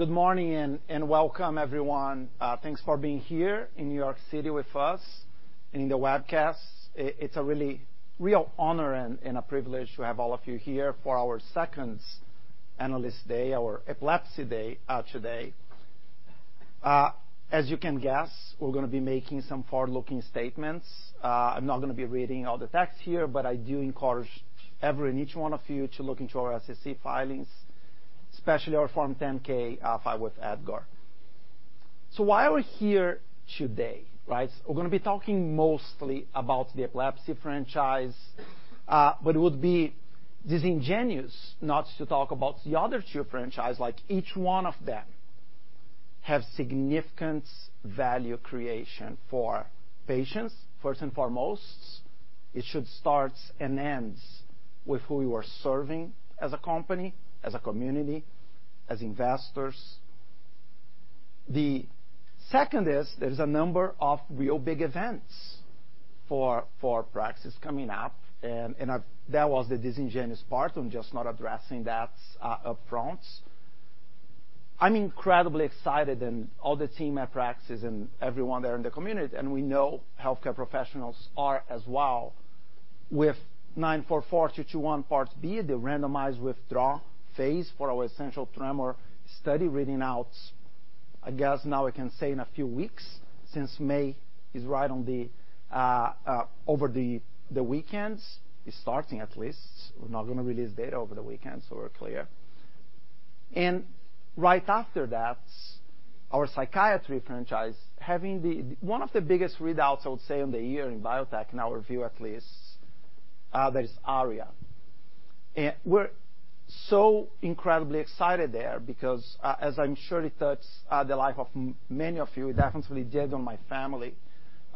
Good morning and welcome everyone. Thanks for being here in New York City with us, in the webcast. It's a real honor and a privilege to have all of you here for our second Analyst Day, our epilepsy day, today. As you can guess, we're gonna be making some forward-looking statements. I'm not gonna be reading all the text here, but I do encourage every and each one of you to look into our SEC filings, especially our Form 10-K, filed with EDGAR. Why are we here today, right? We're gonna be talking mostly about the epilepsy franchise. It would be disingenuous not to talk about the other two franchise, like each one of them have significant value creation for patients. First and foremost, it should start and end with who you are serving as a company, as a community, as investors. The second is there's a number of real big events for Praxis coming up. That was the disingenuous part. I'm just not addressing that upfront. I'm incredibly excited and all the team at Praxis and everyone there in the community, and we know healthcare professionals are as well, with PRAX-944-221 Part B, the randomized withdrawal phase for our essential tremor study reading out. I guess now I can say in a few weeks since May is right on the over the weekends. It's starting at least. We're not gonna release data over the weekend, so we're clear. Right after that, our psychiatry franchise having one of the biggest readouts, I would say, in the year in biotech, in our view at least, that is Aria. We're so incredibly excited there because, as I'm sure it touched the life of many of you, it definitely did in my family,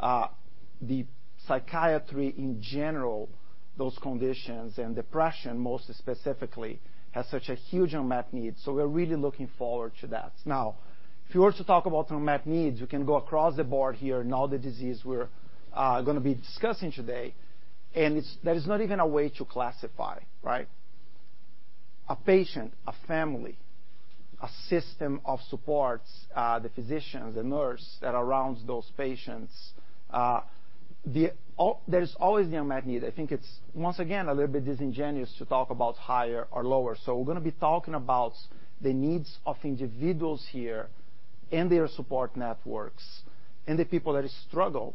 the psychiatry in general, those conditions and depression most specifically, has such a huge unmet need. We're really looking forward to that. Now, if you were to talk about unmet needs, you can go across the board here and all the diseases we're gonna be discussing today, and there is not even a way to classify, right? A patient, a family, a system of supports, the physicians, the nurses that are around those patients, there's always the unmet need. I think it's once again a little bit disingenuous to talk about higher or lower. We're gonna be talking about the needs of individuals here and their support networks and the people that struggle,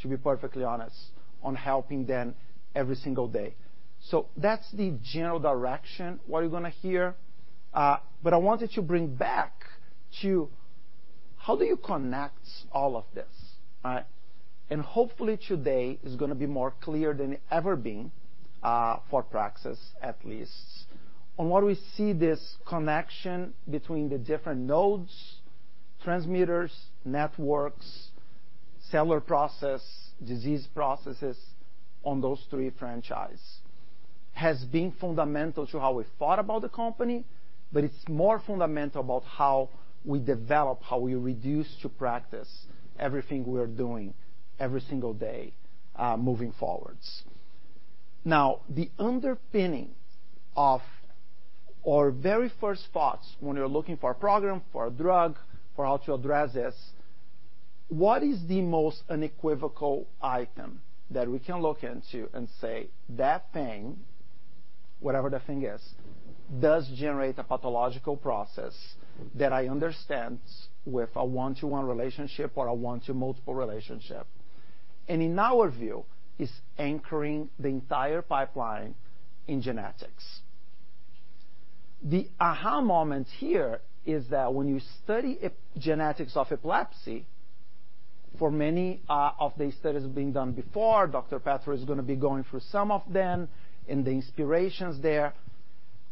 to be perfectly honest, on helping them every single day. That's the general direction what you're gonna hear. I wanted to bring back to how do you connect all of this, right? Hopefully today is gonna be more clear than ever been, for Praxis at least. On what we see this connection between the different nodes, transmitters, networks, cellular process, disease processes on those three franchise has been fundamental to how we thought about the company, but it's more fundamental about how we develop, how we reduce to practice everything we are doing every single day, moving forward. Now, the underpinning of our very first thoughts when we're looking for a program, for a drug, for how to address this, what is the most unequivocal item that we can look into and say, that thing, whatever the thing is, does generate a pathological process that I understand with a one-to-one relationship or a one to multiple relationship. In our view, is anchoring the entire pipeline in genetics. The aha moment here is that when you study genetics of epilepsy, for many of these studies being done before, Dr. Petrou is gonna be going through some of them and the inspirations there.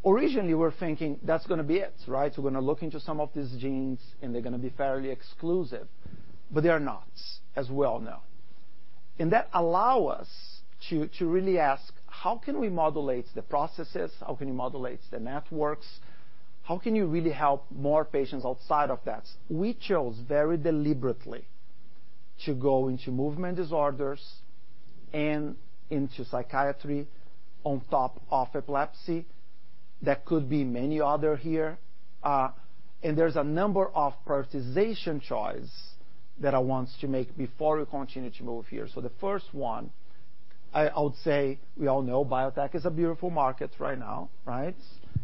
Originally, we're thinking that's gonna be it, right? We're gonna look into some of these genes, and they're gonna be fairly exclusive, but they are not, as we all know. That allow us to really ask, how can we modulate the processes? How can you modulate the networks? How can you really help more patients outside of that? We chose very deliberately to go into movement disorders and into psychiatry on top of epilepsy. There could be many other here. There's a number of prioritization choice that I want to make before we continue to move here. So the first one, I would say we all know biotech is a beautiful market right now, right?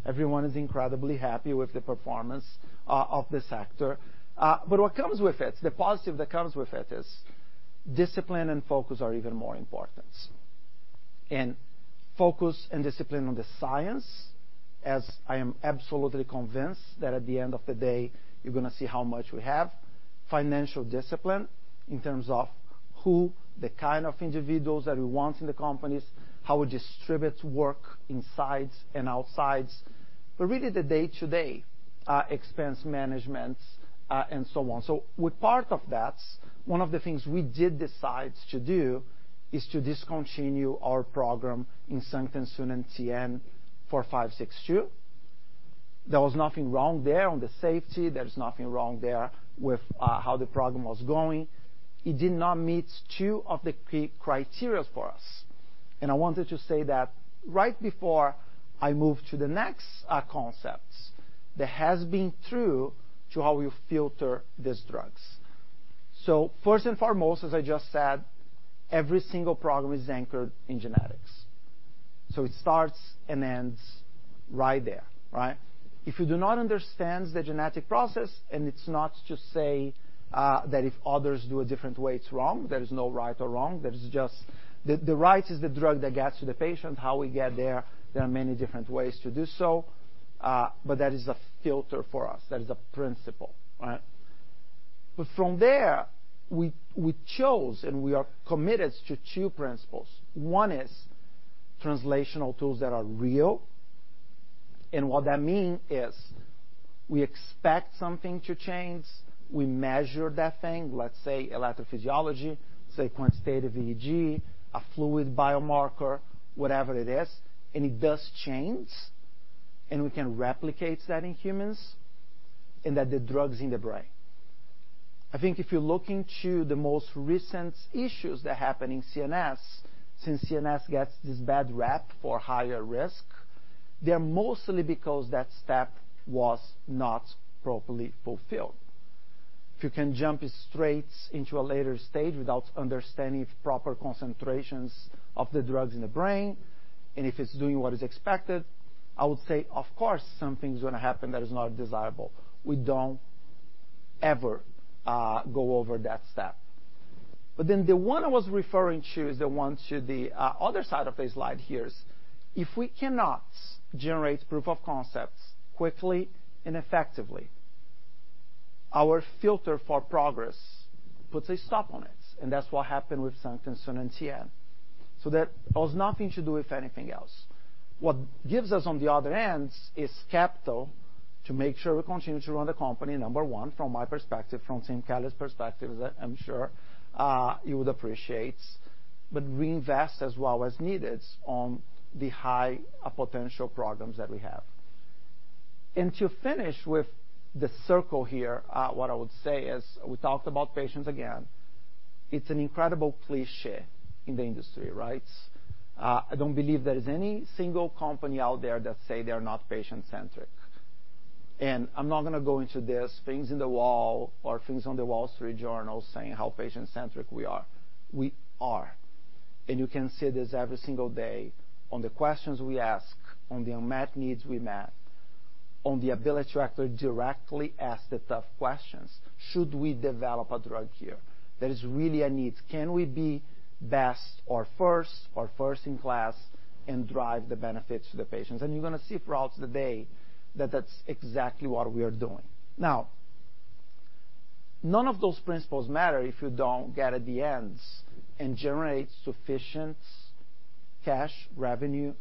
Everyone is incredibly happy with the performance of the sector. But what comes with it, the positive that comes with it is discipline and focus are even more important. Focus and discipline on the science, as I am absolutely convinced that at the end of the day, you're gonna see how much we have. Financial discipline in terms of who, the kind of individuals that we want in the companies, how we distribute work inside and outside, but really the day-to-day expense management, and so on. With part of that, one of the things we did decide to do is to discontinue our program in senterinassant and TN-4562. There was nothing wrong there on the safety. There was nothing wrong there with how the program was going. It did not meet two of the key criteria for us. I wanted to say that right before I move to the next concepts that has been true to how we filter these drugs. First and foremost, as I just said, every single program is anchored in genetics. It starts and ends right there, right? If you do not understand the genetic process, and it's not to say that if others do a different way, it's wrong. There is no right or wrong. There is just the right is the drug that gets to the patient. How we get there are many different ways to do so, but that is a filter for us. That is a principle, right? From there, we chose and we are committed to two principles. One is translational tools that are real. What that mean is we expect something to change. We measure that thing, let's say electrophysiology, quantitative EEG, a fluid biomarker, whatever it is, and it does change, and we can replicate that in humans, and that the drug's in the brain. I think if you look into the most recent issues that happen in CNS, since CNS gets this bad rep for higher risk, they're mostly because that step was not properly fulfilled. If you can jump straight into a later stage without understanding if proper concentrations of the drug's in the brain and if it's doing what is expected, I would say, of course, something's gonna happen that is not desirable. We don't ever go over that step. The one I was referring to is the one to the other side of the slide here is if we cannot generate proof of concepts quickly and effectively, our filter for progress puts a stop on it, and that's what happened with suntenazon and TN. That has nothing to do with anything else. What gives us on the other end is capital to make sure we continue to run the company, number one, from my perspective, from Tim Kelly's perspective, that I'm sure you would appreciate. Reinvest as well as needed on the high potential programs that we have. To finish with the circle here, what I would say is we talked about patients again. It's an incredible cliché in the industry, right? I don't believe there is any single company out there that say they are not patient-centric. I'm not gonna go into this, things on the wall or things on The Wall Street Journal saying how patient-centric we are. We are, and you can see this every single day on the questions we ask, on the unmet needs we meet, on the ability to actually directly ask the tough questions. Should we develop a drug here? There is really a need. Can we be best or first or first in class and drive the benefits to the patients? You're gonna see throughout the day that that's exactly what we are doing. Now, none of those principles matter if you don't get at the ends and generate sufficient cash revenue,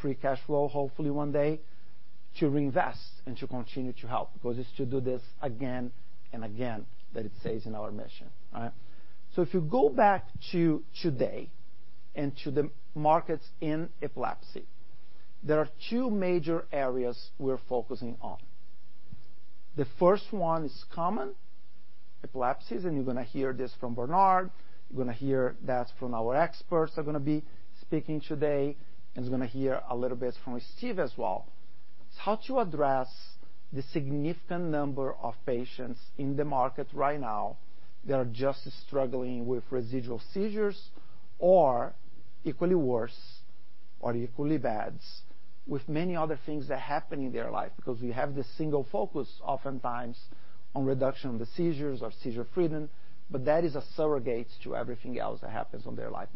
free cash flow, hopefully one day, to reinvest and to continue to help because it's to do this again and again that it says in our mission. All right? If you go back to today and to the markets in epilepsy, there are two major areas we're focusing on. The first one is common epilepsies, and you're gonna hear this from Bernard, you're gonna hear that from our experts that are gonna be speaking today, and you're gonna hear a little bit from Steve as well. It's how to address the significant number of patients in the market right now that are just struggling with residual seizures or equally worse or equally bad with many other things that happen in their life because we have this single focus oftentimes on reduction of the seizures or seizure freedom, but that is a surrogate to everything else that happens on their life.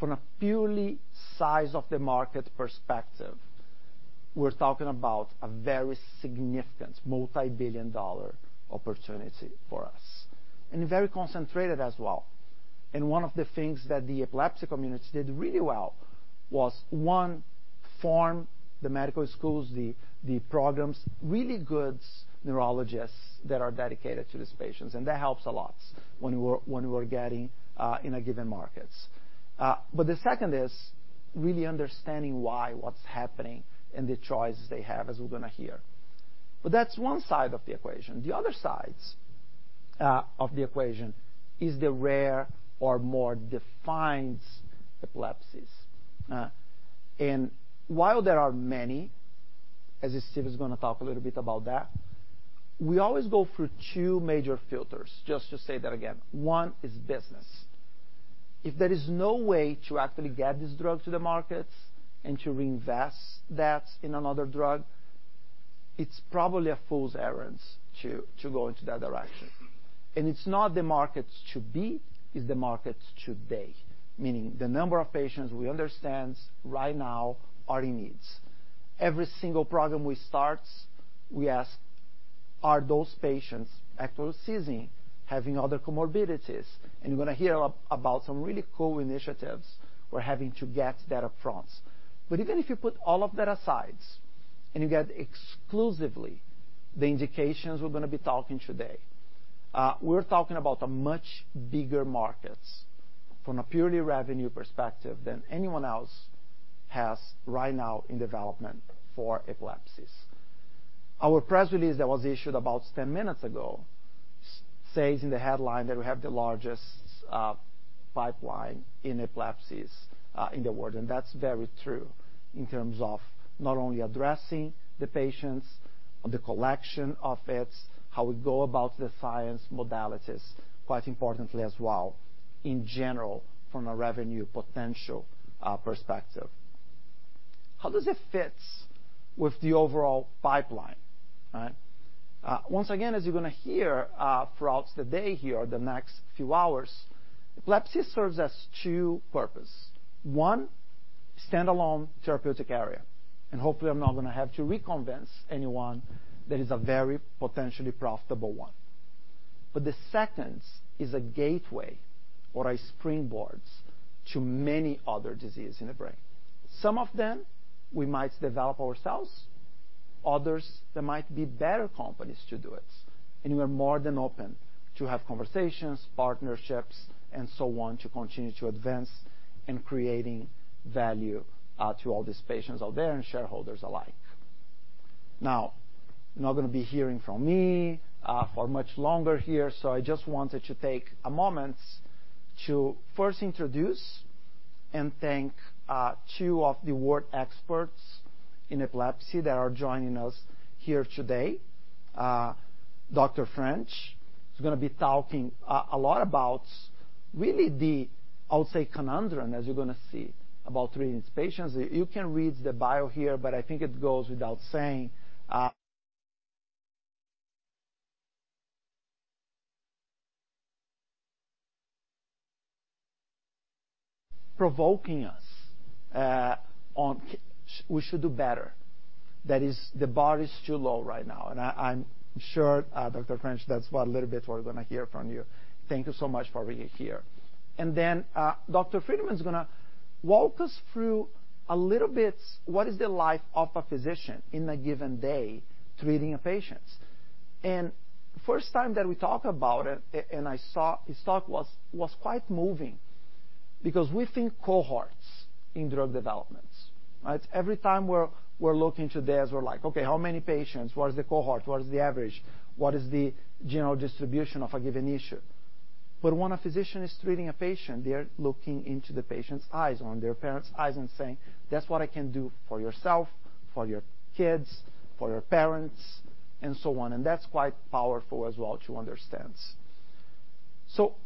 From a purely size of the market perspective, we're talking about a very significant multi-billion dollar opportunity for us, and very concentrated as well. One of the things that the epilepsy community did really well was, one, form the medical schools, the programs, really good neurologists that are dedicated to these patients, and that helps a lot when we're getting in a given markets. The second is really understanding why what's happening and the choices they have, as we're gonna hear. That's one side of the equation. The other sides of the equation is the rare or more defined epilepsies. While there are many, as Steve is gonna talk a little bit about that, we always go through two major filters. Just to say that again. One is business. If there is no way to actually get this drug to the markets and to reinvest that in another drug, it's probably a fool's errand to go into that direction. It's not the markets to be, it's the markets today, meaning the number of patients we understand right now are in needs. Every single program we start, we ask, are those patients actually seizing, having other comorbidities? You're gonna hear about some really cool initiatives we're having to get that upfront. But even if you put all of that aside and you get exclusively the indications we're gonna be talking today, we're talking about a much bigger market from a purely revenue perspective than anyone else has right now in development for epilepsies. Our press release that was issued about 10 minutes ago says in the headline that we have the largest pipeline in epilepsies in the world. That's very true in terms of not only addressing the patients, the collection of it, how we go about the science modalities, quite importantly as well, in general, from a revenue potential perspective. How does it fit with the overall pipeline, right? Once again, as you're gonna hear throughout the day here, the next few hours, epilepsy serves as two purposes. One, standalone therapeutic area. Hopefully I'm not gonna have to re-convince anyone that is a very potentially profitable one. The second is a gateway or a springboard to many other diseases in the brain. Some of them we might develop ourselves, others there might be better companies to do it. We're more than open to have conversations, partnerships, and so on to continue to advance in creating value to all these patients out there and shareholders alike. Now, you're not gonna be hearing from me for much longer here, so I just wanted to take a moment to first introduce and thank two of the world experts in epilepsy that are joining us here today. Dr. French is gonna be talking a lot about really the, I'll say, conundrum, as you're gonna see, about treating these patients. You can read the bio here, but I think it goes without saying, provoking us, we should do better. That is, the bar is too low right now. I'm sure, Dr. French, that's a little bit what we're gonna hear from you. Thank you so much for being here. Dr. Friedman is gonna walk us through a little bit what is the life of a physician in a given day treating a patient. First time that we talk about it, and I saw his talk was quite moving because we think cohorts in drug developments, right? Every time we're looking to this, we're like, "Okay, how many patients? What is the cohort? What is the average? What is the general distribution of a given issue? When a physician is treating a patient, they're looking into the patient's eyes or their parent's eyes and saying, "That's what I can do for yourself, for your kids, for your parents," and so on. That's quite powerful as well to understand.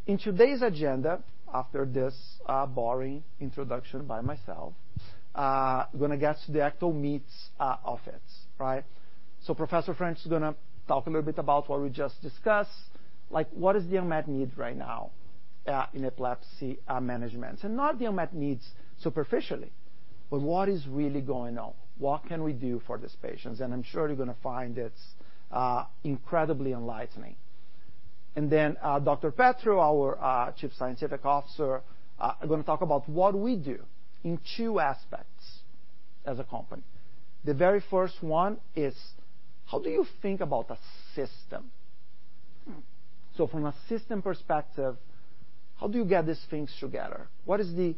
In today's agenda, after this, boring introduction by myself, we're gonna get to the actual meat, of it, right? Professor French is gonna talk a little bit about what we just discussed, like what is the unmet need right now, in epilepsy, management. Not the unmet needs superficially, but what is really going on? What can we do for these patients? I'm sure you're gonna find it, incredibly enlightening. Then, Dr. Petrou, our chief scientific officer, are gonna talk about what we do in two aspects as a company. The very first one is how do you think about a system? From a system perspective, how do you get these things together? What is the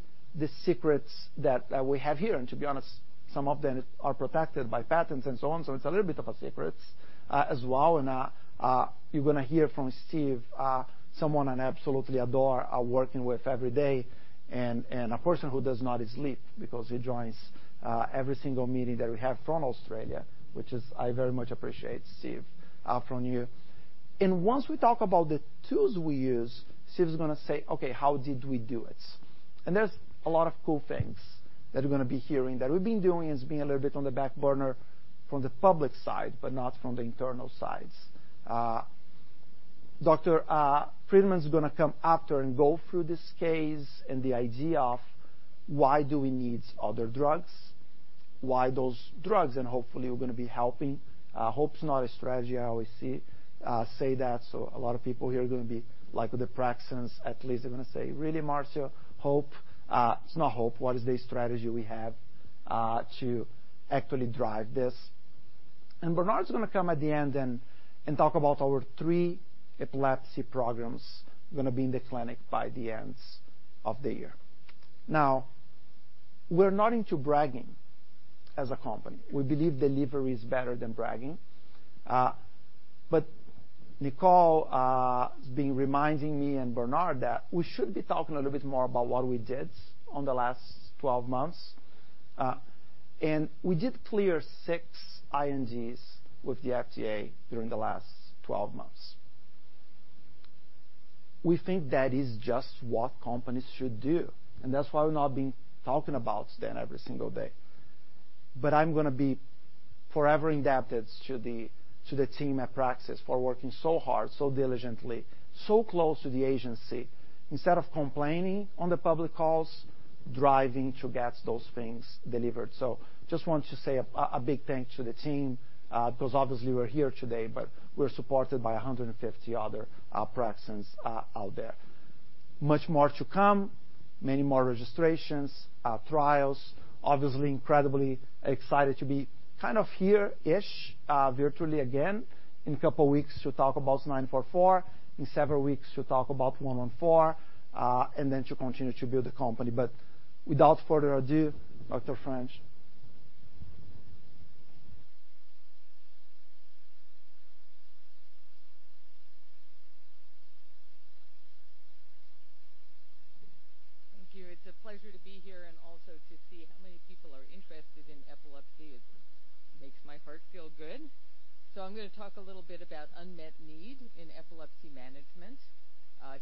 secrets that we have here? To be honest, some of them are protected by patents and so on, so it's a little bit of a secret as well. You're gonna hear from Steve, someone I absolutely adore working with every day and a person who does not sleep because he joins every single meeting that we have from Australia, which I very much appreciate, Steve, from you. Once we talk about the tools we use, Steve's gonna say, "Okay, how did we do it?" There's a lot of cool things that we're gonna be hearing that we've been doing. It's been a little bit on the back burner from the public side, but not from the internal sides. Dr. Friedman's gonna come after and go through this case and the idea of why do we need other drugs, why those drugs, and hopefully we're gonna be helping. Hope's not a strategy. I always say that, so a lot of people here are gonna be like, with the Praxians at least, they're gonna say, "Really, Marcio? Hope? It's not hope. “What is the strategy we have to actually drive this?” Bernard’s gonna come at the end and talk about our three epilepsy programs gonna be in the clinic by the end of the year. Now, we’re not into bragging as a company. We believe delivery is better than bragging. Nicole has been reminding me and Bernard that we should be talking a little bit more about what we did in the last 12 months. We did clear six INDs with the FDA during the last 12 months. We think that is just what companies should do, and that’s why we’ve not been talking about them every single day. I’m gonna be forever indebted to the team at Praxis for working so hard, so diligently, so close to the agency. Instead of complaining on the public calls, driving to get those things delivered. Just want to say a big thanks to the team, 'cause obviously we're here today, but we're supported by 150 other Praxians out there. Much more to come. Many more registrations, trials. Obviously incredibly excited to be kind of here-ish, virtually again in a couple weeks to talk about PRAX-944, in several weeks to talk about PRAX-114, and then to continue to build the company. Without further ado, Dr. French. Thank you. It's a pleasure to be here and also to see how many people are interested in epilepsy. It makes my heart feel good. I'm gonna talk a little bit about unmet need in epilepsy management.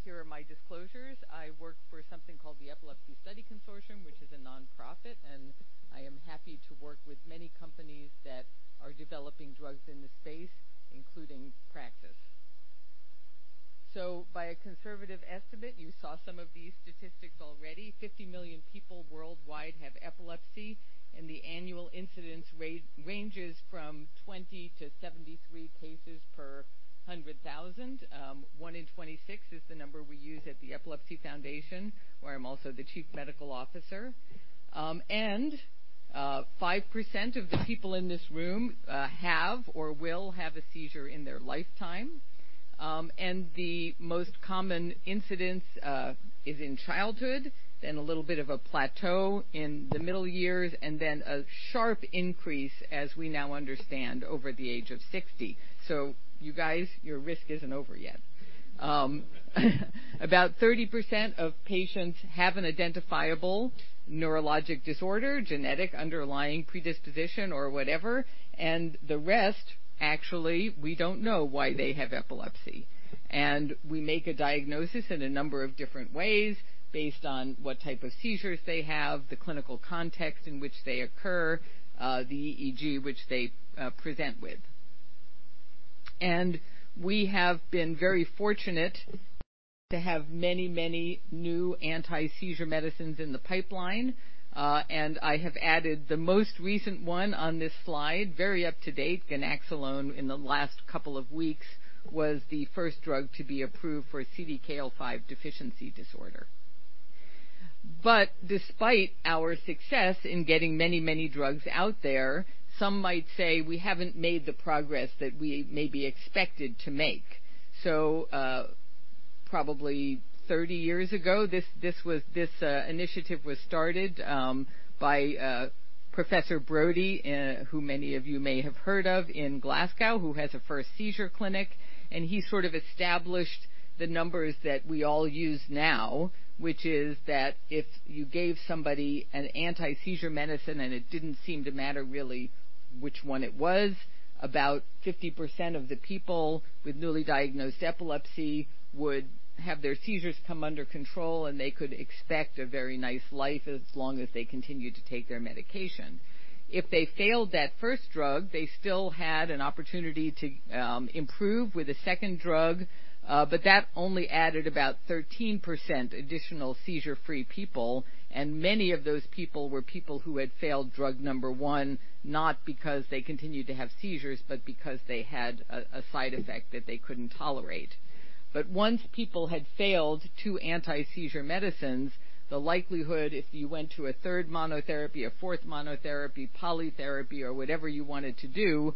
Here are my disclosures. I work for something called the Epilepsy Study Consortium, which is a nonprofit, and I am happy to work with many companies that are developing drugs in this space, including Praxis. By a conservative estimate, you saw some of these statistics already. 50 million people worldwide have epilepsy, and the annual incidence ranges from 20-73 cases per 100,000. One in 26 is the number we use at the Epilepsy Foundation, where I'm also the chief medical officer. 5% of the people in this room have or will have a seizure in their lifetime. The most common incidence is in childhood, then a little bit of a plateau in the middle years, and then a sharp increase, as we now understand, over the age of 60. You guys, your risk isn't over yet. About 30% of patients have an identifiable neurologic disorder, genetic underlying predisposition or whatever, and the rest, actually, we don't know why they have epilepsy. We make a diagnosis in a number of different ways based on what type of seizures they have, the clinical context in which they occur, the EEG which they present with. We have been very fortunate to have many, many new anti-seizure medicines in the pipeline. I have added the most recent one on this slide, very up to date. Ganaxolone in the last couple of weeks was the first drug to be approved for CDKL5 deficiency disorder. Despite our success in getting many, many drugs out there, some might say we haven't made the progress that we may be expected to make. Probably 30 years ago, this initiative was started by Professor Brodie, who many of you may have heard of in Glasgow, who has a first seizure clinic. He sort of established the numbers that we all use now, which is that if you gave somebody an anti-seizure medicine, and it didn't seem to matter really which one it was, about 50% of the people with newly diagnosed epilepsy would have their seizures come under control, and they could expect a very nice life as long as they continued to take their medication. If they failed that first drug, they still had an opportunity to improve with a second drug, but that only added about 13% additional seizure-free people. Many of those people were people who had failed drug number one, not because they continued to have seizures, but because they had a side effect that they couldn't tolerate. Once people had failed two anti-seizure medicines, the likelihood if you went to a third monotherapy, a fourth monotherapy, polytherapy or whatever you wanted to do,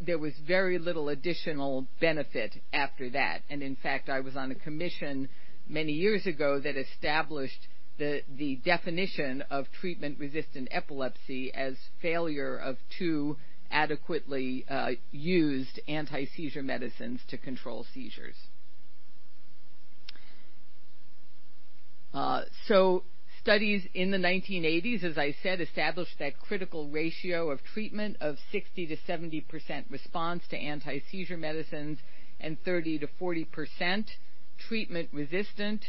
there was very little additional benefit after that. In fact, I was on a commission many years ago that established the definition of treatment-resistant epilepsy as failure of two adequately used anti-seizure medicines to control seizures. Studies in the 1980s, as I said, established that critical ratio of treatment of 60%-70% response to anti-seizure medicines and 30%-40% treatment-resistant.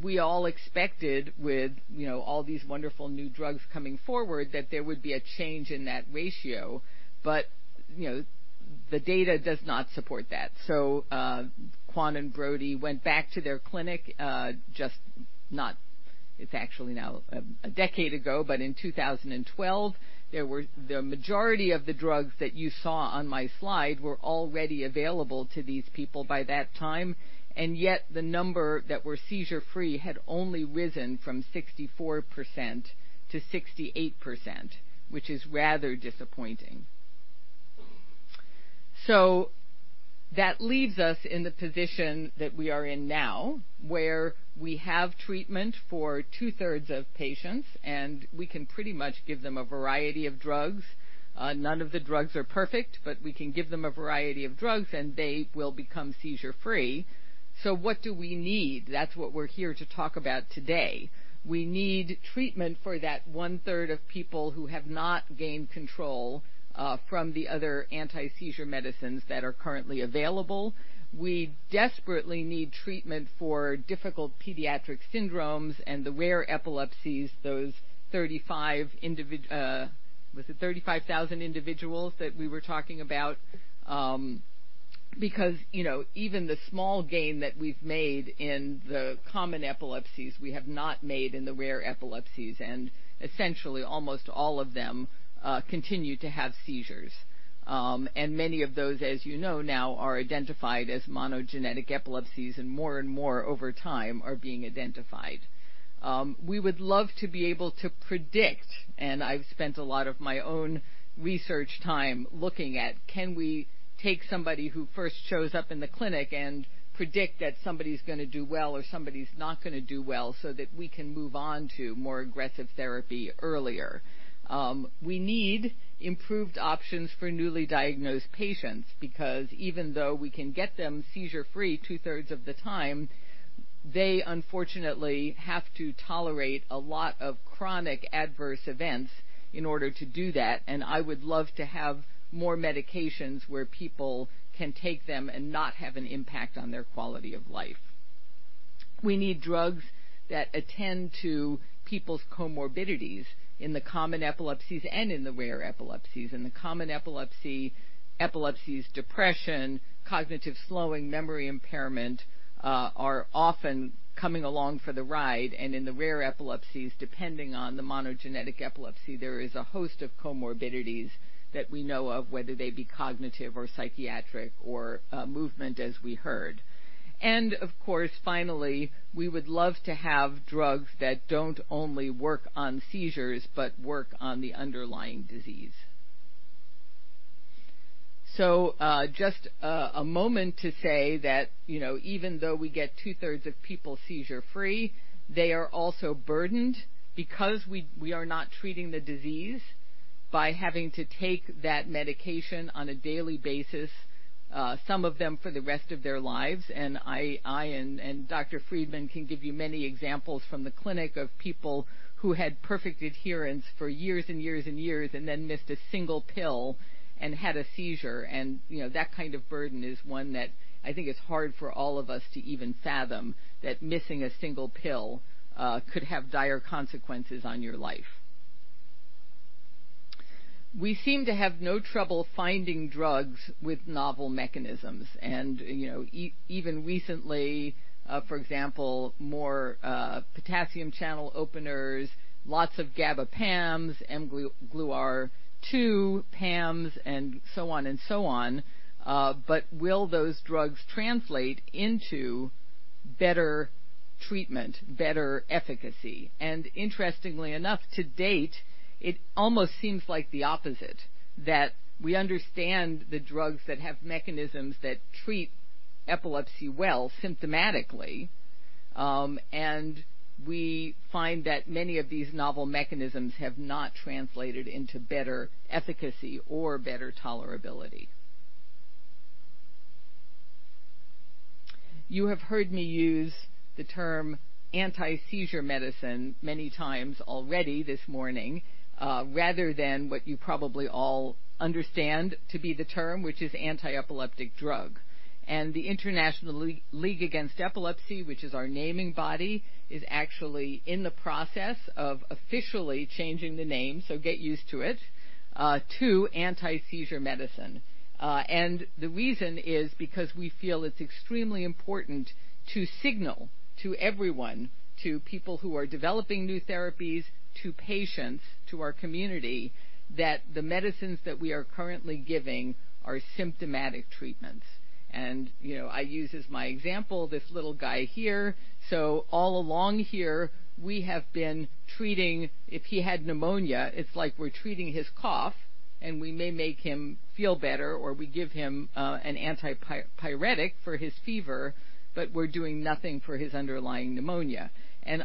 We all expected with, you know, all these wonderful new drugs coming forward that there would be a change in that ratio. The data does not support that. Kwan and Brodie went back to their clinic. It's actually now a decade ago, but in 2012, the majority of the drugs that you saw on my slide were already available to these people by that time. Yet the number that were seizure-free had only risen from 64% to 68%, which is rather disappointing. That leaves us in the position that we are in now, where we have treatment for 2/3 of patients, and we can pretty much give them a variety of drugs. None of the drugs are perfect, but we can give them a variety of drugs, and they will become seizure-free. What do we need? That's what we're here to talk about today. We need treatment for that 1/3 of people who have not gained control from the other anti-seizure medicines that are currently available. We desperately need treatment for difficult pediatric syndromes and the rare epilepsies, those 35,000 individuals that we were talking about. Because, you know, even the small gain that we've made in the common epilepsies, we have not made in the rare epilepsies, and essentially almost all of them continue to have seizures. Many of those, as you know now, are identified as monogenic epilepsies, and more and more over time are being identified. We would love to be able to predict, and I've spent a lot of my own research time looking at, can we take somebody who first shows up in the clinic and predict that somebody's gonna do well or somebody's not gonna do well, so that we can move on to more aggressive therapy earlier. We need improved options for newly diagnosed patients because even though we can get them seizure-free 2/3 of the time, they unfortunately have to tolerate a lot of chronic adverse events in order to do that. I would love to have more medications where people can take them and not have an impact on their quality of life. We need drugs that attend to people's comorbidities in the common epilepsies and in the rare epilepsies. In the common epilepsies, depression, cognitive slowing, memory impairment are often coming along for the ride. In the rare epilepsies, depending on the monogenic epilepsy, there is a host of comorbidities that we know of, whether they be cognitive or psychiatric or movement as we heard. Of course, finally, we would love to have drugs that don't only work on seizures but work on the underlying disease. Just a moment to say that, you know, even though we get t2/3 of people seizure-free, they are also burdened because we are not treating the disease by having to take that medication on a daily basis, some of them for the rest of their lives. I and Dr. Friedman can give you many examples from the clinic of people who had perfect adherence for years and years and years, and then missed a single pill and had a seizure. You know, that kind of burden is one that I think is hard for all of us to even fathom, that missing a single pill could have dire consequences on your life. We seem to have no trouble finding drugs with novel mechanisms, and, you know, even recently, for example, more potassium channel openers, lots of GABA PAMs, mGluR2 PAMs, and so on and so on. Will those drugs translate into better treatment, better efficacy? Interestingly enough, to date, it almost seems like the opposite, that we understand the drugs that have mechanisms that treat epilepsy well symptomatically, and we find that many of these novel mechanisms have not translated into better efficacy or better tolerability. You have heard me use the term anti-seizure medicine many times already this morning, rather than what you probably all understand to be the term, which is antiepileptic drug. The International League Against Epilepsy, which is our naming body, is actually in the process of officially changing the name, so get used to it, to anti-seizure medicine. The reason is because we feel it's extremely important to signal to everyone, to people who are developing new therapies, to patients, to our community, that the medicines that we are currently giving are symptomatic treatments. You know, I use as my example this little guy here. All along here, we have been treating. If he had pneumonia, it's like we're treating his cough, and we may make him feel better, or we give him an antipyretic for his fever, but we're doing nothing for his underlying pneumonia.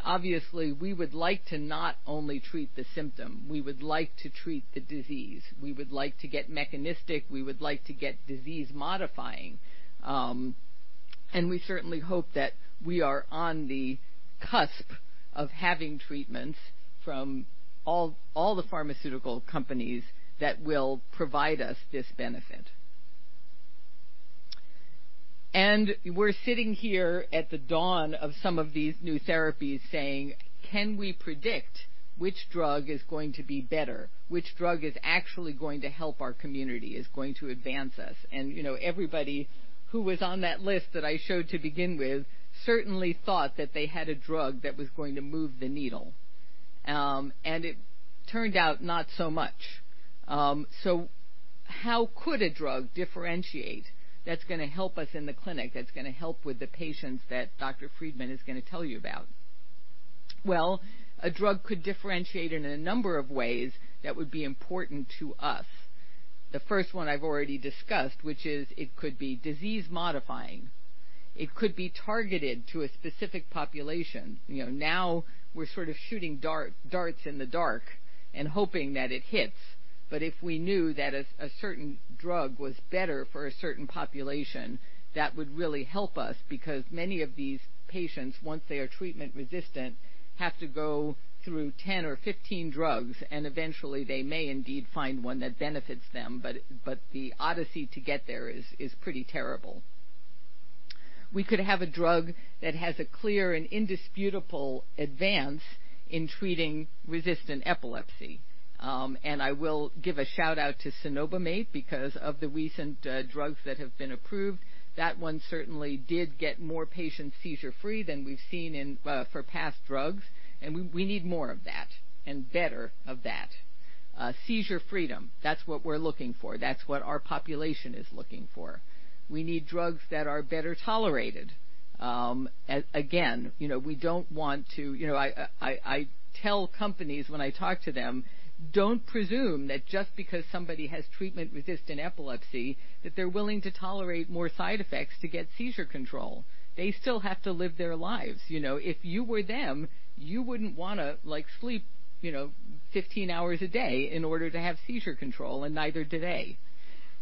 Obviously, we would like to not only treat the symptom, we would like to treat the disease. We would like to get mechanistic. We would like to get disease-modifying. We certainly hope that we are on the cusp of having treatments from all the pharmaceutical companies that will provide us this benefit. We're sitting here at the dawn of some of these new therapies saying, "Can we predict which drug is going to be better, which drug is actually going to help our community, is going to advance us?" You know, everybody who was on that list that I showed to begin with certainly thought that they had a drug that was going to move the needle. It turned out not so much. How could a drug differentiate that's gonna help us in the clinic, that's gonna help with the patients that Dr. Friedman is gonna tell you about? Well, a drug could differentiate in a number of ways that would be important to us. The first one I've already discussed, which is it could be disease-modifying. It could be targeted to a specific population. You know, now we're sort of shooting darts in the dark and hoping that it hits. If we knew that a certain drug was better for a certain population, that would really help us because many of these patients, once they are treatment-resistant, have to go through 10 or 15 drugs, and eventually they may indeed find one that benefits them, but the odyssey to get there is pretty terrible. We could have a drug that has a clear and indisputable advance in treating resistant epilepsy. I will give a shout-out to cenobamate because of the recent drugs that have been approved. That one certainly did get more patients seizure-free than we've seen in for past drugs, and we need more of that and better of that. Seizure freedom. That's what we're looking for. That's what our population is looking for. We need drugs that are better tolerated. You know, we don't want to. You know, I tell companies when I talk to them, "Don't presume that just because somebody has treatment-resistant epilepsy, that they're willing to tolerate more side effects to get seizure control." They still have to live their lives, you know. If you were them, you wouldn't wanna, like, sleep 15 hours a day in order to have seizure control, and neither do they.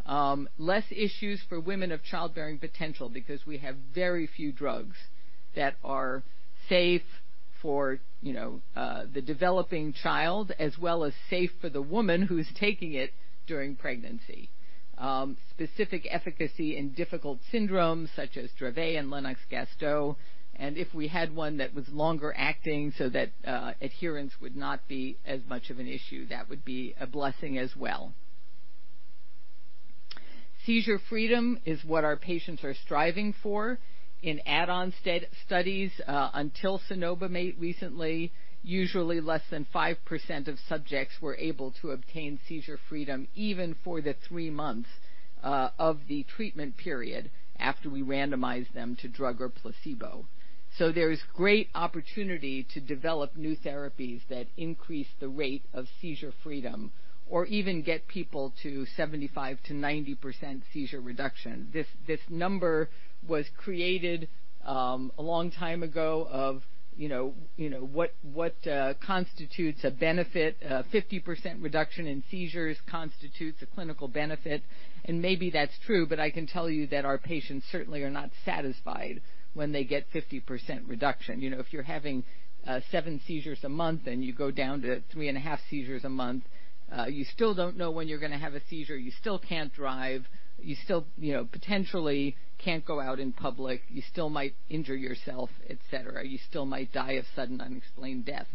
Less issues for women of childbearing potential because we have very few drugs that are safe for, you know, the developing child, as well as safe for the woman who's taking it during pregnancy. Specific efficacy in difficult syndromes such as Dravet and Lennox-Gastaut. If we had one that was longer acting so that adherence would not be as much of an issue, that would be a blessing as well. Seizure freedom is what our patients are striving for. In add-on studies, until cenobamate recently, usually less than 5% of subjects were able to obtain seizure freedom even for the three months of the treatment period after we randomized them to drug or placebo. There is great opportunity to develop new therapies that increase the rate of seizure freedom or even get people to 75%-90% seizure reduction. This number was created a long time ago of you know what constitutes a benefit. 50% reduction in seizures constitutes a clinical benefit, and maybe that's true, but I can tell you that our patients certainly are not satisfied when they get 50% reduction. You know, if you're having seven seizures a month and you go down to 3.5 seizures a month, you still don't know when you're gonna have a seizure. You still can't drive. You still, you know, potentially can't go out in public. You still might injure yourself, et cetera. You still might die of sudden unexplained death.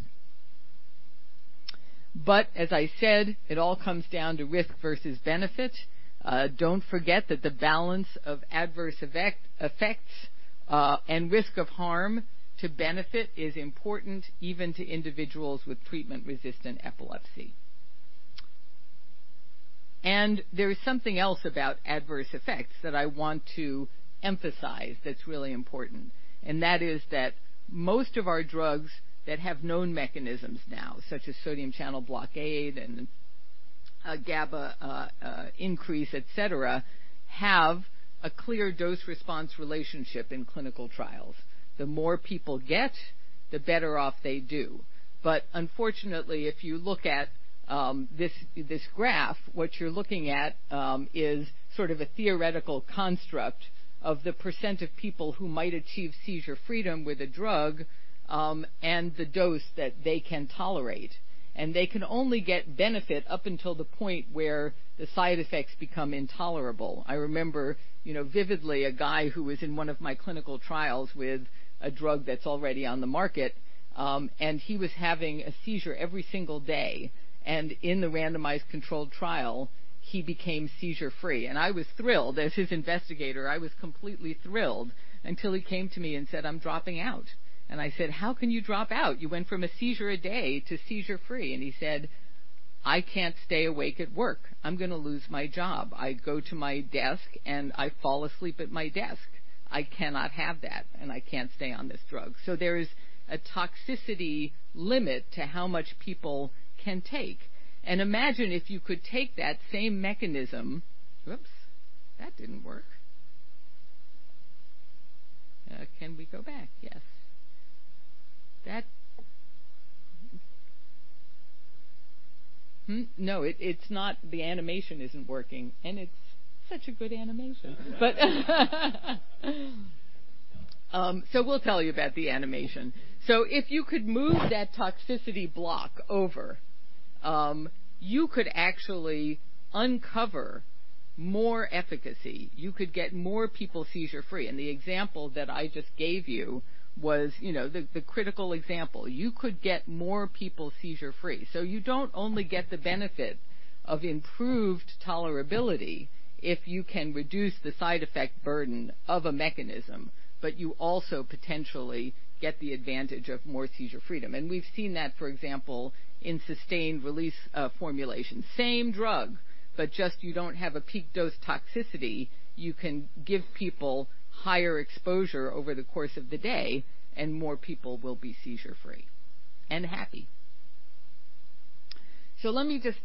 As I said, it all comes down to risk versus benefit. Don't forget that the balance of adverse effects and risk of harm to benefit is important even to individuals with treatment-resistant epilepsy. There is something else about adverse effects that I want to emphasize that's really important, and that is that most of our drugs that have known mechanisms now, such as sodium channel blockade and GABA increase, et cetera, have a clear dose-response relationship in clinical trials. The more people get, the better off they do. But unfortunately, if you look at this graph, what you're looking at is sort of a theoretical construct of the percent of people who might achieve seizure freedom with a drug, and the dose that they can tolerate. They can only get benefit up until the point where the side effects become intolerable. I remember, you know, vividly a guy who was in one of my clinical trials with a drug that's already on the market, and he was having a seizure every single day. In the randomized controlled trial, he became seizure-free. I was thrilled. As his investigator, I was completely thrilled until he came to me and said, "I'm dropping out." I said, "How can you drop out? You went from a seizure a day to seizure-free." He said, "I can't stay awake at work. I'm gonna lose my job. I go to my desk, and I fall asleep at my desk. I cannot have that, and I can't stay on this drug." There is a toxicity limit to how much people can take. Imagine if you could take that same mechanism. Whoops. That didn't work. Can we go back? Yes. No. It's not. The animation isn't working, and it's such a good animation. We'll tell you about the animation. If you could move that toxicity block over, you could actually uncover more efficacy. You could get more people seizure-free. The example that I just gave you was the critical example. You could get more people seizure-free. You don't only get the benefit of improved tolerability if you can reduce the side effect burden of a mechanism, but you also potentially get the advantage of more seizure freedom. We've seen that, for example, in sustained release formulations. Same drug, but just you don't have a peak dose toxicity. You can give people higher exposure over the course of the day, and more people will be seizure-free and happy. Let me just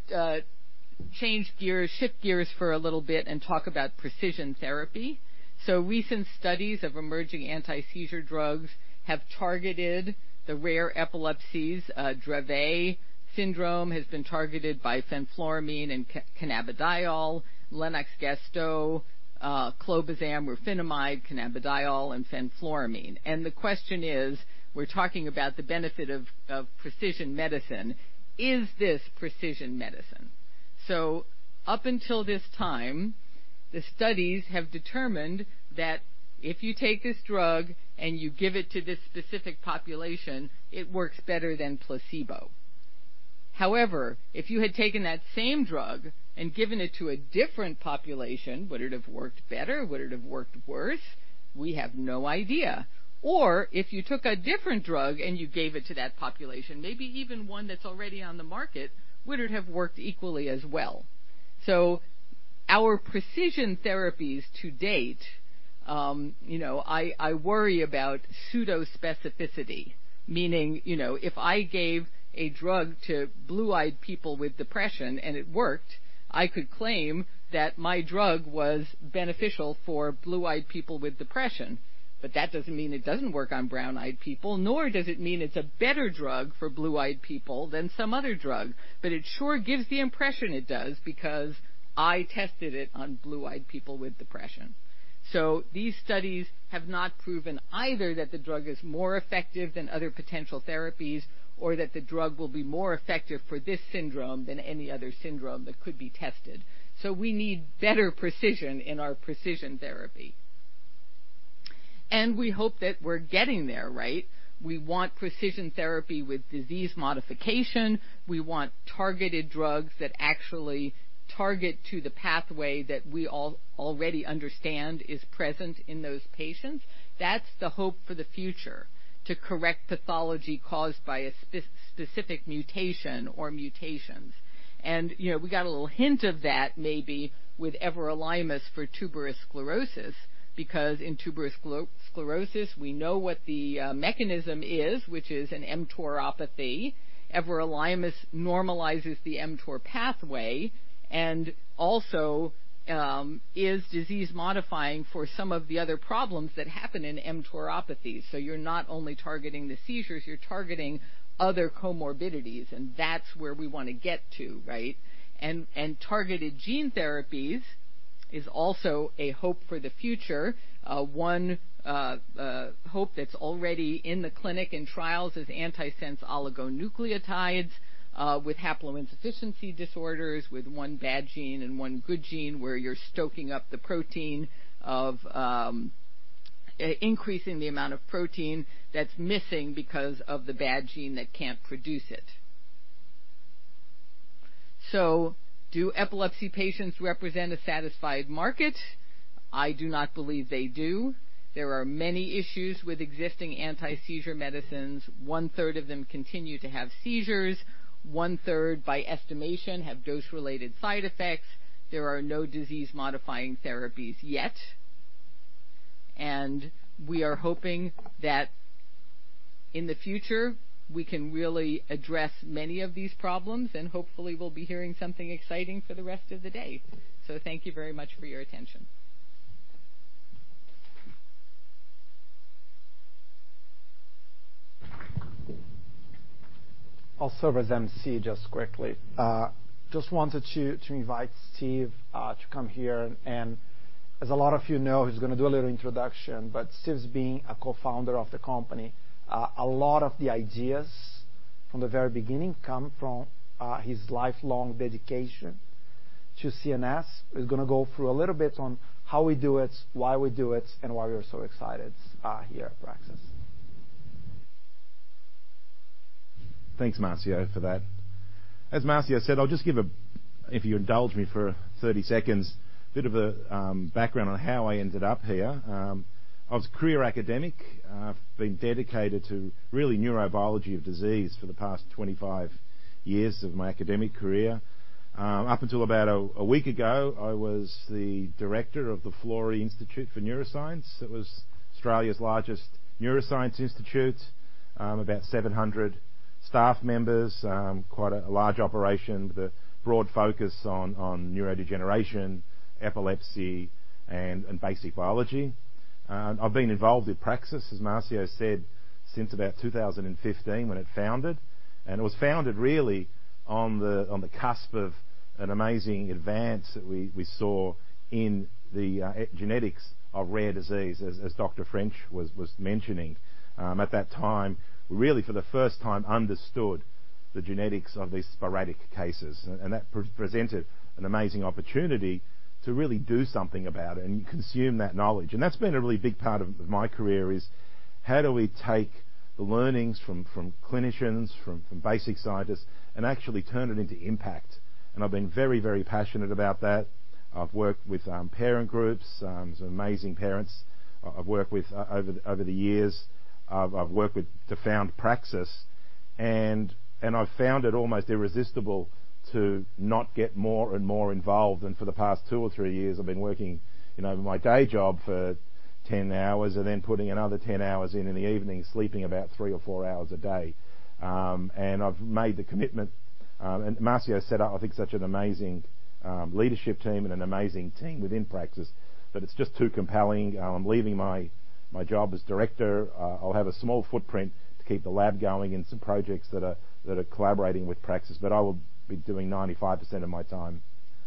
change gears, shift gears for a little bit and talk about precision therapy. Recent studies of emerging anti-seizure drugs have targeted the rare epilepsies. Dravet syndrome has been targeted by fenfluramine and cannabidiol. Lennox-Gastaut, clobazam, rufinamide, cannabidiol, and fenfluramine. The question is, we're talking about the benefit of precision medicine. Is this precision medicine? Up until this time, the studies have determined that if you take this drug and you give it to this specific population, it works better than placebo. However, if you had taken that same drug and given it to a different population, would it have worked better? Would it have worked worse? We have no idea. Or if you took a different drug and you gave it to that population, maybe even one that's already on the market, would it have worked equally as well? Our precision therapies to date, you know, I worry about pseudo specificity. Meaning, you know, if I gave a drug to blue-eyed people with depression and it worked, I could claim that my drug was beneficial for blue-eyed people with depression. That doesn't mean it doesn't work on brown-eyed people, nor does it mean it's a better drug for blue-eyed people than some other drug. It sure gives the impression it does because I tested it on blue-eyed people with depression. These studies have not proven either that the drug is more effective than other potential therapies or that the drug will be more effective for this syndrome than any other syndrome that could be tested. We need better precision in our precision therapy. We hope that we're getting there, right? We want precision therapy with disease modification. We want targeted drugs that actually target to the pathway that we already understand is present in those patients. That's the hope for the future, to correct pathology caused by a specific mutation or mutations. You know, we got a little hint of that maybe with everolimus for tuberous sclerosis, because in tuberous sclerosis, we know what the mechanism is, which is an mTORopathy. Everolimus normalizes the mTOR pathway and also is disease modifying for some of the other problems that happen in mTORopathy. You're not only targeting the seizures, you're targeting other comorbidities, and that's where we wanna get to, right? Targeted gene therapies is also a hope for the future. One hope that's already in the clinic and trials is antisense oligonucleotides with haploinsufficiency disorders, with one bad gene and one good gene, where you're stoking up the protein of increasing the amount of protein that's missing because of the bad gene that can't produce it. Do epilepsy patients represent a satisfied market? I do not believe they do. There are many issues with existing anti-seizure medicines. One-third of them continue to have seizures. One-third, by estimation, have dose-related side effects. There are no disease-modifying therapies yet. And we are hoping that in the future, we can really address many of these problems, and hopefully we'll be hearing something exciting for the rest of the day. Thank you very much for your attention. I'll serve as MC just quickly. Just wanted to invite Steve to come here, and as a lot of you know, he's gonna do a little introduction. Steve's being a co-founder of the company. A lot of the ideas from the very beginning come from his lifelong dedication to CNS. He's gonna go through a little bit on how we do it, why we do it, and why we are so excited here at Praxis. Thanks, Marcio, for that. As Marcio said, I'll just give a if you indulge me for 30 seconds, a bit of a background on how I ended up here. I was a career academic. I've been dedicated to really neurobiology of disease for the past 25 years of my academic career. Up until about a week ago, I was the director of the Florey Institute of Neuroscience and Mental Health. It was Australia's largest neuroscience institute, about 700 staff members, quite a large operation with a broad focus on neurodegeneration, epilepsy and basic biology. I've been involved with Praxis, as Marcio said, since about 2015 when it founded. It was founded really on the cusp of an amazing advance that we saw in the genetics of rare disease, as Dr. French was mentioning. At that time, we really for the first time understood the genetics of these sporadic cases. That presented an amazing opportunity to really do something about it and use that knowledge. That's been a really big part of my career, is how do we take the learnings from clinicians, from basic scientists and actually turn it into impact. I've been very passionate about that. I've worked with parent groups. Some amazing parents I've worked with over the years. I've worked with to found Praxis and I've found it almost irresistible to not get more and more involved. For the past two or three years, I've been working, you know, my day job for 10 hours and then putting another 10 hours in in the evening, sleeping about three or four hours a day. I've made the commitment, and Marcio set up, I think, such an amazing leadership team and an amazing team within Praxis, but it's just too compelling. I'm leaving my job as director. I'll have a small footprint to keep the lab going and some projects that are collaborating with Praxis, but I will be doing 95% of my time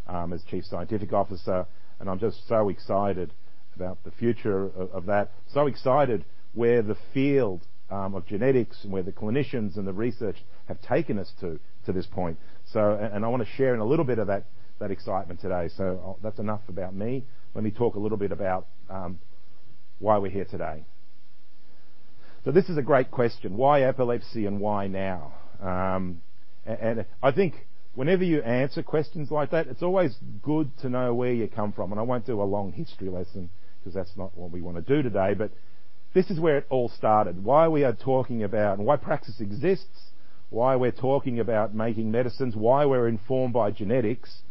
as chief scientific officer, and I'm just so excited about the future of that. So excited where the field of genetics and where the clinicians and the research have taken us to this point. I wanna share in a little bit of that excitement today. That's enough about me. Let me talk a little bit about why we're here today. This is a great question: Why epilepsy and why now? I think whenever you answer questions like that, it's always good to know where you come from. I won't do a long history lesson 'cause that's not what we wanna do today. This is where it all started. Why we are talking about and why Praxis exists, why we're talking about making medicines, why we're informed by genetics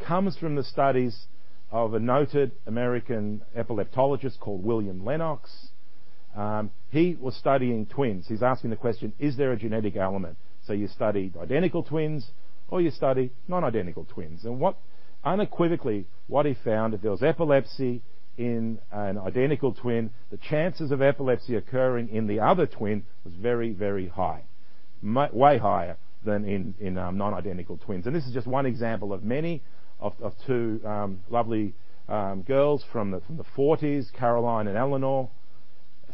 comes from the studies of a noted American epileptologist called William Lennox. He was studying twins. He's asking the question, "Is there a genetic element?" You study identical twins, or you study non-identical twins. What he found, unequivocally what he found, if there was epilepsy in an identical twin, the chances of epilepsy occurring in the other twin was very, very high. Way higher than in non-identical twins. This is just one example of many of two lovely girls from the forties, Caroline and Eleanor,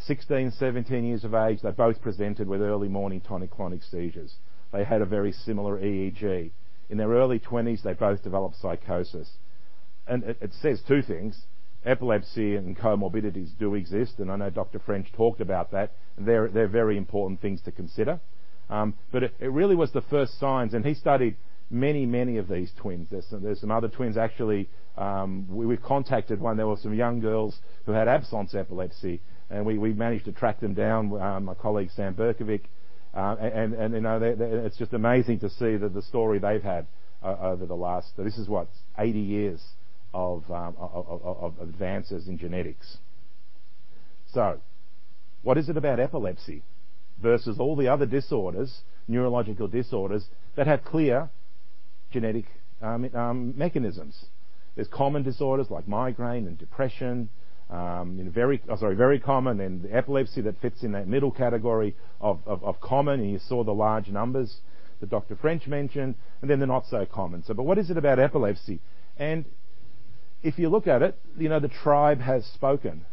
16, 17 years of age. They both presented with early morning tonic-clonic seizures. They had a very similar EEG. In their early 20s, they both developed psychosis. It says two things. Epilepsy and comorbidities do exist, and I know Dr. French talked about that. They're very important things to consider. But it really was the first signs, and he studied many of these twins. There's some other twins. Actually, we contacted one. There were some young girls who had absence epilepsy, and we managed to track them down with my colleague Sam Berkovic. You know, it's just amazing to see the story they've had over the last... This is what? 80 years of advances in genetics. What is it about epilepsy versus all the other disorders, neurological disorders that have clear genetic mechanisms? There's common disorders like migraine and depression, and very common, and epilepsy that fits in that middle category of common, and you saw the large numbers that Dr. French mentioned, and then the not so common. But what is it about epilepsy? If you look at it, you know, the tribe has spoken.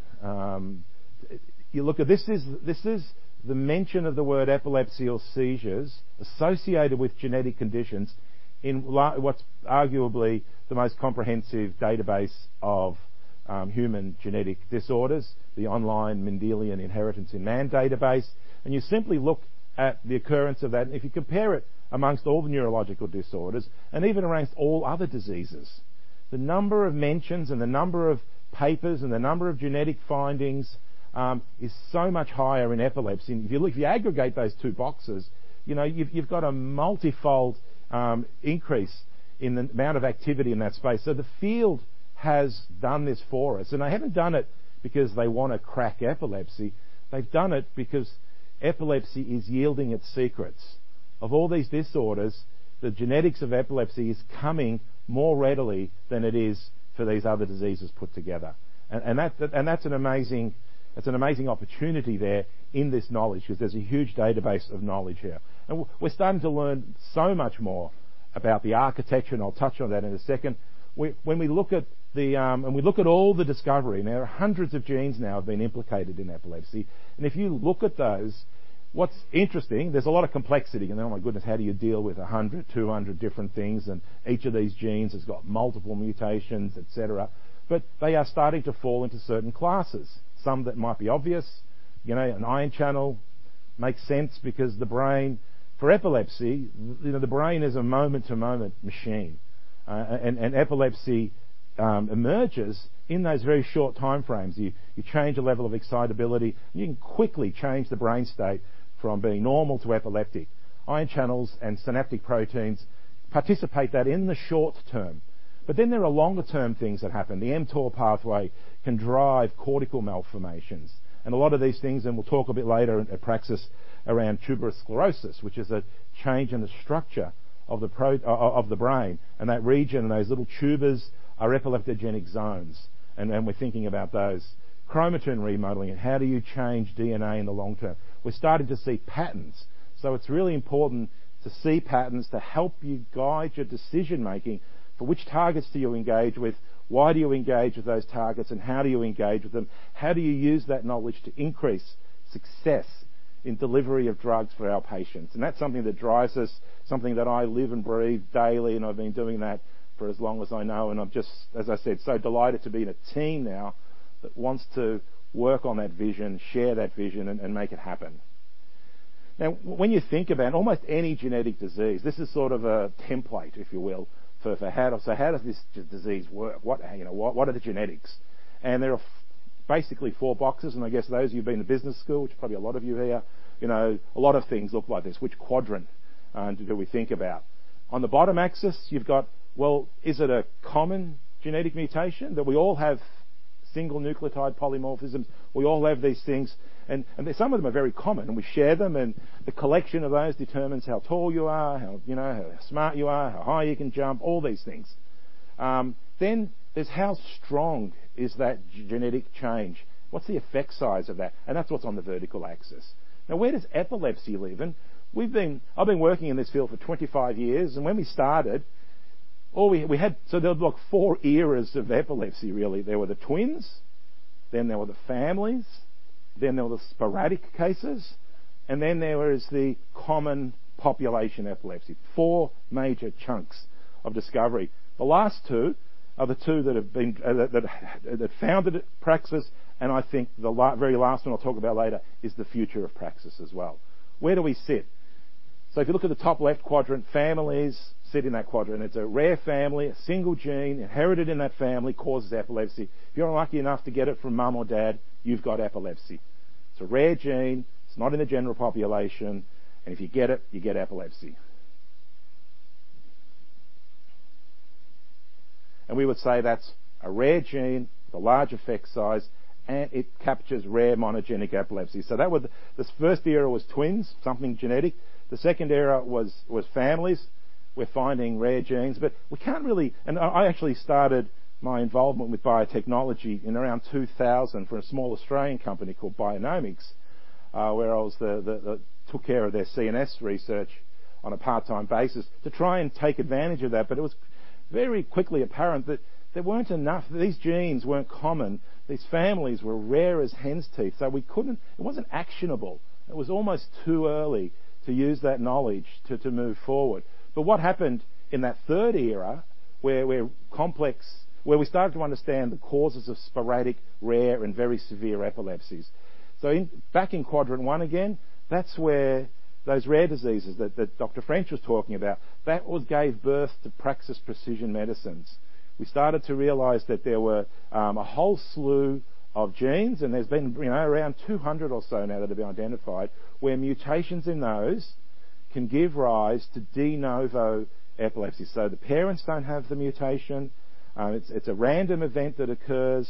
You look at. This is the mention of the word epilepsy or seizures associated with genetic conditions in what's arguably the most comprehensive database of human genetic disorders, the Online Mendelian Inheritance in Man database. You simply look at the occurrence of that, and if you compare it amongst all the neurological disorders and even amongst all other diseases, the number of mentions and the number of papers and the number of genetic findings is so much higher in epilepsy. If you aggregate those two boxes, you know, you've got a multifold increase in the amount of activity in that space. The field has done this for us, and they haven't done it because they wanna crack epilepsy. They've done it because epilepsy is yielding its secrets. Of all these disorders, the genetics of epilepsy is coming more readily than it is for these other diseases put together. That's an amazing opportunity there in this knowledge because there's a huge database of knowledge here. We're starting to learn so much more about the architecture, and I'll touch on that in a second. When we look at all the discovery, and there are hundreds of genes now have been implicated in epilepsy. If you look at those, what's interesting, there's a lot of complexity. Oh my goodness, how do you deal with 100, 200 different things? Each of these genes has got multiple mutations, et cetera. They are starting to fall into certain classes. Some that might be obvious. You know, an ion channel makes sense because the brain, for epilepsy, you know, the brain is a moment-to-moment machine. Epilepsy emerges in those very short time frames. You change the level of excitability, and you can quickly change the brain state from being normal to epileptic. Ion channels and synaptic proteins participate in that in the short term. But then there are longer term things that happen. The mTOR pathway can drive cortical malformations. A lot of these things, and we'll talk a bit later in Praxis around tuberous sclerosis, which is a change in the structure of the brain. That region and those little tubers are epileptogenic zones. Then we're thinking about those. Chromatin remodeling, and how do you change DNA in the long term? We're starting to see patterns. It's really important to see patterns to help you guide your decision-making. For which targets do you engage with? Why do you engage with those targets, and how do you engage with them? How do you use that knowledge to increase success in delivery of drugs for our patients? That's something that drives us, something that I live and breathe daily, and I've been doing that for as long as I know. I'm just, as I said, so delighted to be in a team now that wants to work on that vision, share that vision, and make it happen. When you think about almost any genetic disease, this is sort of a template, if you will, for how so how does this disease work? What, you know, what are the genetics? There are basically four boxes, and I guess those of you who've been to business school, which probably a lot of you here, you know, a lot of things look like this. Which quadrant do we think about? On the bottom axis you've got, well, is it a common genetic mutation that we all have single nucleotide polymorphisms? We all have these things and some of them are very common, and we share them, and the collection of those determines how tall you are, how, you know, how smart you are, how high you can jump, all these things. Then there's how strong is that genetic change? What's the effect size of that? And that's what's on the vertical axis. Now, where does epilepsy live in? I've been working in this field for 25 years, and when we started, all we had. There were like four eras of epilepsy really. There were the twins, then there were the families, then there were the sporadic cases, and then there is the common population epilepsy. Four major chunks of discovery. The last two are the two that have been that founded Praxis, and I think the very last one I'll talk about later is the future of Praxis as well. Where do we sit? If you look at the top left quadrant, families sit in that quadrant. It's a rare family, a single gene inherited in that family causes epilepsy. If you're unlucky enough to get it from mom or dad, you've got epilepsy. It's a rare gene. It's not in the general population, and if you get it, you get epilepsy. We would say that's a rare gene with a large effect size, and it captures rare monogenic epilepsy. That would this first era was twins, something genetic. The second era was families. We're finding rare genes, but we can't really. I actually started my involvement with biotechnology in around 2000 for a small Australian company called Bionomics, where I took care of their CNS research on a part-time basis to try and take advantage of that. But it was very quickly apparent that these genes weren't common. These families were rare as hen's teeth. We couldn't it wasn't actionable. It was almost too early to use that knowledge to move forward. But what happened in that third era where we started to understand the causes of sporadic, rare, and very severe epilepsies. Back in quadrant one again, that's where those rare diseases that Dr. French was talking about gave birth to Praxis Precision Medicines. We started to realize that there were a whole slew of genes, and there's been, you know, around 200 or so now that have been identified, where mutations in those can give rise to de novo epilepsy. The parents don't have the mutation. It's a random event that occurs,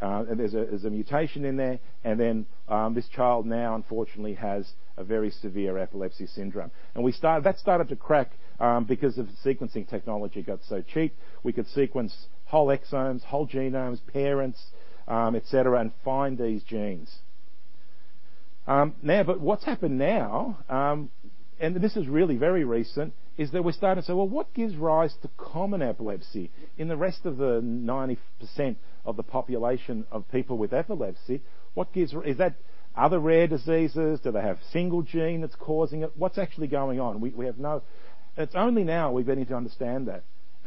and there's a mutation in there. Then this child now unfortunately has a very severe epilepsy syndrome. That started to crack because the sequencing technology got so cheap. We could sequence whole exomes, whole genomes, parents, et cetera, and find these genes. Now, but what's happened now, and this is really very recent, is that we're starting to say, "Well, what gives rise to common epilepsy? In the rest of the 90% of the population of people with epilepsy, is that other rare diseases? Do they have single gene that's causing it? What's actually going on? We have no..." It's only now we're getting to understand that.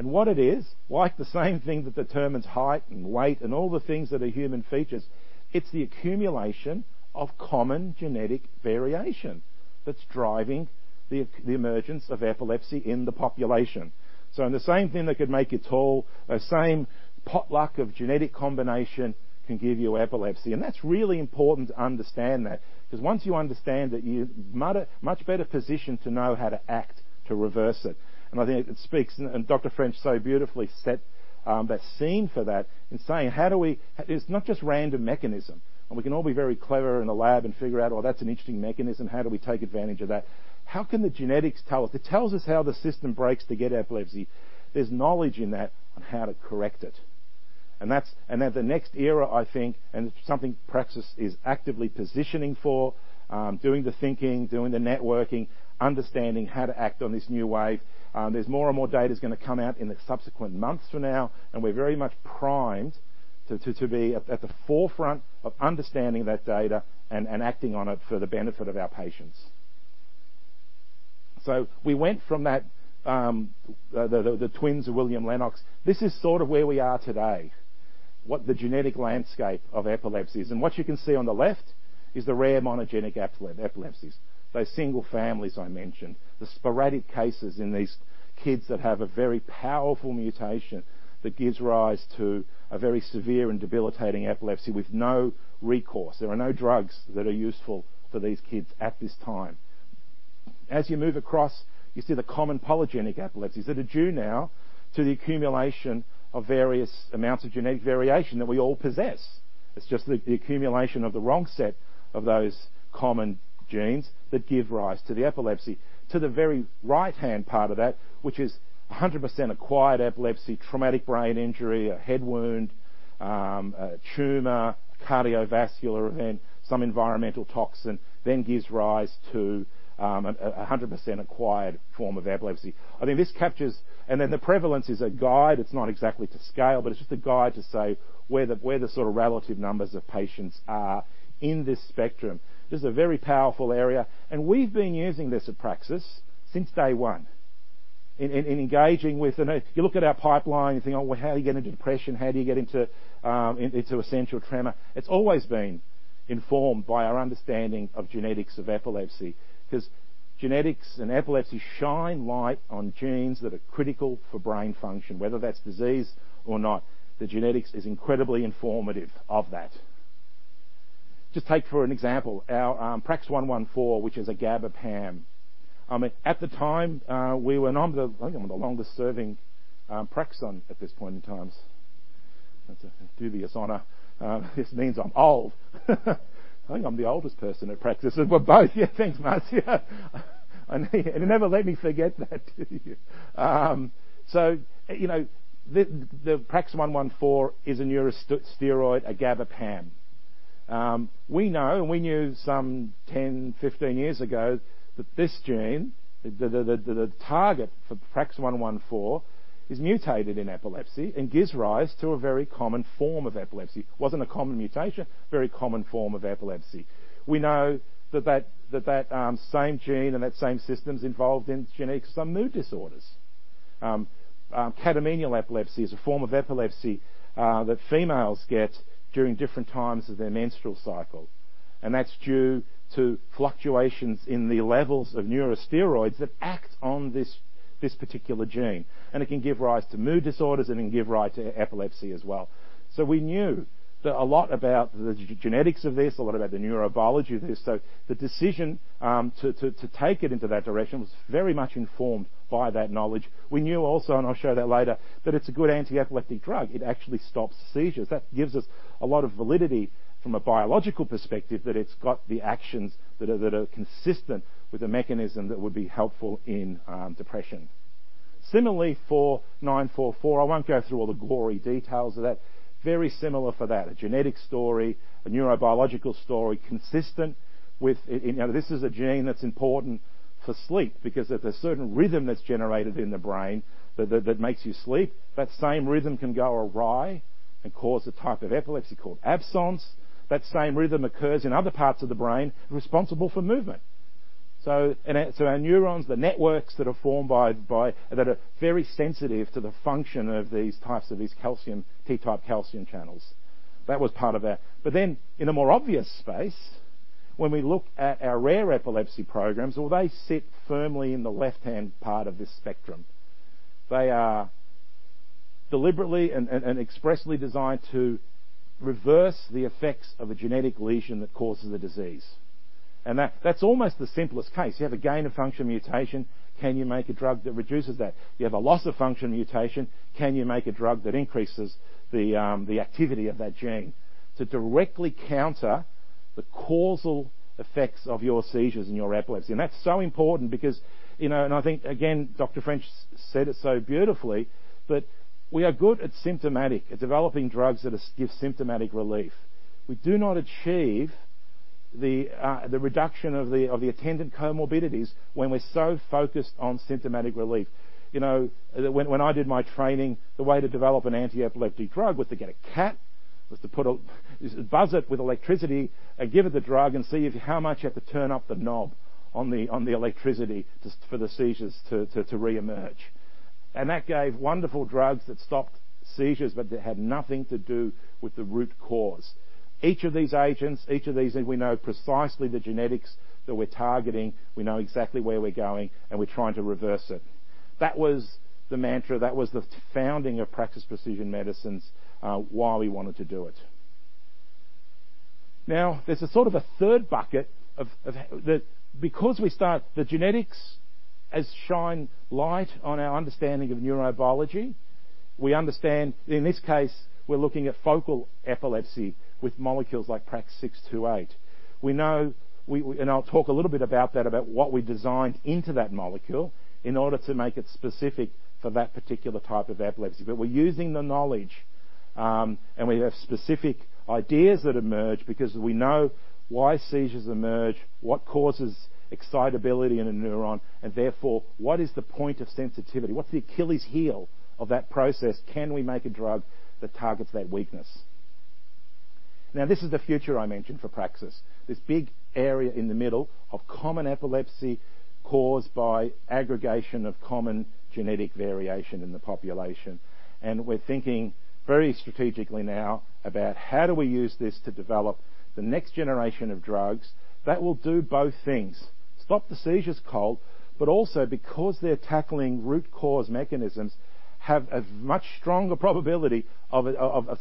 What it is, like the same thing that determines height and weight and all the things that are human features, it's the accumulation of common genetic variation that's driving the emergence of epilepsy in the population. The same thing that could make you tall, the same potluck of genetic combination can give you epilepsy. That's really important to understand that because once you understand that you're much, much better positioned to know how to act to reverse it. I think it speaks, and Dr. French so beautifully set that scene for that in saying, "How do we..." It's not just random mechanism, and we can all be very clever in the lab and figure out, oh, that's an interesting mechanism. How do we take advantage of that? How can the genetics tell us? It tells us how the system breaks to get epilepsy. There's knowledge in that on how to correct it. That's The next era, I think, and something Praxis is actively positioning for, doing the thinking, doing the networking, understanding how to act on this new wave, there's more and more data is gonna come out in the subsequent months from now, and we're very much primed to be at the forefront of understanding that data and acting on it for the benefit of our patients. We went from that, the twins of William Lennox. This is sort of where we are today, what the genetic landscape of epilepsy is. What you can see on the left is the rare monogenic epilepsies, those single families I mentioned. The sporadic cases in these kids that have a very powerful mutation that gives rise to a very severe and debilitating epilepsy with no recourse. There are no drugs that are useful for these kids at this time. As you move across, you see the common polygenic epilepsies that are due now to the accumulation of various amounts of genetic variation that we all possess. It's just the accumulation of the wrong set of those common genes that give rise to the epilepsy. To the very right-hand part of that which is 100% acquired epilepsy, traumatic brain injury, a head wound, a tumor, cardiovascular event, some environmental toxin then gives rise to a 100% acquired form of epilepsy. I think this captures. Then the prevalence is a guide. It's not exactly to scale, but it's just a guide to say where the sort of relative numbers of patients are in this spectrum. This is a very powerful area, and we've been using this at Praxis since day one in engaging with. If you look at our pipeline and think, "Oh, well, how do you get into depression? How do you get into essential tremor?" It's always been informed by our understanding of genetics of epilepsy 'cause genetics and epilepsy shine light on genes that are critical for brain function. Whether that's disease or not, the genetics is incredibly informative of that. Just take for an example our PRAX-114, which is a GABA PAM. I mean, at the time, I think I'm the longest-serving Praxian at this point in time. That's a dubious honor. This means I'm old. I think I'm the oldest person at Praxis. We're both. Yeah, thanks, Marcio. You never let me forget that, do you? You know, PRAX-114 is a neurosteroid, a GABA PAM. We know and we knew some 10, 15 years ago that this gene, the target for PRAX-114 is mutated in epilepsy and gives rise to a very common form of epilepsy. Wasn't a common mutation, very common form of epilepsy. We know that same gene and that same system is involved in genetics of mood disorders. Catamenial epilepsy is a form of epilepsy that females get during different times of their menstrual cycle, and that's due to fluctuations in the levels of neurosteroids that act on this particular gene. It can give rise to mood disorders, and it can give rise to epilepsy as well. We knew that a lot about the genetics of this, a lot about the neurobiology of this, the decision to take it into that direction was very much informed by that knowledge. We knew also, and I'll show that later, that it's a good antiepileptic drug. It actually stops seizures. That gives us a lot of validity from a biological perspective that it's got the actions that are consistent with a mechanism that would be helpful in depression. Similarly, for PRAX-944, I won't go through all the gory details of that. Very similar for that. A genetic story, a neurobiological story consistent with. You know, this is a gene that's important for sleep because there's a certain rhythm that's generated in the brain that makes you sleep. That same rhythm can go awry and cause a type of epilepsy called absence. That same rhythm occurs in other parts of the brain responsible for movement. Our neurons, the networks that are formed by that are very sensitive to the function of these types of calcium, T-type calcium channels. That was part of that. In a more obvious space, when we look at our rare epilepsy programs, well, they sit firmly in the left-hand part of this spectrum. They are deliberately and expressly designed to reverse the effects of a genetic lesion that causes the disease, and that's almost the simplest case. You have a gain-of-function mutation, can you make a drug that reduces that? You have a loss-of-function mutation, can you make a drug that increases the activity of that gene to directly counter the causal effects of your seizures and your epilepsy? That's so important because, and I think again, Dr. French said it so beautifully that we are good at symptomatic, at developing drugs that give symptomatic relief. We do not achieve the reduction of the attendant comorbidities when we're so focused on symptomatic relief. When I did my training, the way to develop an antiepileptic drug was to get a cat, to buzz it with electricity and give it the drug and see how much you have to turn up the knob on the electricity for the seizures to reemerge. That gave wonderful drugs that stopped seizures, but that had nothing to do with the root cause. Each of these agents, each of these things, we know precisely the genetics that we're targeting. We know exactly where we're going, and we're trying to reverse it. That was the mantra. That was the founding of Praxis Precision Medicines, why we wanted to do it. Now, there's a sort of a third bucket of that because starting with genetics as a shining light on our understanding of neurobiology, we understand. In this case, we're looking at focal epilepsy with molecules like PRAX-628. We know. I'll talk a little bit about that, about what we designed into that molecule in order to make it specific for that particular type of epilepsy. We're using the knowledge, and we have specific ideas that emerge because we know why seizures emerge, what causes excitability in a neuron, and therefore, what is the point of sensitivity? What's the Achilles' heel of that process? Can we make a drug that targets that weakness? Now, this is the future I mentioned for Praxis, this big area in the middle of common epilepsy caused by aggregation of common genetic variation in the population. And we're thinking very strategically now about how do we use this to develop the next generation of drugs that will do both things, stop the seizures cold, but also because they're tackling root cause mechanisms, have a much stronger probability of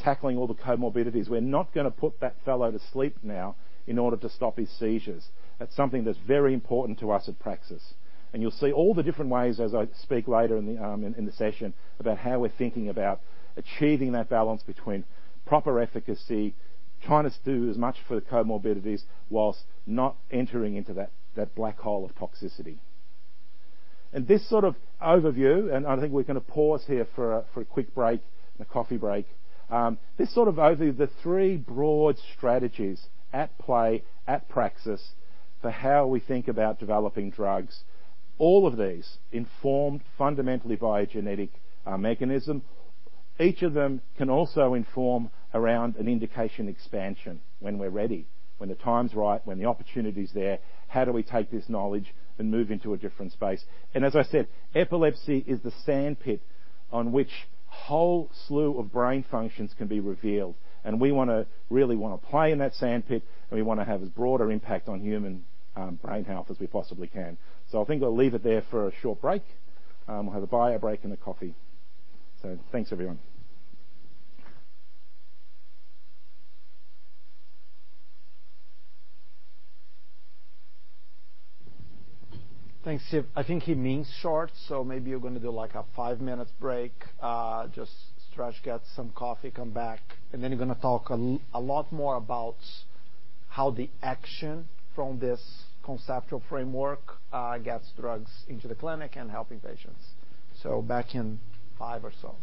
tackling all the comorbidities. We're not gonna put that fellow to sleep now in order to stop his seizures. That's something that's very important to us at Praxis. You'll see all the different ways as I speak later in the session about how we're thinking about achieving that balance between proper efficacy, trying to do as much for the comorbidities whilst not entering into that black hole of toxicity. This sort of overview, and I think we're gonna pause here for a quick break and a coffee break. This sort of overview, the three broad strategies at play at Praxis for how we think about developing drugs, all of these informed fundamentally by a genetic mechanism. Each of them can also inform around an indication expansion when we're ready, when the time's right, when the opportunity's there, how do we take this knowledge and move into a different space? As I said, epilepsy is the sandpit on which whole slew of brain functions can be revealed, and we really wanna play in that sandpit, and we wanna have as broader impact on human brain health as we possibly can. I think I'll leave it there for a short break. We'll have a bio break and a coffee. Thanks, everyone. Thanks, Steve. I think he means short, so maybe you're gonna do like a five minutes break. Just stretch, get some coffee, come back, and then you're gonna talk a lot more about how the action from this conceptual framework gets drugs into the clinic and helping patients. Back in five or so.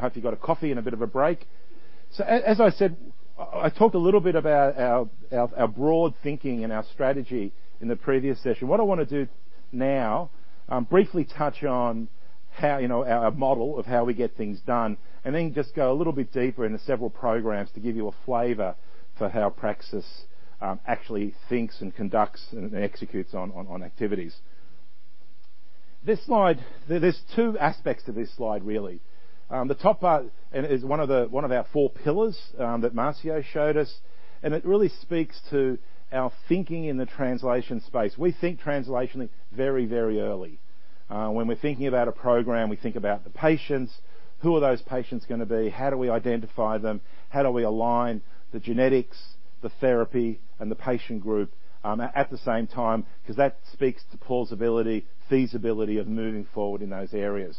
Hope you got a coffee and a bit of a break. As I said, I talked a little bit about our broad thinking and our strategy in the previous session. What I wanna do now, briefly touch on how, you know, our model of how we get things done, and then just go a little bit deeper into several programs to give you a flavor for how Praxis actually thinks and conducts and executes on activities. This slide, there's two aspects to this slide, really. The top part and is one of our four pillars that Marcio showed us, and it really speaks to our thinking in the translation space. We think translationally very, very early. When we're thinking about a program, we think about the patients, who are those patients gonna be? How do we identify them? How do we align the genetics, the therapy, and the patient group at the same time? Because that speaks to plausibility, feasibility of moving forward in those areas.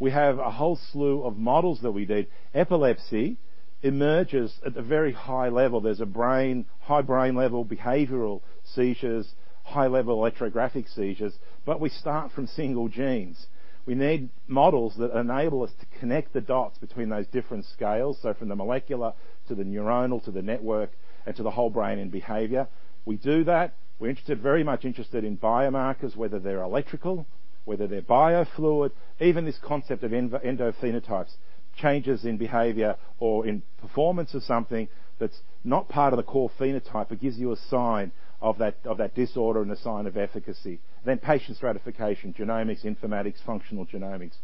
We have a whole slew of models that we need. Epilepsy emerges at a very high level. There's a brain, high brain-level behavioral seizures, high-level electrographic seizures, but we start from single genes. We need models that enable us to connect the dots between those different scales, so from the molecular to the neuronal, to the network, and to the whole brain and behavior. We do that. We're interested, very much interested in biomarkers, whether they're electrical, whether they're biofluid. Even this concept of endophenotypes, changes in behavior or in performance of something that's not part of the core phenotype, but gives you a sign of that disorder and a sign of efficacy. Patient stratification, genomics, informatics, functional genomics.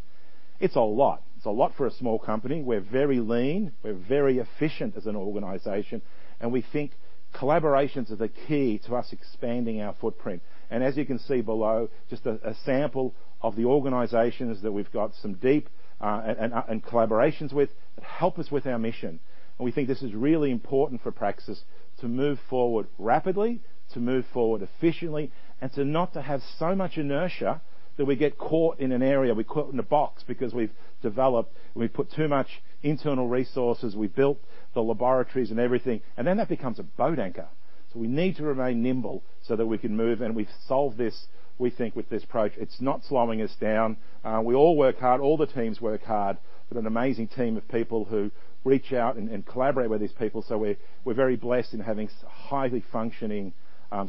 It's a lot. It's a lot for a small company. We're very lean, we're very efficient as an organization, and we think collaborations are the key to us expanding our footprint. As you can see below, just a sample of the organizations that we've got some deep and collaborations with that help us with our mission. We think this is really important for Praxis to move forward rapidly, to move forward efficiently, and not to have so much inertia that we get caught in an area. We're caught in a box because we've developed and we've put too much internal resources. We built the laboratories and everything, and then that becomes a boat anchor. We need to remain nimble so that we can move, and we've solved this, we think, with this approach. It's not slowing us down. We all work hard. All the teams work hard. We have an amazing team of people who reach out and collaborate with these people, so we're very blessed in having a highly functioning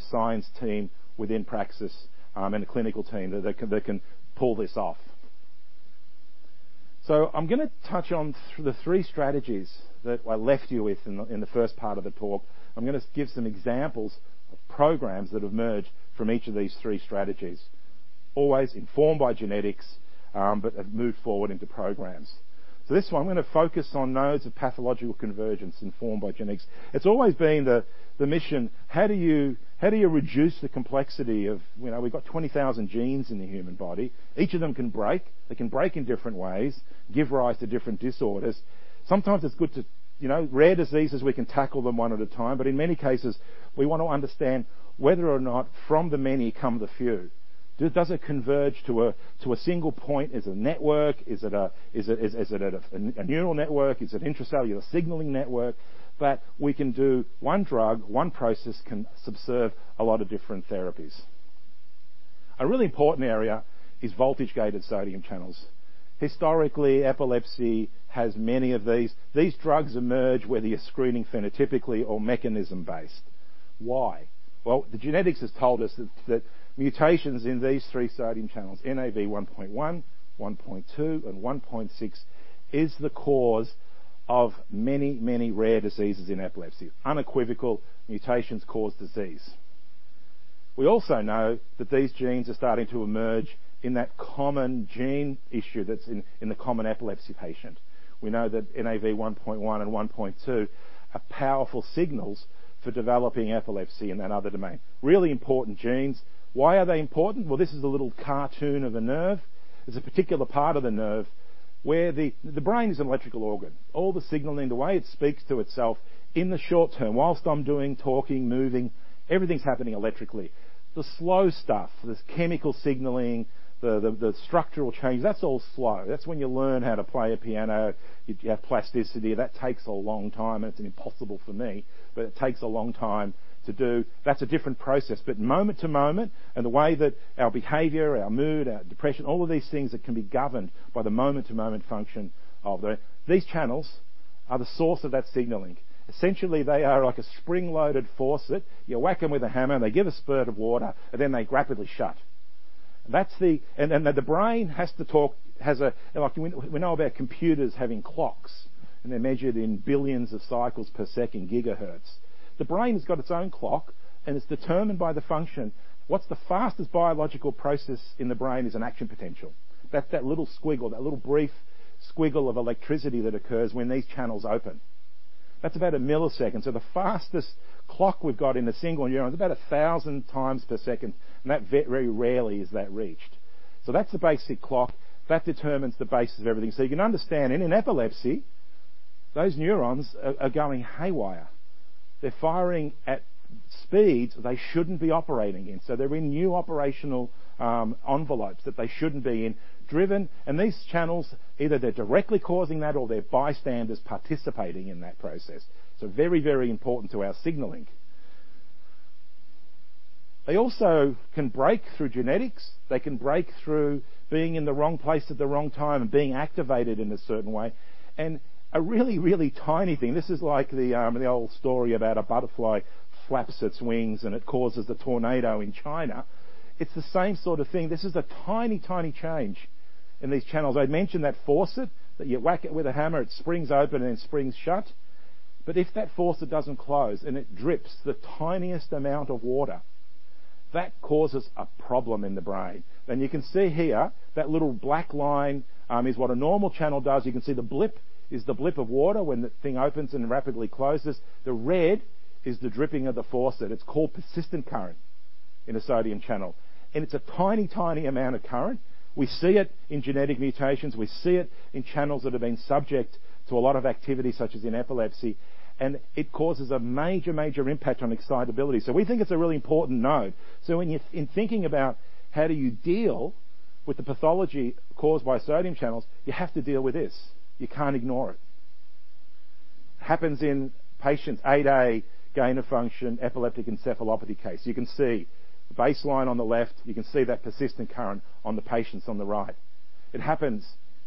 science team within Praxis, and a clinical team that can pull this off. I'm gonna touch on the three strategies that I left you with in the first part of the talk. I'm gonna give some examples of programs that have emerged from each of these three strategies. Always informed by genetics, but have moved forward into programs. This one, I'm gonna focus on nodes of pathological convergence informed by genetics. It's always been the mission: how do you reduce the complexity of, you know, we've got 20,000 genes in the human body. Each of them can break. They can break in different ways, give rise to different disorders. Sometimes it's good to. You know, rare diseases, we can tackle them one at a time, but in many cases, we want to understand whether or not from the many come the few. Does it converge to a single point? Is it a network? Is it a neural network? Is it an intracellular signaling network? We can do one drug, one process can subserve a lot of different therapies. A really important area is voltage-gated sodium channels. Historically, epilepsy has many of these. These drugs emerge whether you're screening phenotypically or mechanism-based. Why? Well, the genetics has told us that mutations in these three sodium channels, NaV1.1, NaV1.2, and NaV1.6, is the cause of many, many rare diseases in epilepsy. Unequivocal mutations cause disease. We also know that these genes are starting to emerge in that common gene issue that's in the common epilepsy patient. We know that NaV1.1 and NaV1.2 are powerful signals for developing epilepsy in that other domain. Really important genes. Why are they important? Well, this is a little cartoon of a nerve. There's a particular part of the nerve where the brain is an electrical organ. All the signaling, the way it speaks to itself in the short term, while I'm doing, talking, moving, everything's happening electrically. The slow stuff, this chemical signaling, the structural change, that's all slow. That's when you learn how to play a piano. You have plasticity. That takes a long time, and it's impossible for me, but it takes a long time to do. That's a different process. Moment to moment, and the way that our behavior, our mood, our depression, all of these things that can be governed by the moment-to-moment function of the. These channels are the source of that signaling. Essentially, they are like a spring-loaded faucet. You whack them with a hammer, and they give a spurt of water, and then they rapidly shut. That's the brain has to talk. Like when we know about computers having clocks, and they're measured in billions of cycles per second, gigahertz. The brain's got its own clock, and it's determined by the function. What's the fastest biological process in the brain is an action potential. That's that little squiggle, that little brief squiggle of electricity that occurs when these channels open. That's about a millisecond. The fastest clock we've got in a single neuron is about 1,000 times per second, and that very rarely is that reached. That's the basic clock. That determines the basis of everything. You can understand in an epilepsy, those neurons are going haywire. They're firing at speeds they shouldn't be operating in, so they're in new operational envelopes that they shouldn't be in, driven. These channels, either they're directly causing that or they're bystanders participating in that process, so very, very important to our signaling. They also can break through genetics. They can break through being in the wrong place at the wrong time and being activated in a certain way. A really, really tiny thing, this is like the old story about a butterfly flaps its wings, and it causes a tornado in China. It's the same sort of thing. This is a tiny change in these channels. I mentioned that faucet that you whack it with a hammer, it springs open and then springs shut. If that faucet doesn't close and it drips the tiniest amount of water, that causes a problem in the brain. You can see here that little black line is what a normal channel does. You can see the blip is the blip of water when the thing opens and rapidly closes. The red is the dripping of the faucet. It's called persistent current in a sodium channel, and it's a tiny amount of current. We see it in genetic mutations. We see it in channels that have been subject to a lot of activity, such as in epilepsy, and it causes a major impact on excitability. We think it's a really important node. When you're thinking about how do you deal with the pathology caused by sodium channels, you have to deal with this. You can't ignore it. Happens in patients' SCN8A gain-of-function epileptic encephalopathy case. You can see the baseline on the left. You can see that persistent current in the patients on the right. It happens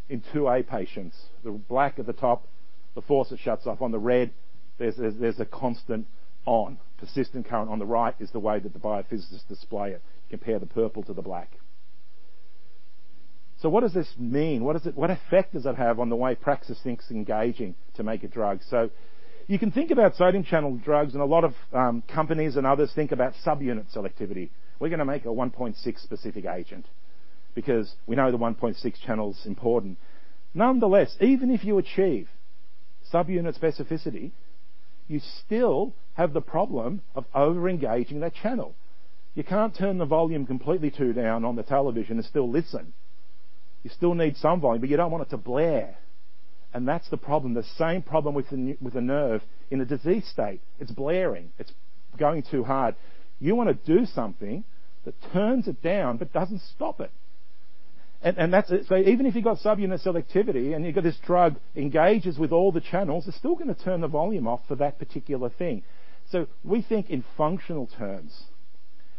in SCN2A patients. The black at the top, the fast inactivation shuts off. On the red, there's a constant on. Persistent current on the right is the way that the biophysicists display it. Compare the purple to the black. What does this mean? What effect does it have on the way Praxis thinks engaging to make a drug? You can think about sodium channel drugs, and a lot of companies and others think about subunit selectivity. We're gonna make a 1.6-specific agent because we know the 1.6 channel's important. Nonetheless, even if you achieve subunit specificity, you still have the problem of overengaging that channel. You can't turn the volume completely down on the television and still listen. You still need some volume, but you don't want it to blare, and that's the problem, the same problem with the nerve in a disease state. It's blaring. It's going too hard. You wanna do something that turns it down but doesn't stop it. That's it. Even if you've got subunit selectivity and you've got this drug engages with all the channels, it's still gonna turn the volume off for that particular thing. We think in functional terms.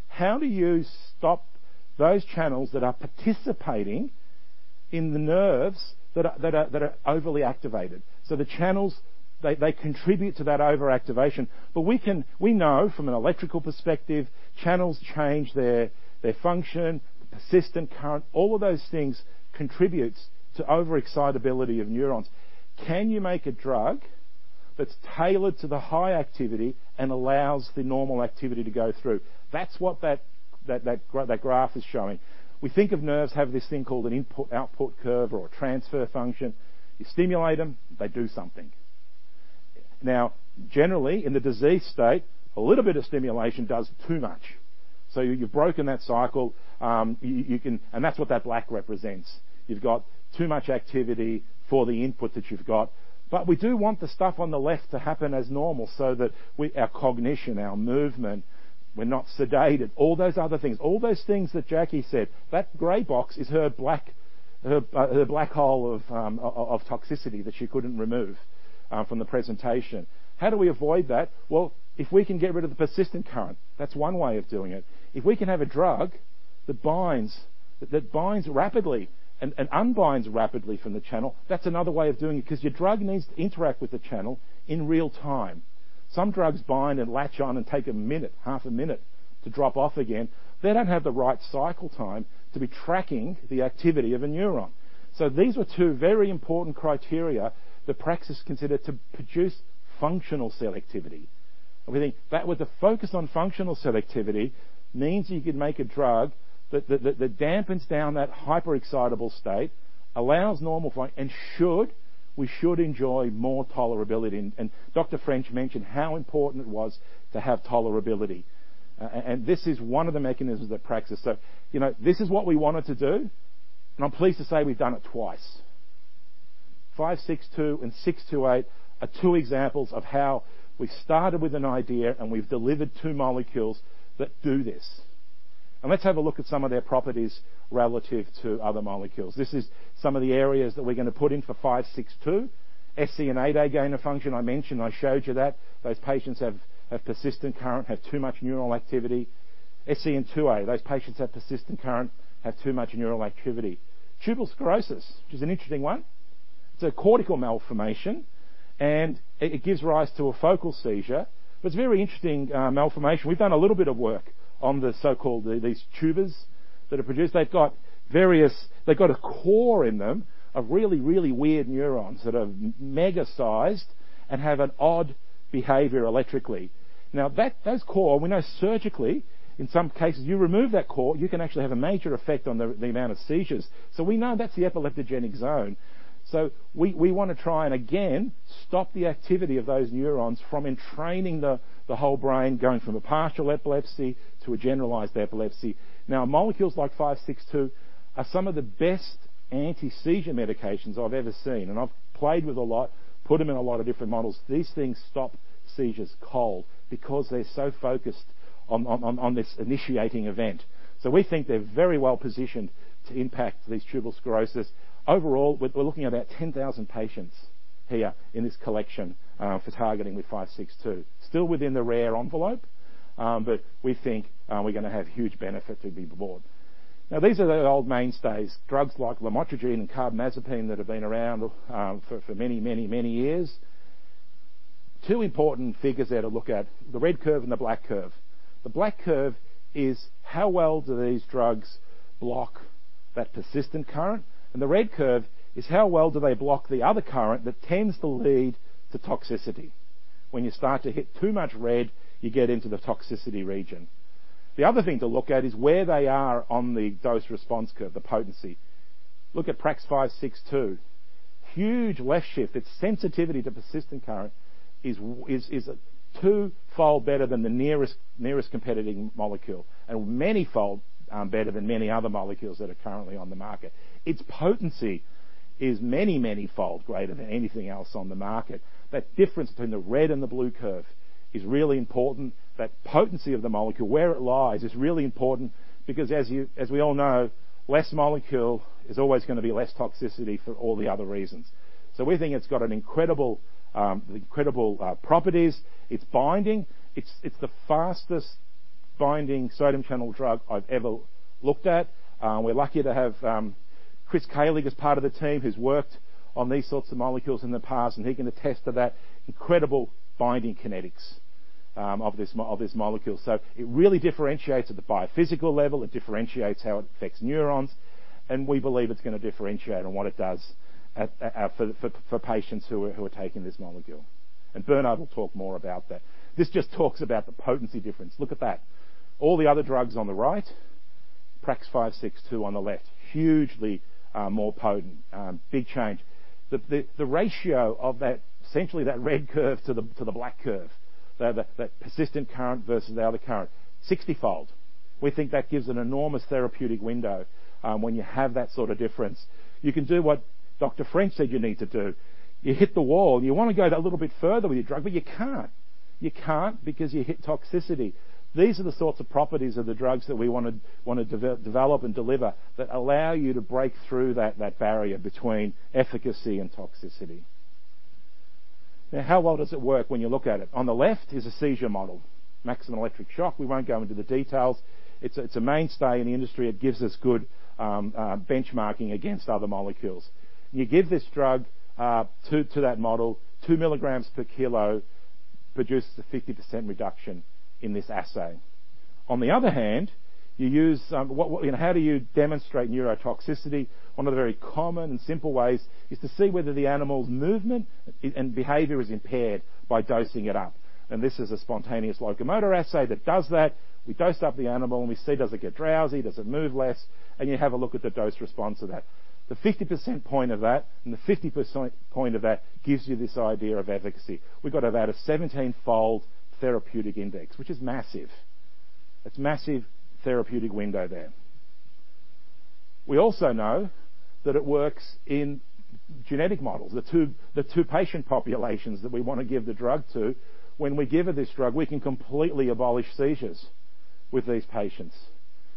How do you stop those channels that are participating in the nerves that are overly activated? The channels contribute to that overactivation. We know from an electrical perspective, channels change their function, persistent current, all of those things contributes to overexcitability of neurons. Can you make a drug that's tailored to the high activity and allows the normal activity to go through. That's what that graph is showing. We think of nerves have this thing called an input-output curve or a transfer function. You stimulate them, they do something. Now, generally, in the diseased state, a little bit of stimulation does too much. So you've broken that cycle, you can. That's what that black represents. You've got too much activity for the input that you've got. We do want the stuff on the left to happen as normal so that we, our cognition, our movement, we're not sedated, all those other things, all those things that Jackie said. That gray box is her black, her black hole of toxicity that she couldn't remove from the presentation. How do we avoid that? Well, if we can get rid of the persistent current, that's one way of doing it. If we can have a drug that binds rapidly and unbinds rapidly from the channel, that's another way of doing it, because your drug needs to interact with the channel in real time. Some drugs bind and latch on and take a minute, half a minute to drop off again. They don't have the right cycle time to be tracking the activity of a neuron. So these were two very important criteria that Praxis considered to produce functional selectivity. We think that with the focus on functional selectivity means you can make a drug that dampens down that hyperexcitable state, allows normal flow, and we should enjoy more tolerability. Dr. French mentioned how important it was to have tolerability. This is one of the mechanisms at Praxis. You know, this is what we wanted to do, and I'm pleased to say we've done it twice. PRAX-562 and PRAX-628 are two examples of how we started with an idea and we've delivered two molecules that do this. Let's have a look at some of their properties relative to other molecules. This is some of the areas that we're gonna put in for PRAX-562. SCN1A gain-of-function, I mentioned, I showed you that. Those patients have persistent current, have too much neural activity. SCN2A, those patients have persistent current, have too much neural activity. Tuberous sclerosis, which is an interesting one. It's a cortical malformation, and it gives rise to a focal seizure. It's a very interesting malformation. We've done a little bit of work on the so-called these tubers that are produced. They've got a core in them of really weird neurons that are mega-sized and have an odd behavior electrically. Now that core, we know surgically, in some cases, you remove that core, you can actually have a major effect on the amount of seizures. We wanna try and again stop the activity of those neurons from entraining the whole brain, going from a partial epilepsy to a generalized epilepsy. Now, molecules like PRAX-562 are some of the best anti-seizure medications I've ever seen, and I've played with a lot, put them in a lot of different models. These things stop seizures cold because they're so focused on this initiating event. We think they're very well-positioned to impact these tuberous sclerosis. Overall, we're looking at about 10,000 patients here in this collection for targeting with PRAX-562. Still within the rare envelope, but we think we're gonna have huge benefit to be brought. Now, these are the old mainstays, drugs like lamotrigine and carbamazepine that have been around for many years. Two important figures there to look at, the red curve and the black curve. The black curve is how well do these drugs block that persistent current, and the red curve is how well do they block the other current that tends to lead to toxicity. When you start to hit too much red, you get into the toxicity region. The other thing to look at is where they are on the dose-response curve, the potency. Look at PRAX-562. Huge left shift. Its sensitivity to persistent current is a two-fold better than the nearest competing molecule and many fold better than many other molecules that are currently on the market. Its potency is many fold greater than anything else on the market. That difference between the red and the blue curve is really important. That potency of the molecule, where it lies, is really important because as we all know, less molecule is always gonna be less toxicity for all the other reasons. We think it's got an incredible properties. It's binding. It's the fastest binding sodium channel drug I've ever looked at. We're lucky to have Chris Kahlig as part of the team who's worked on these sorts of molecules in the past, and he can attest to that incredible binding kinetics of this molecule. It really differentiates at the biophysical level, it differentiates how it affects neurons, and we believe it's gonna differentiate on what it does for patients who are taking this molecule. Bernard will talk more about that. This just talks about the potency difference. Look at that. All the other drugs on the right, PRAX-562 on the left. Hugely more potent, big change. The ratio of that, essentially that red curve to the black curve, that persistent current versus the other current, 60-fold. We think that gives an enormous therapeutic window, when you have that sort of difference. You can do what Dr. French said you need to do. You hit the wall, you wanna go that little bit further with your drug, but you can't. You can't because you hit toxicity. These are the sorts of properties of the drugs that we wanna develop and deliver that allow you to break through that barrier between efficacy and toxicity. Now, how well does it work when you look at it? On the left is a seizure model, maximal electroshock. We won't go into the details. It's a mainstay in the industry. It gives us good benchmarking against other molecules. You give this drug to that model 2 mg/kg produces a 50% reduction in this assay. On the other hand, you use, you know, how do you demonstrate neurotoxicity? One of the very common and simple ways is to see whether the animal's movement and behavior is impaired by dosing it up, and this is a spontaneous locomotor assay that does that. We dose up the animal, and we see does it get drowsy, does it move less, and you have a look at the dose response of that. The 50% point of that and the 50% point of that gives you this idea of efficacy. We've got about a 17-fold therapeutic index, which is massive. That's massive therapeutic window there. We also know that it works in genetic models. The two patient populations that we wanna give the drug to, when we give her this drug, we can completely abolish seizures with these patients,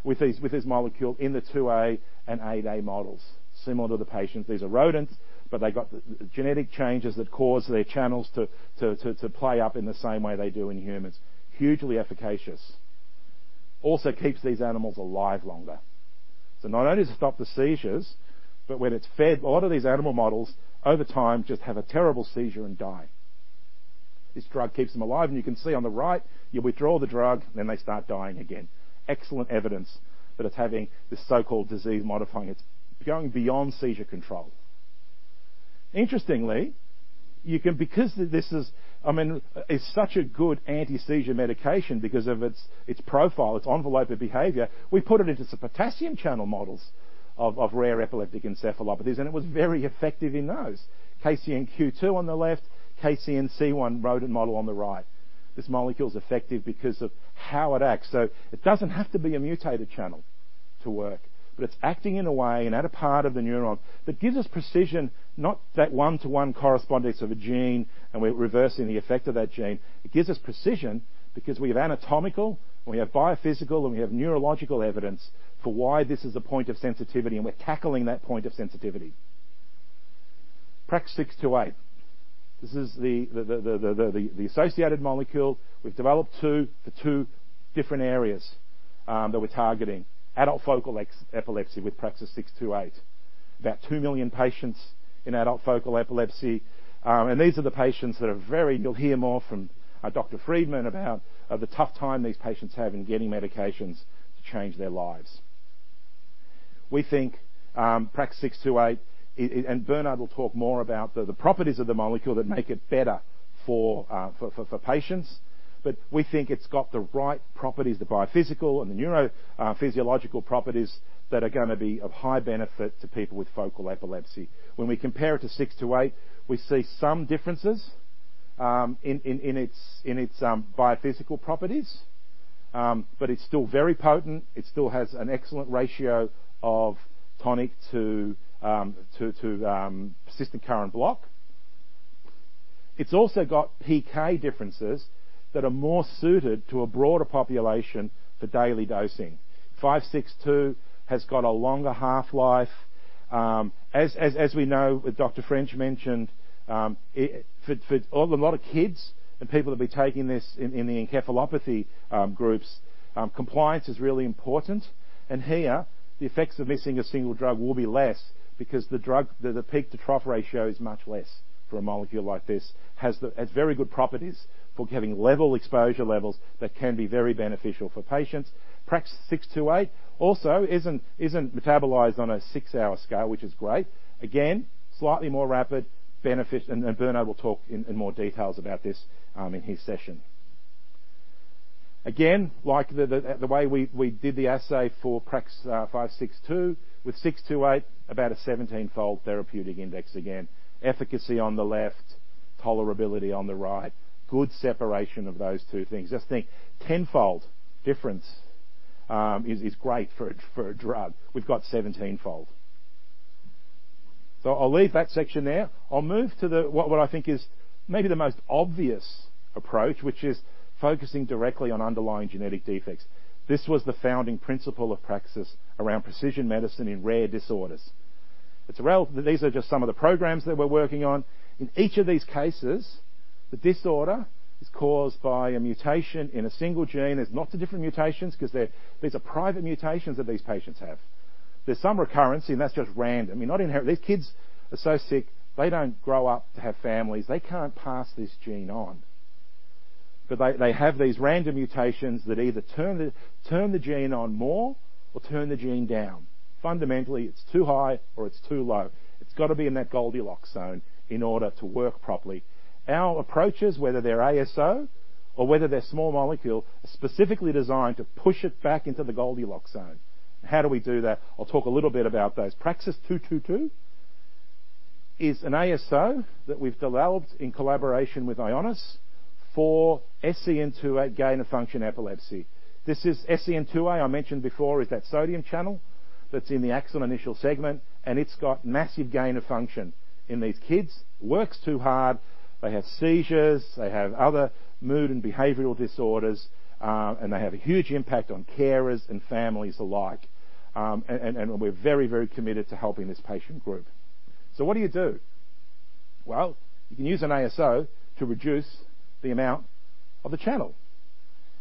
with this molecule in the SCN2A and SCN8Amodels. Similar to the patients, these are rodents, but they got the genetic changes that cause their channels to play up in the same way they do in humans. Hugely efficacious. Also keeps these animals alive longer. Not only does it stop the seizures, but a lot of these animal models over time just have a terrible seizure and die. This drug keeps them alive, and you can see on the right, you withdraw the drug, then they start dying again. Excellent evidence that it's having this so-called disease modifying. It's going beyond seizure control. Interestingly, because this is. I mean, it's such a good anti-seizure medication because of its profile, its envelope of behavior. We put it into some potassium channel models of rare epileptic encephalopathies, and it was very effective in those. KCNQ2 on the left, KCNC1 rodent model on the right. This molecule's effective because of how it acts. It doesn't have to be a mutated channel to work, but it's acting in a way and at a part of the neuron that gives us precision, not that one-to-one correspondence of a gene, and we're reversing the effect of that gene. It gives us precision because we have anatomical, and we have biophysical, and we have neurological evidence for why this is a point of sensitivity, and we're tackling that point of sensitivity. PRAX-628. This is the associated molecule. We've developed two for two different areas that we're targeting. Adult focal epilepsy with PRAX-628. About 2 million patients in adult focal epilepsy, and these are the patients. You'll hear more from Dr. Friedman about the tough time these patients have in getting medications to change their lives. We think PRAX-628 and Bernard will talk more about the properties of the molecule that make it better for patients. But we think it's got the right properties, the biophysical and the neurophysiological properties that are gonna be of high benefit to people with focal epilepsy. When we compare it to PRAX-628, we see some differences in its biophysical properties. But it's still very potent. It still has an excellent ratio of tonic to persistent current block. It's also got PK differences that are more suited to a broader population for daily dosing. PRAX-562 has got a longer half-life. As we know, as Dr. French mentioned, for a lot of kids and people that'll be taking this in the encephalopathy groups, compliance is really important. Here, the effects of missing a single drug will be less because the drug, the peak to trough ratio is much less for a molecule like this. Has very good properties for giving level exposure levels that can be very beneficial for patients. PRAX-628 also isn't metabolized on a six-hour scale, which is great. Again, slightly more rapid benefit. Bernard will talk in more details about this in his session. Again, like the way we did the assay for PRAX-562 with PRAX-628, about a 17-fold therapeutic index again. Efficacy on the left, tolerability on the right. Good separation of those two things. Just think, 10-fold difference is great for a drug. We've got 17-fold. I'll leave that section there. I'll move to what I think is maybe the most obvious approach, which is focusing directly on underlying genetic defects. This was the founding principle of Praxis around precision medicine in rare disorders. It's real. These are just some of the programs that we're working on. In each of these cases, the disorder is caused by a mutation in a single gene. There's lots of different mutations 'cause there are private mutations that these patients have. There's some recurrence, and that's just random. I mean, not inherent. These kids are so sick, they don't grow up to have families. They can't pass this gene on. They have these random mutations that either turn the gene on more or turn the gene down. Fundamentally, it's too high or it's too low. It's gotta be in that Goldilocks zone in order to work properly. Our approaches, whether they're ASO or whether they're small molecule, are specifically designed to push it back into the Goldilocks zone. How do we do that? I'll talk a little bit about those. PRAX-222 is an ASO that we've developed in collaboration with Ionis for SCN2A gain-of-function epilepsy. This is SCN2A, I mentioned before, is that sodium channel that's in the axon initial segment, and it's got massive gain of function in these kids. Works too hard. They have seizures. They have other mood and behavioral disorders, and they have a huge impact on carers and families alike. And we're very, very committed to helping this patient group. What do you do? Well, you can use an ASO to reduce the amount of the channel.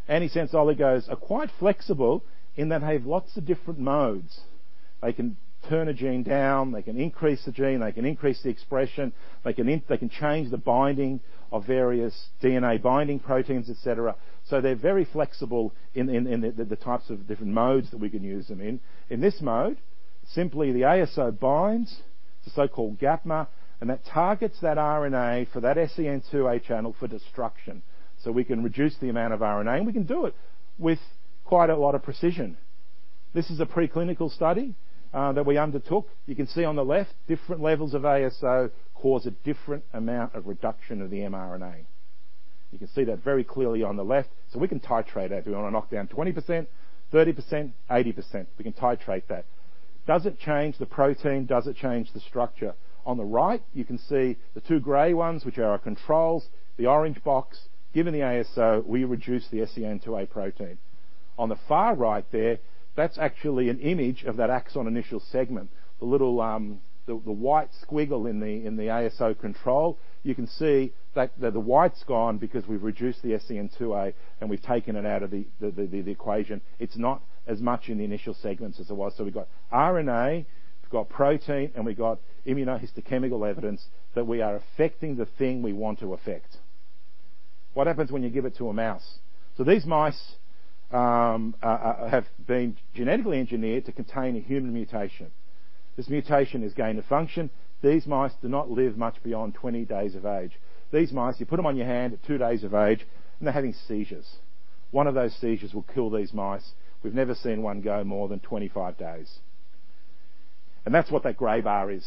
Antisense oligos are quite flexible in that they have lots of different modes. They can turn a gene down, they can increase the gene, they can increase the expression, they can change the binding of various DNA-binding proteins, et cetera. They're very flexible in the types of different modes that we can use them in. In this mode, simply the ASO binds the so-called gapmer, and that targets that RNA for that SCN2A channel for destruction. We can reduce the amount of RNA, and we can do it with quite a lot of precision. This is a preclinical study that we undertook. You can see on the left different levels of ASO cause a different amount of reduction of the mRNA. You can see that very clearly on the left. We can titrate that. If we wanna knock down 20%, 30%, 80%, we can titrate that. Does it change the protein? Does it change the structure? On the right, you can see the two gray ones, which are our controls, the orange box, given the ASO, we reduce the SCN2A protein. On the far right there, that's actually an image of that axon initial segment, the little, the white squiggle in the ASO control. You can see that the white's gone because we've reduced the SCN2A, and we've taken it out of the equation. It's not as much in the initial segments as it was. We've got RNA, we've got protein, and we've got immunohistochemical evidence that we are affecting the thing we want to affect. What happens when you give it to a mouse? These mice have been genetically engineered to contain a human mutation. This mutation is gain-of-function. These mice do not live much beyond 20 days of age. These mice, you put them on your hand at two days of age, and they're having seizures. One of those seizures will kill these mice. We've never seen one go more than 25 days. That's what that gray bar is.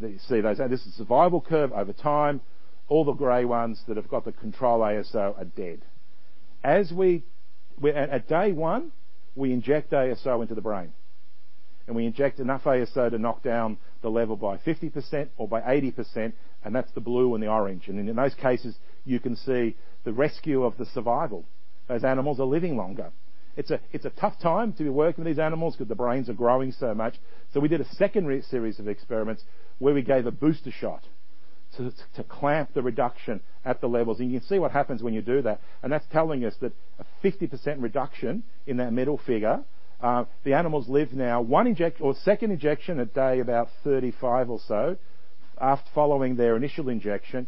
This is a survival curve over time. All the gray ones that have got the control ASO are dead. At day one, we inject ASO into the brain, and we inject enough ASO to knock down the level by 50% or by 80%, and that's the blue and the orange. In those cases, you can see the rescue of the survival. Those animals are living longer. It's a tough time to be working with these animals because the brains are growing so much, so we did a second series of experiments where we gave a booster shot to clamp the reduction at the levels. You can see what happens when you do that, and that's telling us that a 50% reduction in that middle figure, the animals live now or second injection at day about 35 or so, following their initial injection,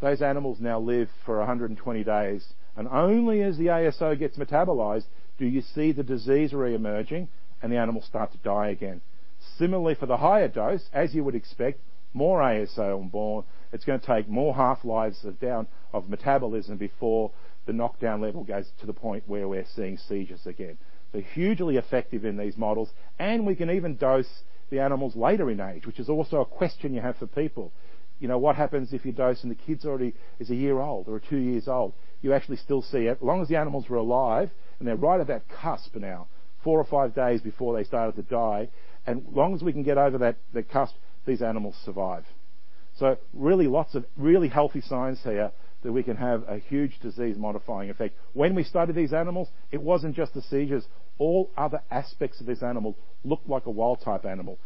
those animals now live for 120 days, and only as the ASO gets metabolized do you see the disease re-emerging, and the animals start to die again. Similarly for the higher dose, as you would expect, more ASO on board, it's gonna take more half-lives down of metabolism before the knockdown level goes to the point where we're seeing seizures again. Hugely effective in these models, and we can even dose the animals later in age, which is also a question you have for people. You know, what happens if you dose and the kid's already is a year old or two years old? You actually still see it. As long as the animals were alive, and they're right at that cusp now, four or five days before they started to die, and long as we can get over that, the cusp, these animals survive. Really lots of really healthy signs here that we can have a huge disease-modifying effect. When we started these animals, it wasn't just the seizures. All other aspects of this animal looked like a wild-type animal.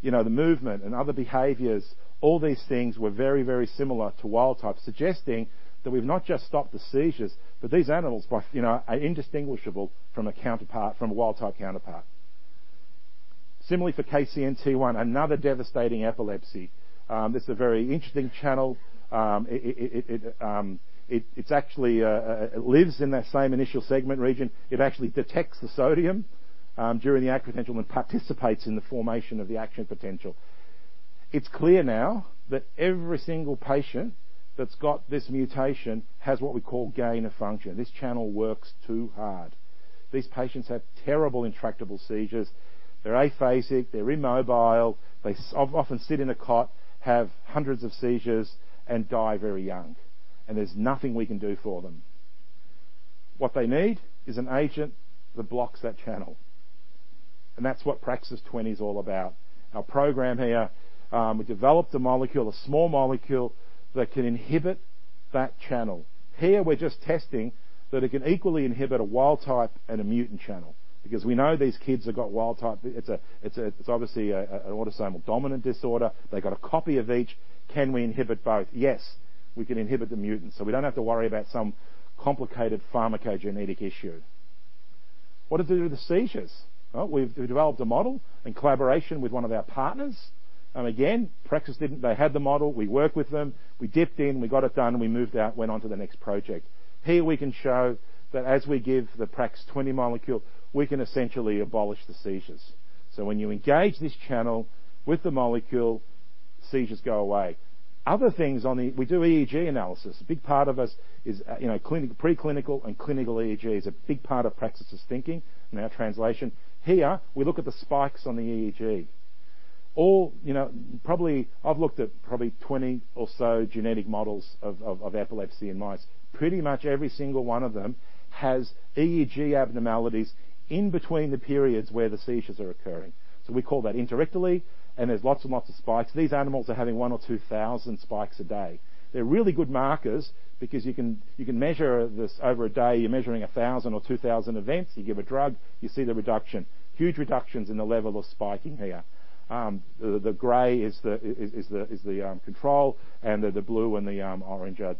You know, the movement and other behaviors, all these things were very, very similar to wild type, suggesting that we've not just stopped the seizures, but these animals by, you know, are indistinguishable from a counterpart, from a wild-type counterpart. Similarly for KCNT1, another devastating epilepsy. This is a very interesting channel. It actually lives in that same initial segment region. It actually detects the sodium during the action potential and participates in the formation of the action potential. It's clear now that every single patient that's got this mutation has what we call gain-of-function. This channel works too hard. These patients have terrible intractable seizures. They're aphasic, they're immobile, they often sit in a cot, have hundreds of seizures, and die very young, and there's nothing we can do for them. What they need is an agent that blocks that channel, and that's what PRAX-020 is all about. Our program here, we developed a molecule, a small molecule that can inhibit that channel. Here we're just testing that it can equally inhibit a wild type and a mutant channel because we know these kids have got wild type. It's obviously an autosomal dominant disorder. They've got a copy of each. Can we inhibit both? Yes, we can inhibit the mutant, so we don't have to worry about some complicated pharmacogenetic issue. What does it do to the seizures? Well, we've developed a model in collaboration with one of our partners. Again, they had the model, we worked with them, we dipped in, we got it done, and we moved out, went on to the next project. Here we can show that as we give the PRAX-020 molecule, we can essentially abolish the seizures. So when you engage this channel with the molecule, seizures go away. We do EEG analysis. A big part of us is clinical, preclinical and clinical EEG is a big part of Praxis's thinking and our translation. Here we look at the spikes on the EEG. All, probably I've looked at probably 20 or so genetic models of epilepsy in mice. Pretty much every single one of them has EEG abnormalities in between the periods where the seizures are occurring. We call that interictally, and there's lots and lots of spikes. These animals are having 1,000 or 2,000 spikes a day. They're really good markers because you can measure this over a day. You're measuring 1,000 or 2,000 events. You give a drug, you see the reduction. Huge reductions in the level of spiking here. The gray is the control, and the blue and the orange are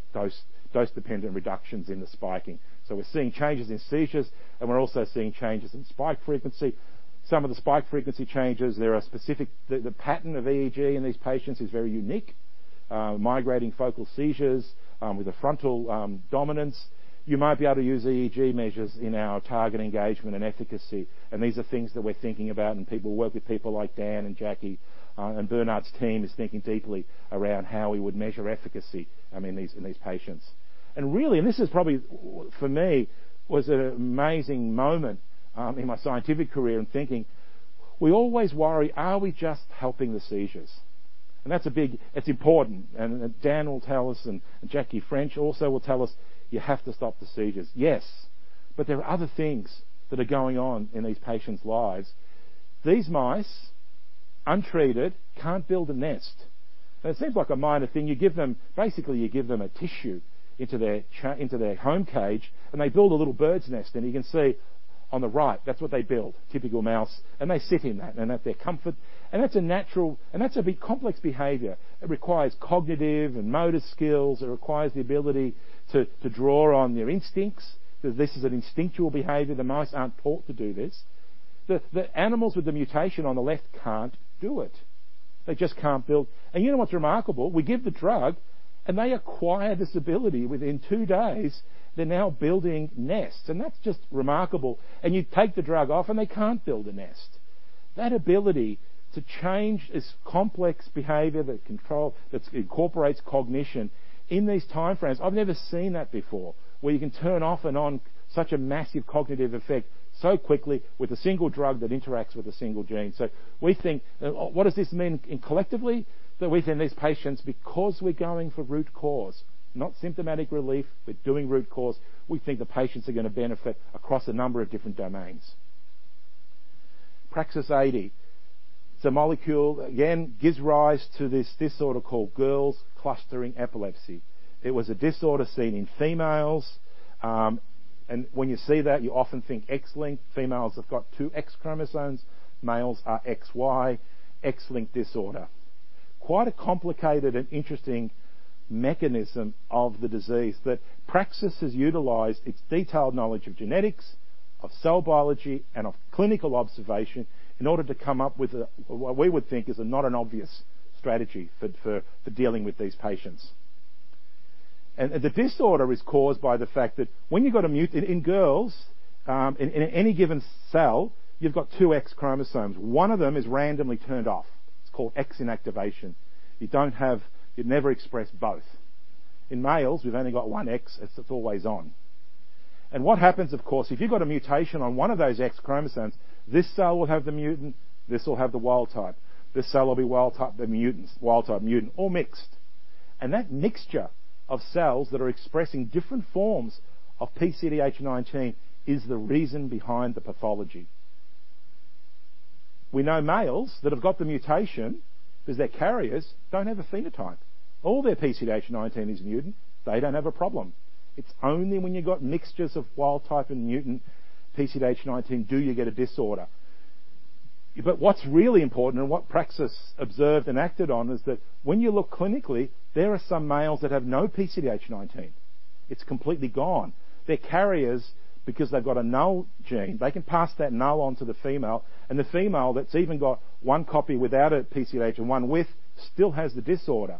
dose-dependent reductions in the spiking. We're seeing changes in seizures, and we're also seeing changes in spike frequency. Some of the spike frequency changes, there are specific. The pattern of EEG in these patients is very unique. Migrating focal seizures with a frontal dominance. You might be able to use EEG measures in our target engagement and efficacy, and these are things that we're thinking about, and people work with people like Dan and Jackie, and Bernard's team is thinking deeply around how we would measure efficacy. I mean, in these patients. Really, and this is probably, for me, was an amazing moment in my scientific career in thinking, we always worry, are we just helping the seizures? It's important, and Dan will tell us, and Jackie French also will tell us, "You have to stop the seizures." Yes, but there are other things that are going on in these patients' lives. These mice, untreated, can't build a nest. Now, it seems like a minor thing. Basically, you give them a tissue into their home cage, and they build a little bird's nest. You can see on the right, that's what they build, typical mouse, and they sit in that and that's their comfort. That's a natural complex behavior. It requires cognitive and motor skills. It requires the ability to draw on their instincts. This is an instinctual behavior. The mice aren't taught to do this. The animals with the mutation on the left can't do it. They just can't build. You know what's remarkable? We give the drug, and they acquire this ability. Within two days, they're now building nests, and that's just remarkable. You take the drug off, and they can't build a nest. That ability to change this complex behavior that incorporates cognition in these timeframes, I've never seen that before, where you can turn off and on such a massive cognitive effect so quickly with a single drug that interacts with a single gene. We think, what does this mean collectively that within these patients, because we're going for root cause, not symptomatic relief, but doing root cause, we think the patients are gonna benefit across a number of different domains. PRAX-080. It's a molecule that, again, gives rise to this disorder called PCDH19 Girls Clustering Epilepsy. It was a disorder seen in females, and when you see that, you often think X-linked. Females have got two X chromosomes. Males are XY. X-linked disorder. Quite a complicated and interesting mechanism of the disease that Praxis has utilized its detailed knowledge of genetics, of cell biology, and of clinical observation in order to come up with a what we would think is not an obvious strategy for dealing with these patients. The disorder is caused by the fact that when you've got a mutant in girls, in any given cell, you've got two X chromosomes. One of them is randomly turned off. It's called X inactivation. You don't have. You never express both. In males, we've only got one X. It's always on. What happens, of course, if you've got a mutation on one of those X chromosomes, this cell will have the mutant, this will have the wild type. This cell will be wild type, the mutant, wild type, mutant, all mixed. That mixture of cells that are expressing different forms of PCDH19 is the reason behind the pathology. We know males that have got the mutation, 'cause they're carriers, don't have a phenotype. All their PCDH19 is mutant. They don't have a problem. It's only when you've got mixtures of wild type and mutant PCDH19 do you get a disorder. What's really important and what Praxis observed and acted on is that when you look clinically, there are some males that have no PCDH19. It's completely gone. They're carriers because they've got a null gene. They can pass that null on to the female, and the female that's even got one copy without a PCDH19 and one with still has the disorder.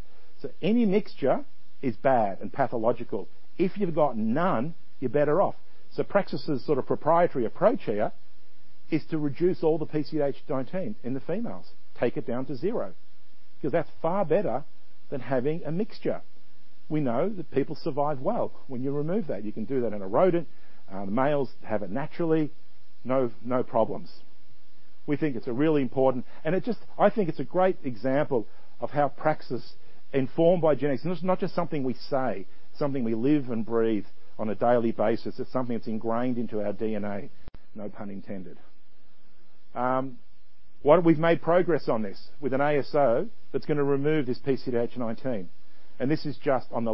Any mixture is bad and pathological. If you've got none, you're better off. Praxis' sort of proprietary approach here is to reduce all the PCDH19 in the females, take it down to zero, 'cause that's far better than having a mixture. We know that people survive well when you remove that. You can do that in a rodent. The males have it naturally. No problems. We think it's a really important. It just. I think it's a great example of how Praxis informed by genetics, and this is not just something we say, something we live and breathe on a daily basis. It's something that's ingrained into our DNA, no pun intended. We've made progress on this with an ASO that's gonna remove this PCDH19. This is just on the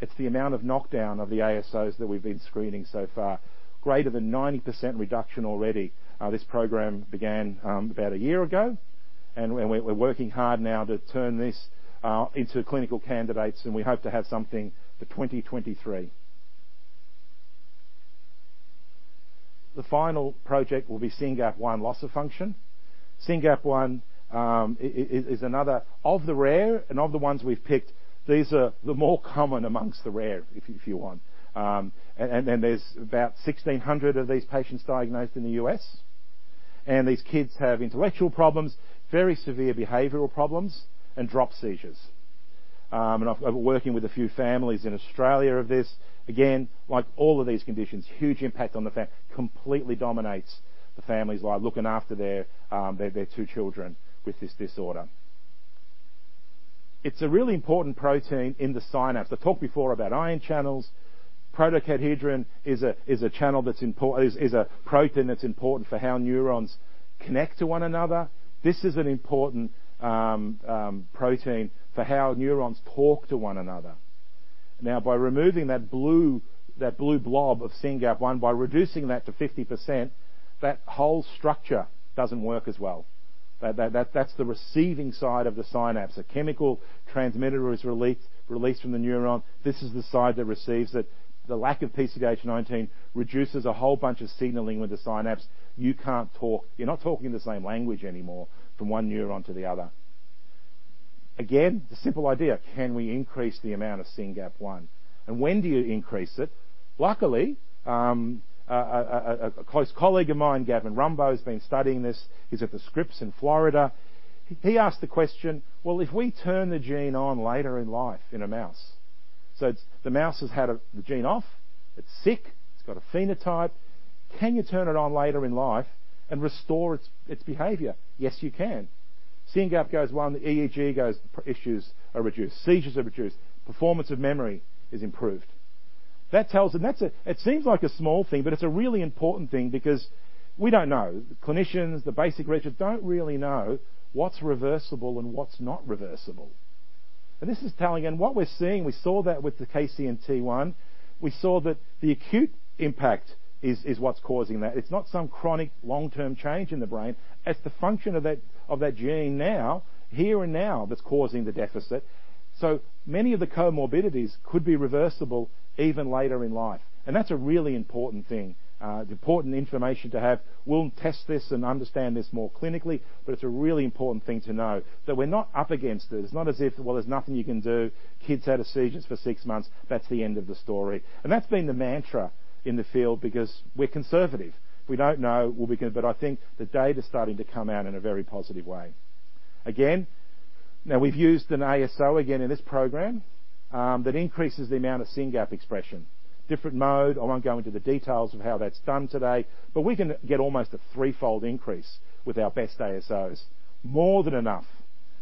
left. It's the amount of knockdown of the ASOs that we've been screening so far. Greater than 90% reduction already. This program began about a year ago, and we're working hard now to turn this into clinical candidates, and we hope to have something for 2023. The final project will be SYNGAP1 loss of function. SYNGAP1 is another of the rare, and of the ones we've picked, these are the more common amongst the rare, if you want. There's about 1,600 of these patients diagnosed in the U.S., and these kids have intellectual problems, very severe behavioral problems, and drop seizures. I've been working with a few families in Australia of this. Again, like all of these conditions, huge impact on the family completely dominates the family's life, looking after their two children with this disorder. It's a really important protein in the synapse. I talked before about ion channels. Protocadherin is a protein that's important for how neurons connect to one another. This is an important protein for how neurons talk to one another. Now, by removing that blue blob of SYNGAP1, by reducing that to 50%, that whole structure doesn't work as well. That's the receiving side of the synapse. A chemical transmitter is released from the neuron. This is the side that receives it. The lack of PCDH19 reduces a whole bunch of signaling with the synapse. You can't talk. You're not talking the same language anymore from one neuron to the other. Again, the simple idea, can we increase the amount of SynGAP1? And when do you increase it? Luckily, a close colleague of mine, Gavin Rumbaugh, has been studying this. He's at the Scripps in Florida. He asked the question, "Well, if we turn the gene on later in life in a mouse," so it's the mouse has had the gene off. It's sick. It's got a phenotype. Can you turn it on later in life and restore its behavior? Yes, you can. SynGAP goes one, the EEG goes, issues are reduced. Seizures are reduced. Performance of memory is improved. That tells. It seems like a small thing, but it's a really important thing because we don't know. The clinicians, the basic researchers don't really know what's reversible and what's not reversible. This is telling, and what we're seeing, we saw that with the KCNT1. We saw that the acute impact is what's causing that. It's not some chronic long-term change in the brain. It's the function of that gene now, here and now, that's causing the deficit. So many of the comorbidities could be reversible even later in life, and that's a really important thing, important information to have. We'll test this and understand this more clinically, but it's a really important thing to know that we're not up against it. It's not as if, well, there's nothing you can do. Kid's had seizures for six months. That's the end of the story. That's been the mantra in the field because we're conservative. We don't know. I think the data's starting to come out in a very positive way. Again, now we've used an ASO again in this program that increases the amount of SynGAP expression. Different mode. I won't go into the details of how that's done today, but we can get almost a threefold increase with our best ASOs. More than enough.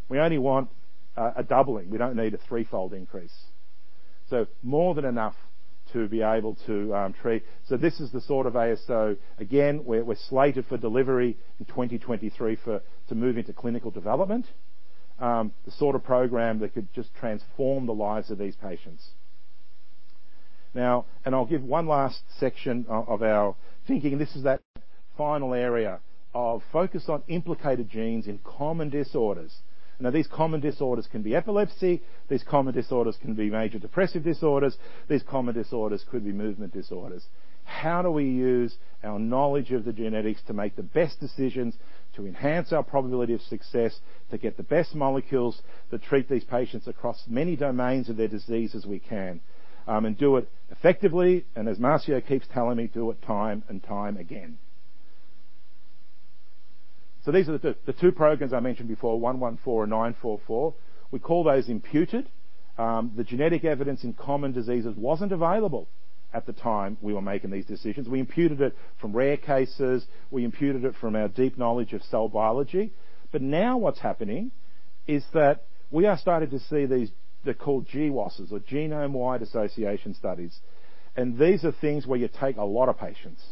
We only want a doubling. We don't need a threefold increase. More than enough to be able to treat. This is the sort of ASO, again, we're slated for delivery in 2023 for to move into clinical development. The sort of program that could just transform the lives of these patients. I'll give one last section of our thinking, and this is that final area of focus on implicated genes in common disorders. Now, these common disorders can be epilepsy. These common disorders can be major depressive disorders. These common disorders could be movement disorders. How do we use our knowledge of the genetics to make the best decisions to enhance our probability of success, to get the best molecules that treat these patients across many domains of their disease as we can, and do it effectively, and as Marcio keeps telling me, do it time and time again. These are the two programs I mentioned before, PRAX-114 and PRAX-944. We call those imputed. The genetic evidence in common diseases wasn't available at the time we were making these decisions. We imputed it from rare cases. We imputed it from our deep knowledge of cell biology. Now what's happening is that we are starting to see these, they're called GWASs or genome-wide association studies. These are things where you take a lot of patients.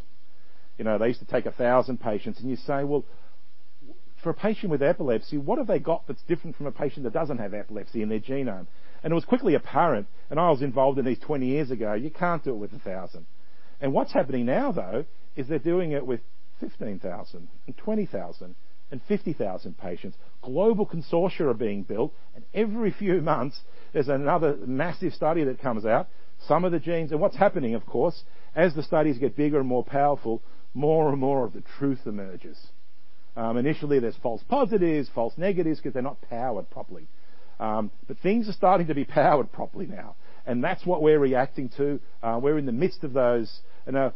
You know, they used to take 1,000 patients, and you say, "Well, for a patient with epilepsy, what have they got that's different from a patient that doesn't have epilepsy in their genome?" It was quickly apparent, and I was involved in these 20 years ago, you can't do it with 1,000. What's happening now, though, is they're doing it with 15,000 and 20,000 and 50,000 patients. Global consortia are being built, and every few months, there's another massive study that comes out. Some of the genes. What's happening, of course, as the studies get bigger and more powerful, more and more of the truth emerges. Initially there's false positives, false negatives because they're not powered properly. Things are starting to be powered properly now, and that's what we're reacting to. We're in the midst of those.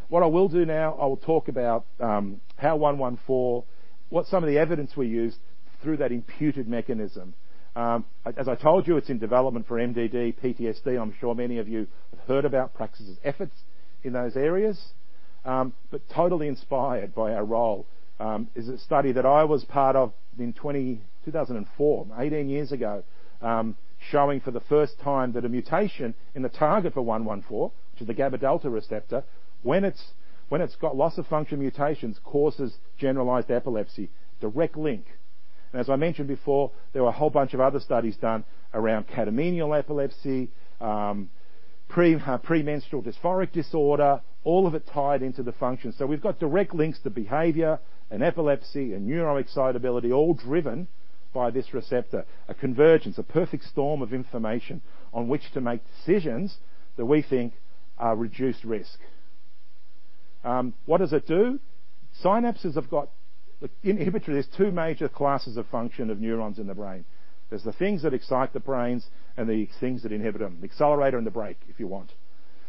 What I will do now, I will talk about how 114, what some of the evidence we used through that imputed mechanism. As I told you, it's in development for MDD, PTSD. I'm sure many of you have heard about Praxis' efforts in those areas. Totally inspired by our role is a study that I was part of in 2004, 18 years ago, showing for the first time that a mutation in the target for 114 to the GABA delta receptor, when it's got loss of function mutations, causes generalized epilepsy. Direct link. As I mentioned before, there were a whole bunch of other studies done around catamenial epilepsy, premenstrual dysphoric disorder, all of it tied into the function. We've got direct links to behavior and epilepsy and neuroexcitability all driven by this receptor. A convergence, a perfect storm of information on which to make decisions that we think are reduced risk. What does it do? Synapses have got inhibitory. There's two major classes of function of neurons in the brain. There's the things that excite the brain and the things that inhibit them, the accelerator and the brake, if you want.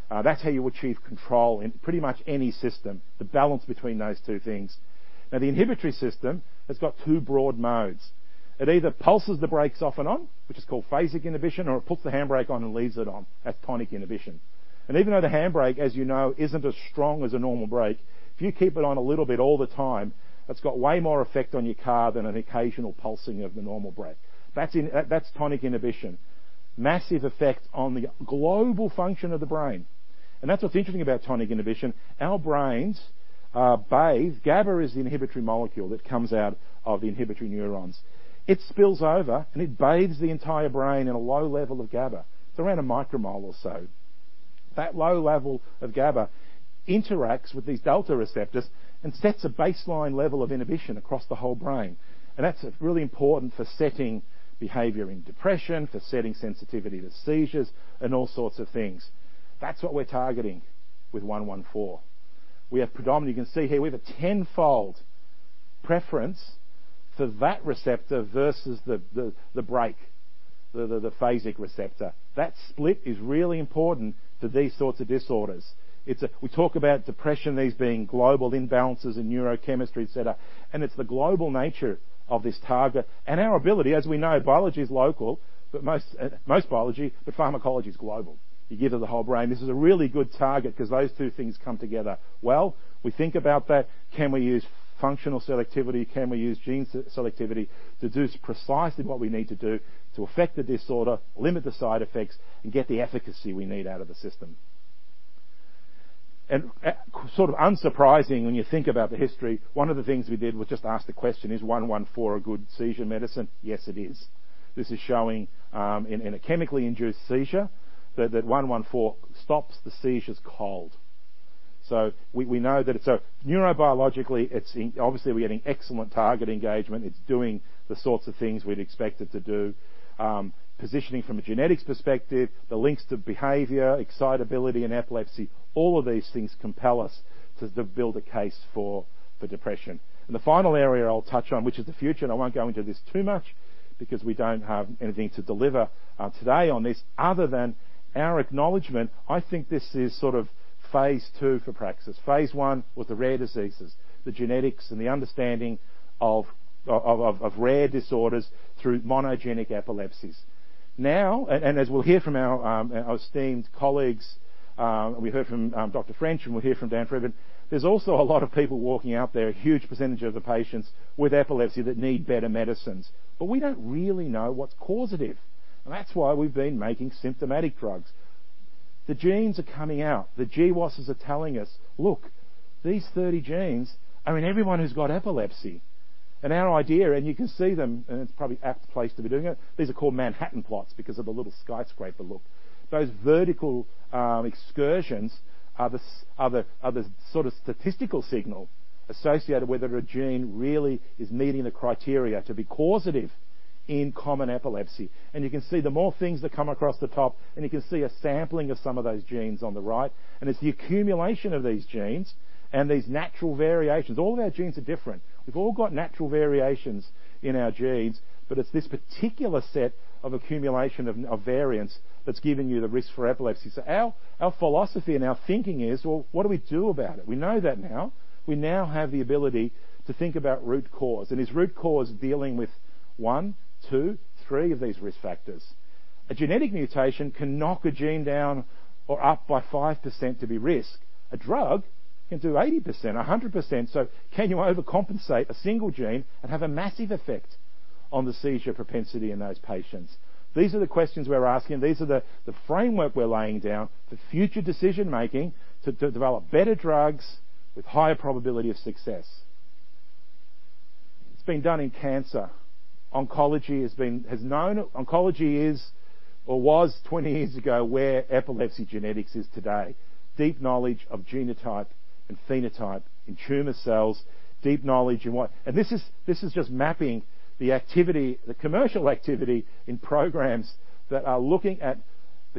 That's how you achieve control in pretty much any system, the balance between those two things. Now, the inhibitory system has got two broad modes. It either pulses the brakes off and on, which is called phasic inhibition, or it puts the handbrake on and leaves it on. That's tonic inhibition. Even though the handbrake, as you know, isn't as strong as a normal brake, if you keep it on a little bit all the time, it's got way more effect on your car than an occasional pulsing of the normal brake. That's tonic inhibition. Massive effect on the global function of the brain, and that's what's interesting about tonic inhibition. Our brains are bathed. GABA is the inhibitory molecule that comes out of the inhibitory neurons. It spills over, and it bathes the entire brain in a low level of GABA. It's around a micromole or so. That low level of GABA interacts with these delta receptors and sets a baseline level of inhibition across the whole brain, and that's really important for setting behavior in depression, for setting sensitivity to seizures, and all sorts of things. That's what we're targeting with 114. We have predominantly, you can see here, we have a tenfold preference for that receptor versus the beta, the phasic receptor. That split is really important to these sorts of disorders. We talk about depression, these being global imbalances in neurochemistry, et cetera, and it's the global nature of this target and our ability. As we know, biology is local, but pharmacology is global. You give it the whole brain. This is a really good target 'cause those two things come together well. We think about that. Can we use functional selectivity? Can we use gene selectivity to do precisely what we need to do to affect the disorder, limit the side effects, and get the efficacy we need out of the system? Sort of unsurprising when you think about the history, one of the things we did was just ask the question, is 114 a good seizure medicine? Yes, it is. This is showing in a chemically induced seizure that 114 stops the seizures cold. We know that it's a neurobiologically. It's obviously we're getting excellent target engagement. It's doing the sorts of things we'd expect it to do. Positioning from a genetics perspective, the links to behavior, excitability, and epilepsy, all of these things compel us to build a case for depression. The final area I'll touch on, which is the future, and I won't go into this too much because we don't have anything to deliver today on this other than our acknowledgment. I think this is sort of phase II for Praxis. phase I was the rare diseases, the genetics and the understanding of rare disorders through monogenic epilepsies. Now, as we'll hear from our esteemed colleagues, we heard from Dr. French, and we'll hear from Dan Friedman, there's also a lot of people out there, a huge percentage of the patients with epilepsy that need better medicines. But we don't really know what's causative, and that's why we've been making symptomatic drugs. The genes are coming out. The GWASs are telling us, "Look, these 30 genes." I mean, everyone who's got epilepsy. Our idea, and you can see them, and it's probably apt place to be doing it. These are called Manhattan plots because of the little skyscraper look. Those vertical excursions are the sort of statistical signal associated with whether a gene really is meeting the criteria to be causative in common epilepsy. You can see the more things that come across the top, and you can see a sampling of some of those genes on the right. It's the accumulation of these genes and these natural variations. All of our genes are different. We've all got natural variations in our genes, but it's this particular set of accumulation of variants that's giving you the risk for epilepsy. Our philosophy and our thinking is, "Well, what do we do about it?" We know that now. We now have the ability to think about root cause. Is root cause dealing with one, two, three of these risk factors? A genetic mutation can knock a gene down or up by 5% to be risk. A drug can do 80% or 100%. Can you overcompensate a single gene and have a massive effect on the seizure propensity in those patients? These are the questions we're asking. These are the framework we're laying down for future decision-making to develop better drugs with higher probability of success. It's been done in cancer. Oncology has known. Oncology is or was 20 years ago where epilepsy genetics is today. Deep knowledge of genotype and phenotype in tumor cells, deep knowledge in what. This is just mapping the activity, the commercial activity in programs that are looking at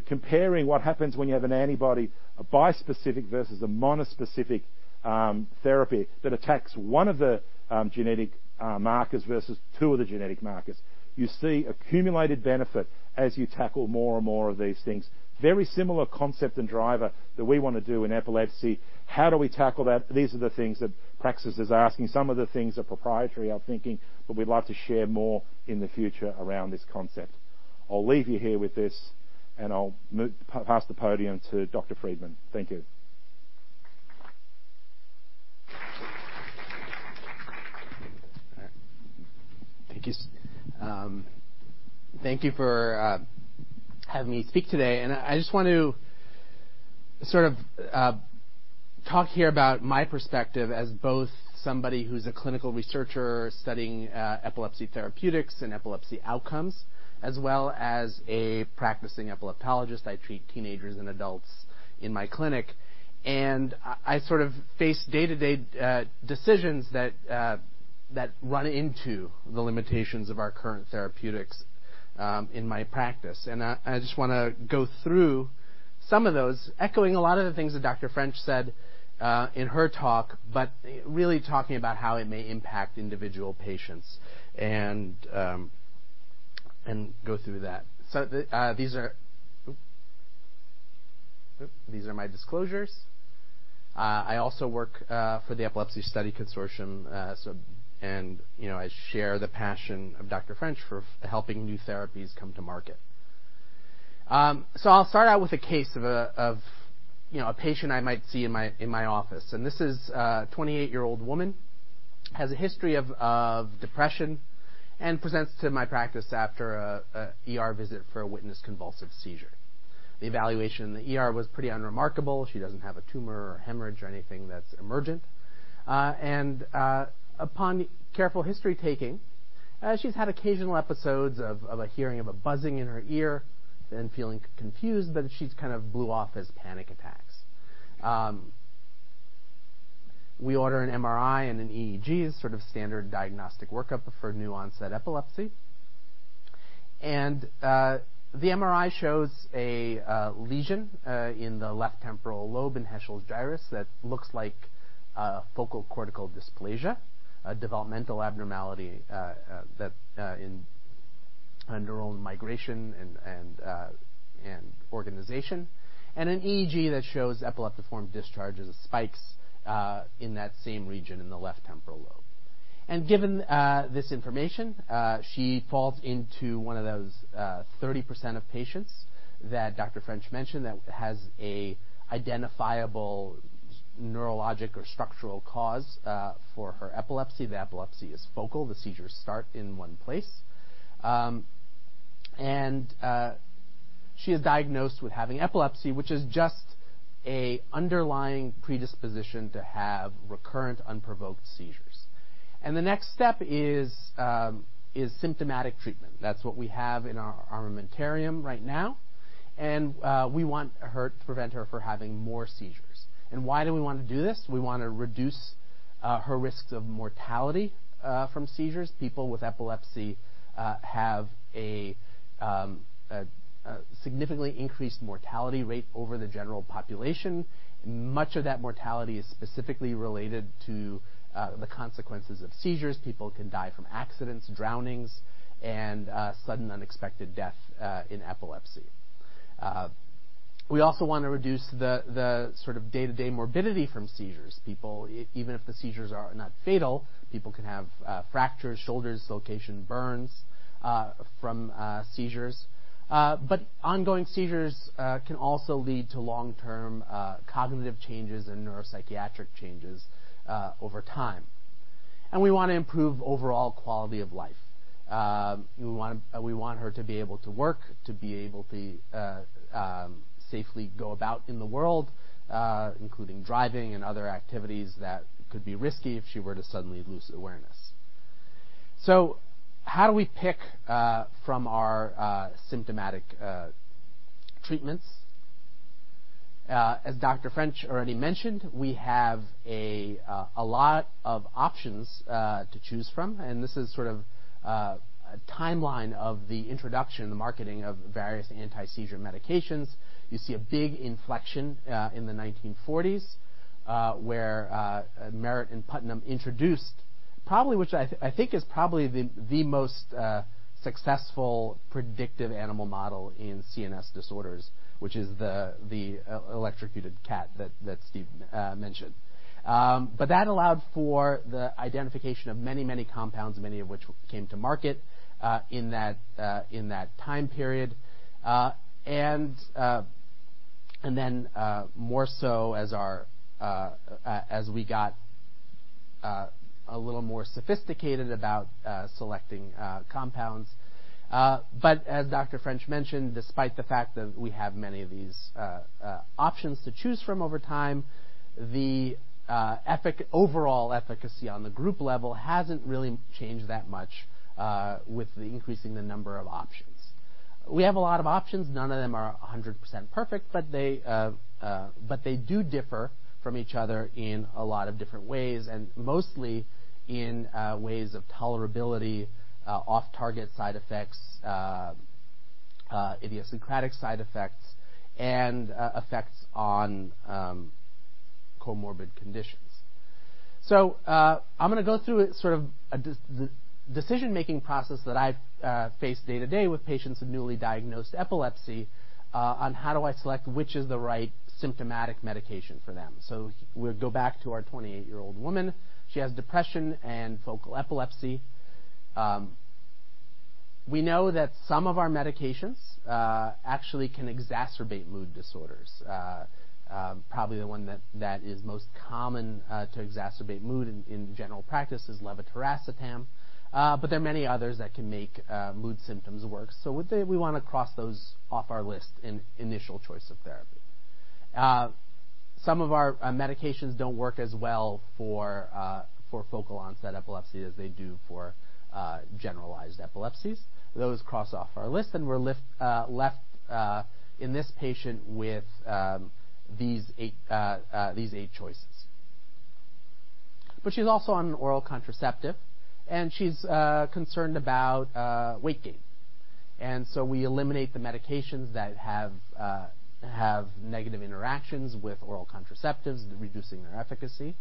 comparing what happens when you have an antibody, a bispecific versus a monospecific therapy that attacks one of the genetic markers versus two of the genetic markers. You see accumulated benefit as you tackle more and more of these things. Very similar concept and driver that we wanna do in epilepsy. How do we tackle that? These are the things that Praxis is asking. Some of the things are proprietary, our thinking, but we'd like to share more in the future around this concept. I'll leave you here with this, and I'll move pass the podium to Dr. Friedman. Thank you. All right. Thank you for having me speak today. I just want to sort of talk here about my perspective as both somebody who's a clinical researcher studying epilepsy therapeutics and epilepsy outcomes, as well as a practicing epileptologist. I treat teenagers and adults in my clinic, and I sort of face day-to-day decisions that run into the limitations of our current therapeutics in my practice. I just wanna go through some of those, echoing a lot of the things that Dr. French said in her talk, but really talking about how it may impact individual patients and go through that. These are my disclosures. I also work for the Epilepsy Study Consortium. You know, I share the passion of Dr. French for helping new therapies come to market. I'll start out with a case of a patient I might see in my office, and this is a 28-year-old woman, has a history of depression and presents to my practice after a ER visit for a witnessed convulsive seizure. The evaluation in the ER was pretty unremarkable. She doesn't have a tumor or a hemorrhage or anything that's emergent. Upon careful history taking, she's had occasional episodes of hearing a buzzing in her ear, then feeling confused, but she kind of blew it off as panic attacks. We order an MRI and an EEG as sort of standard diagnostic workup for new onset epilepsy. The MRI shows a lesion in the left temporal lobe in Heschl's gyrus that looks like a focal cortical dysplasia, a developmental abnormality that in a neural migration and organization. An EEG that shows epileptiform discharges spikes in that same region in the left temporal lobe. Given this information, she falls into one of those 30% of patients that Dr. French mentioned that has an identifiable neurologic or structural cause for her epilepsy. The epilepsy is focal. The seizures start in one place. She is diagnosed with having epilepsy, which is just an underlying predisposition to have recurrent unprovoked seizures. The next step is symptomatic treatment. That's what we have in our armamentarium right now. We want to prevent her from having more seizures. Why do we want to do this? We want to reduce her risks of mortality from seizures. People with epilepsy have a significantly increased mortality rate over the general population. Much of that mortality is specifically related to the consequences of seizures. People can die from accidents, drownings, and sudden unexpected death in epilepsy. We also want to reduce the sort of day-to-day morbidity from seizures. Even if the seizures are not fatal, people can have fractures, shoulder dislocations, burns from seizures. But ongoing seizures can also lead to long-term cognitive changes and neuropsychiatric changes over time. We want to improve overall quality of life. We want her to be able to work, to be able to safely go about in the world, including driving and other activities that could be risky if she were to suddenly lose awareness. How do we pick from our symptomatic treatments? As Dr. French already mentioned, we have a lot of options to choose from, and this is sort of a timeline of the introduction, the marketing of various anti-seizure medications. You see a big inflection in the 1940s, where Merritt and Putnam introduced probably, which I think is probably the most successful predictive animal model in CNS disorders, which is the electrocuted cat that Steve mentioned. That allowed for the identification of many, many compounds, many of which came to market in that time period. More so as we got a little more sophisticated about selecting compounds. As Dr. French mentioned, despite the fact that we have many of these options to choose from over time, the overall efficacy on the group level hasn't really changed that much with increasing the number of options. We have a lot of options. None of them are 100% perfect, but they do differ from each other in a lot of different ways, and mostly in ways of tolerability, off-target side effects, idiosyncratic side effects, and effects on comorbid conditions. I'm going to go through sort of the decision-making process that I face day-to-day with patients with newly diagnosed epilepsy on how do I select which is the right symptomatic medication for them. We'll go back to our 28-year-old woman. She has depression and focal epilepsy. We know that some of our medications actually can exacerbate mood disorders. Probably the one that is most common to exacerbate mood in general practice is levetiracetam, but there are many others that can make mood symptoms worse. We want to cross those off our list in initial choice of therapy. Some of our medications don't work as well for focal onset epilepsy as they do for generalized epilepsies. Those cross off our list, and we're left in this patient with these eight choices. But she's also on oral contraceptive, and she's concerned about weight gain. We eliminate the medications that have negative interactions with oral contraceptives, reducing their efficacy.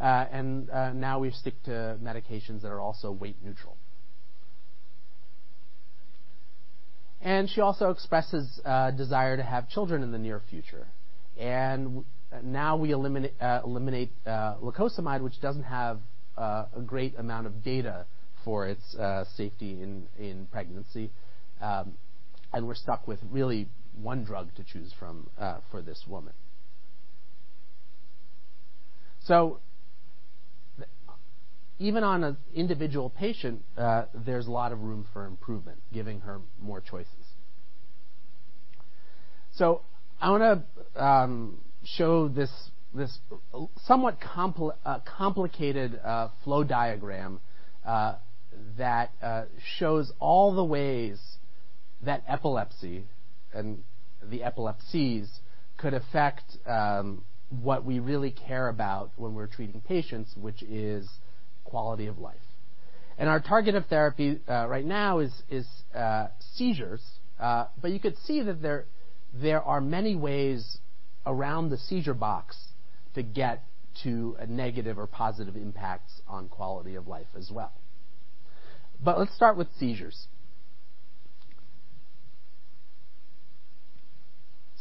Now we stick to medications that are also weight neutral. She also expresses desire to have children in the near future. Now we eliminate lacosamide, which doesn't have a great amount of data for its safety in pregnancy. We're stuck with really one drug to choose from for this woman. Even on an individual patient, there's a lot of room for improvement, giving her more choices. I want to show this somewhat complicated flow diagram that shows all the ways that epilepsy and the epilepsies could affect what we really care about when we're treating patients, which is quality of life. Our target of therapy right now is seizures. You could see that there are many ways around the seizure box to get to a negative or positive impacts on quality of life as well. Let's start with seizures.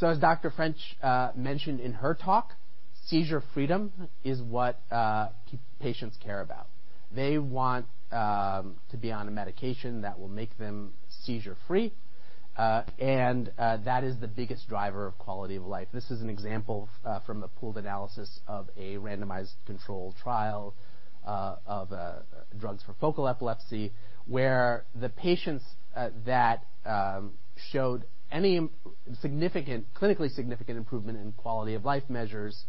As Dr. French mentioned in her talk, seizure freedom is what patients care about. They want to be on a medication that will make them seizure-free, and that is the biggest driver of quality of life. This is an example from a pooled analysis of a randomized controlled trial of drugs for focal epilepsy, where the patients that showed any clinically significant improvement in quality-of-life measures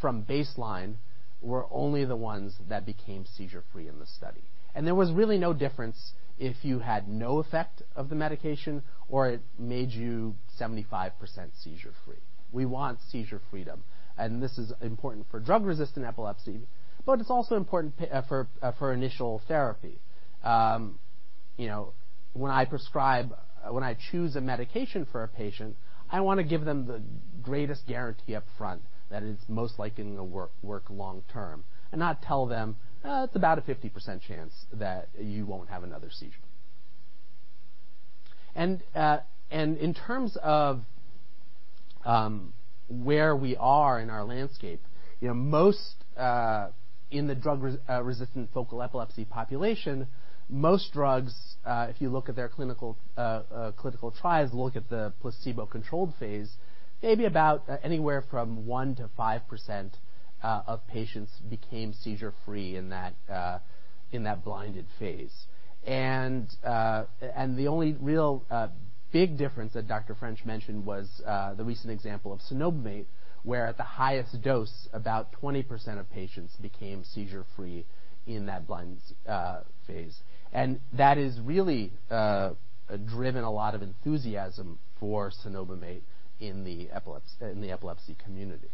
from baseline were only the ones that became seizure free in the study. There was really no difference if you had no effect of the medication or it made you 75% seizure free. We want seizure freedom, and this is important for drug-resistant epilepsy, but it's also important for initial therapy. You know, when I choose a medication for a patient, I wanna give them the greatest guarantee up front that it's most likely gonna work long term and not tell them, "it's about a 50% chance that you won't have another seizure." In terms of where we are in our landscape, you know, most in the drug resistant focal epilepsy population, most drugs, if you look at their clinical trials, look at the placebo-controlled phase, maybe about anywhere from 1%-5% of patients became seizure free in that blinded phase. The only real big difference that Dr. French mentioned was the recent example of cenobamate, where at the highest dose, about 20% of patients became seizure free in that blind phase. That has really driven a lot of enthusiasm for cenobamate in the epilepsy community.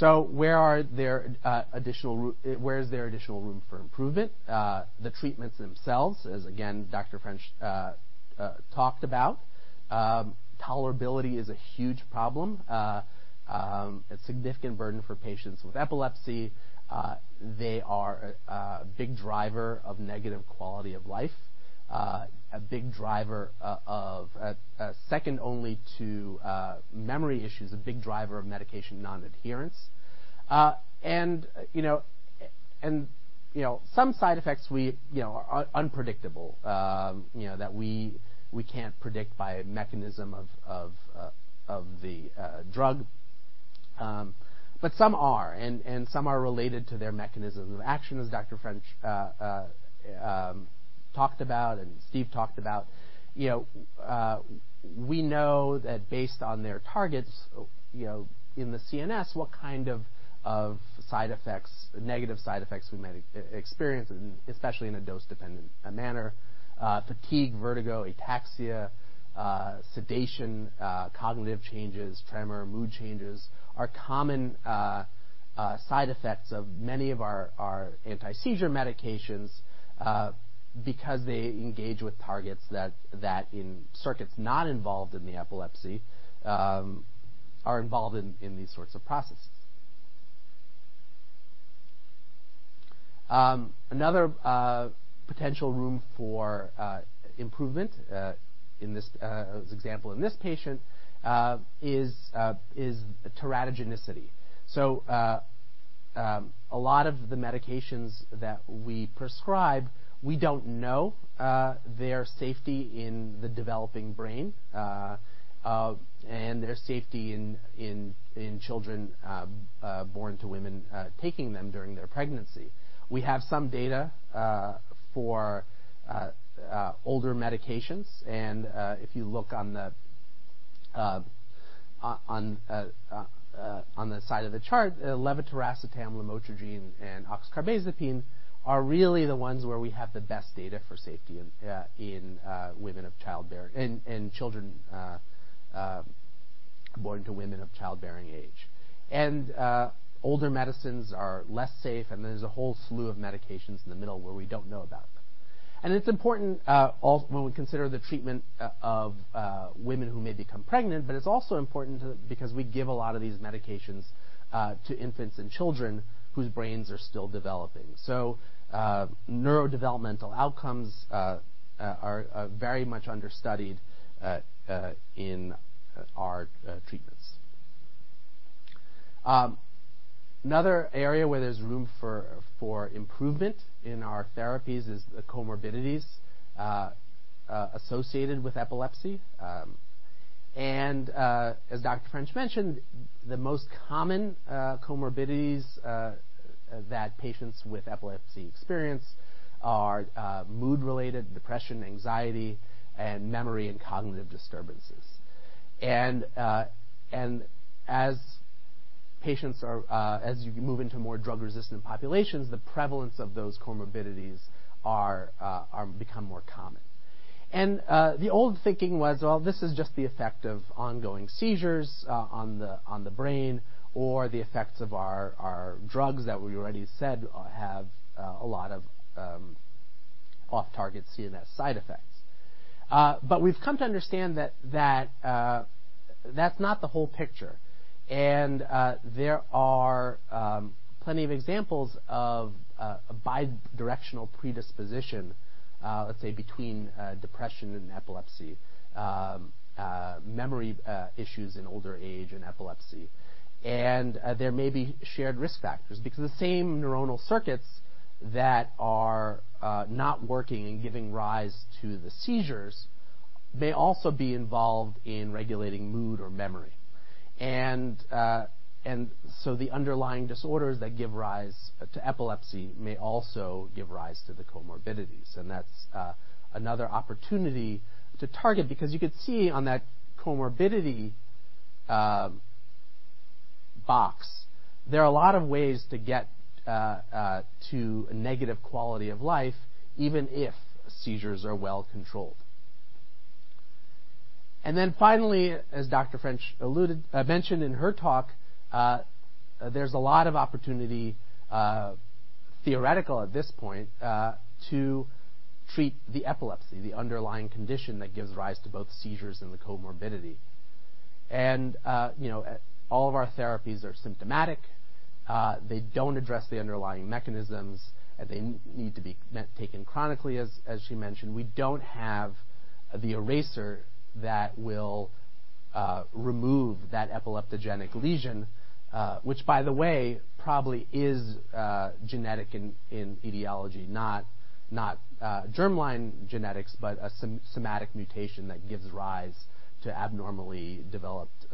Where is there additional room for improvement? The treatments themselves, as again Dr. French talked about, tolerability is a huge problem. A significant burden for patients with epilepsy. They are a big driver of negative quality of life. A big driver of medication non-adherence, second only to memory issues. You know, some side effects we, you know, are unpredictable, you know, that we can't predict by a mechanism of the drug. Some are, and some are related to their mechanism of action, as Dr. French talked about and Steve talked about. You know, we know that based on their targets, you know, in the CNS, what kind of side effects, negative side effects we might experience, and especially in a dose-dependent manner. Fatigue, vertigo, ataxia, sedation, cognitive changes, tremor, mood changes are common side effects of many of our anti-seizure medications because they engage with targets that in circuits not involved in the epilepsy are involved in these sorts of processes. Another potential room for improvement in this example in this patient is teratogenicity. A lot of the medications that we prescribe, we don't know their safety in the developing brain and their safety in children born to women taking them during their pregnancy. We have some data for older medications. If you look on the side of the chart, levetiracetam, lamotrigine, and oxcarbazepine are really the ones where we have the best data for safety in children born to women of childbearing age. Older medicines are less safe, and there's a whole slew of medications in the middle where we don't know about them. It's important when we consider the treatment of women who may become pregnant, but it's also important because we give a lot of these medications to infants and children whose brains are still developing. Neurodevelopmental outcomes are very much understudied in our treatments. Another area where there's room for improvement in our therapies is the comorbidities associated with epilepsy. As Dr. French mentioned, the most common comorbidities that patients with epilepsy experience are mood-related, depression, anxiety, and memory and cognitive disturbances. As you move into more drug-resistant populations, the prevalence of those comorbidities become more common. The old thinking was, well, this is just the effect of ongoing seizures on the brain or the effects of our drugs that we already said have a lot of off-target CNS side effects. We've come to understand that that's not the whole picture. There are plenty of examples of a bi-directional predisposition, let's say between depression and epilepsy, memory issues in older age and epilepsy. There may be shared risk factors because the same neuronal circuits that are not working and giving rise to the seizures may also be involved in regulating mood or memory. The underlying disorders that give rise to epilepsy may also give rise to the comorbidities, and that's another opportunity to target. Because you could see on that comorbidity box, there are a lot of ways to get to negative quality of life, even if seizures are well controlled. Then finally, as Dr. French mentioned in her talk, there's a lot of opportunity, theoretical at this point, to treat the epilepsy, the underlying condition that gives rise to both seizures and the comorbidity. You know, all of our therapies are symptomatic. They don't address the underlying mechanisms. They need to be taken chronically, as she mentioned. We don't have the eraser that will remove that epileptogenic lesion, which, by the way, probably is genetic in etiology, not germline genetics, but a somatic mutation that gives rise to abnormally developed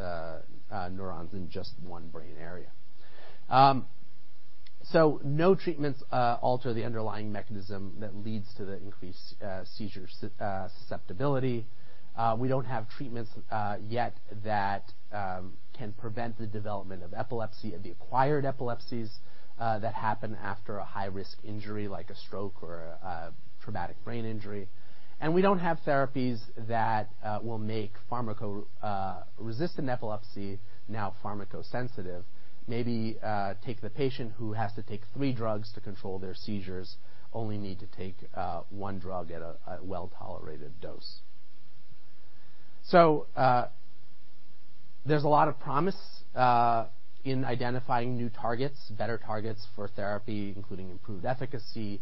neurons in just one brain area. No treatments alter the underlying mechanism that leads to the increased seizure susceptibility. We don't have treatments yet that can prevent the development of epilepsy and the acquired epilepsies that happen after a high-risk injury like a stroke or a traumatic brain injury. We don't have therapies that will make pharmacoresistant epilepsy now pharmacosensitive. Maybe take the patient who has to take three drugs to control their seizures only need to take one drug at a well-tolerated dose. There's a lot of promise in identifying new targets, better targets for therapy, including improved efficacy,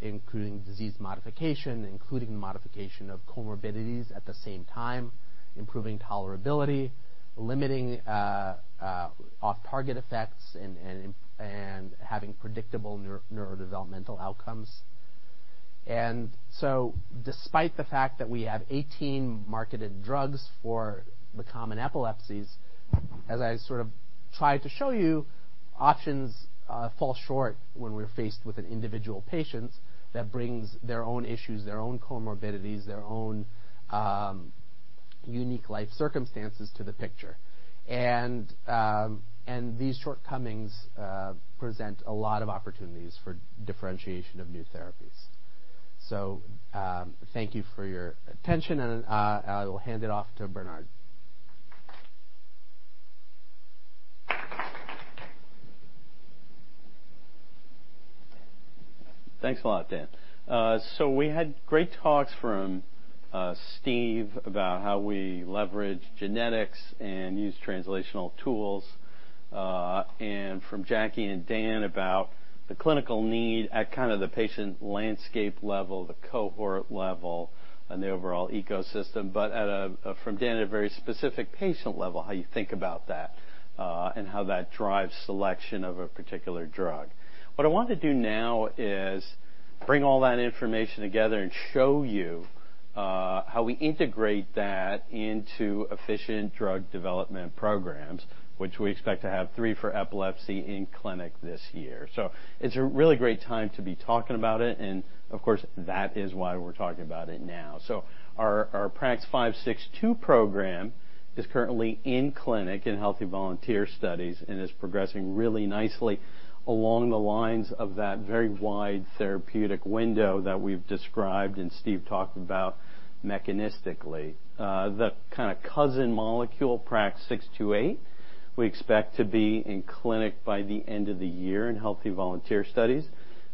including disease modification, including modification of comorbidities at the same time, improving tolerability, limiting off-target effects, and having predictable neurodevelopmental outcomes. Despite the fact that we have 18 marketed drugs for the common epilepsies, as I sort of tried to show you, options fall short when we're faced with an individual patient that brings their own issues, their own comorbidities, their own unique life circumstances to the picture. These shortcomings present a lot of opportunities for differentia tion of new therapies. Thank you for your attention, and I will hand it off to Bernard. Thanks a lot, Dan. We had great talks from Steve about how we leverage genetics and use translational tools, and from Jackie and Dan about the clinical need at kind of the patient landscape level, the cohort level, and the overall ecosystem. From Dan, at a very specific patient level, how you think about that, and how that drives selection of a particular drug. What I want to do now is bring all that information together and show you how we integrate that into efficient drug development programs, which we expect to have three for epilepsy in clinic this year. It's a really great time to be talking about it, and of course, that is why we're talking about it now. Our PRAX-562 program is currently in clinic in healthy volunteer studies and is progressing really nicely along the lines of that very wide therapeutic window that we've described and Steven talked about mechanistically. The kind of cousin molecule, PRAX-628, we expect to be in clinic by the end of the year in healthy volunteer studies.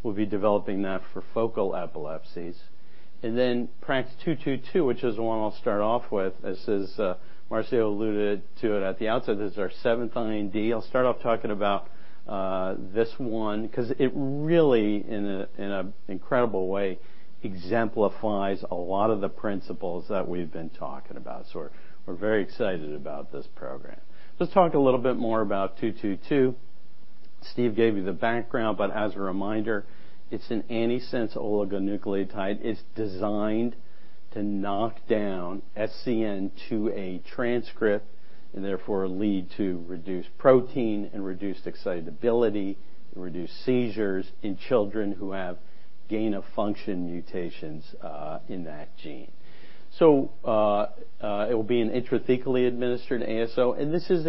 We'll be developing that for focal epilepsies. Then PRAX-222, which is the one I'll start off with. As Marcio alluded to it at the outset, this is our seventh IND. I'll start off talking about this one 'cause it really in an incredible way exemplifies a lot of the principles that we've been talking about. We're very excited about this program. Let's talk a little bit more about 222. Steve gave you the background, but as a reminder, it's an antisense oligonucleotide. It's designed to knock down SCN2A transcript and therefore lead to reduced protein and reduced excitability, and reduce seizures in children who have gain-of-function mutations in that gene. It will be an intrathecally administered ASO, and this is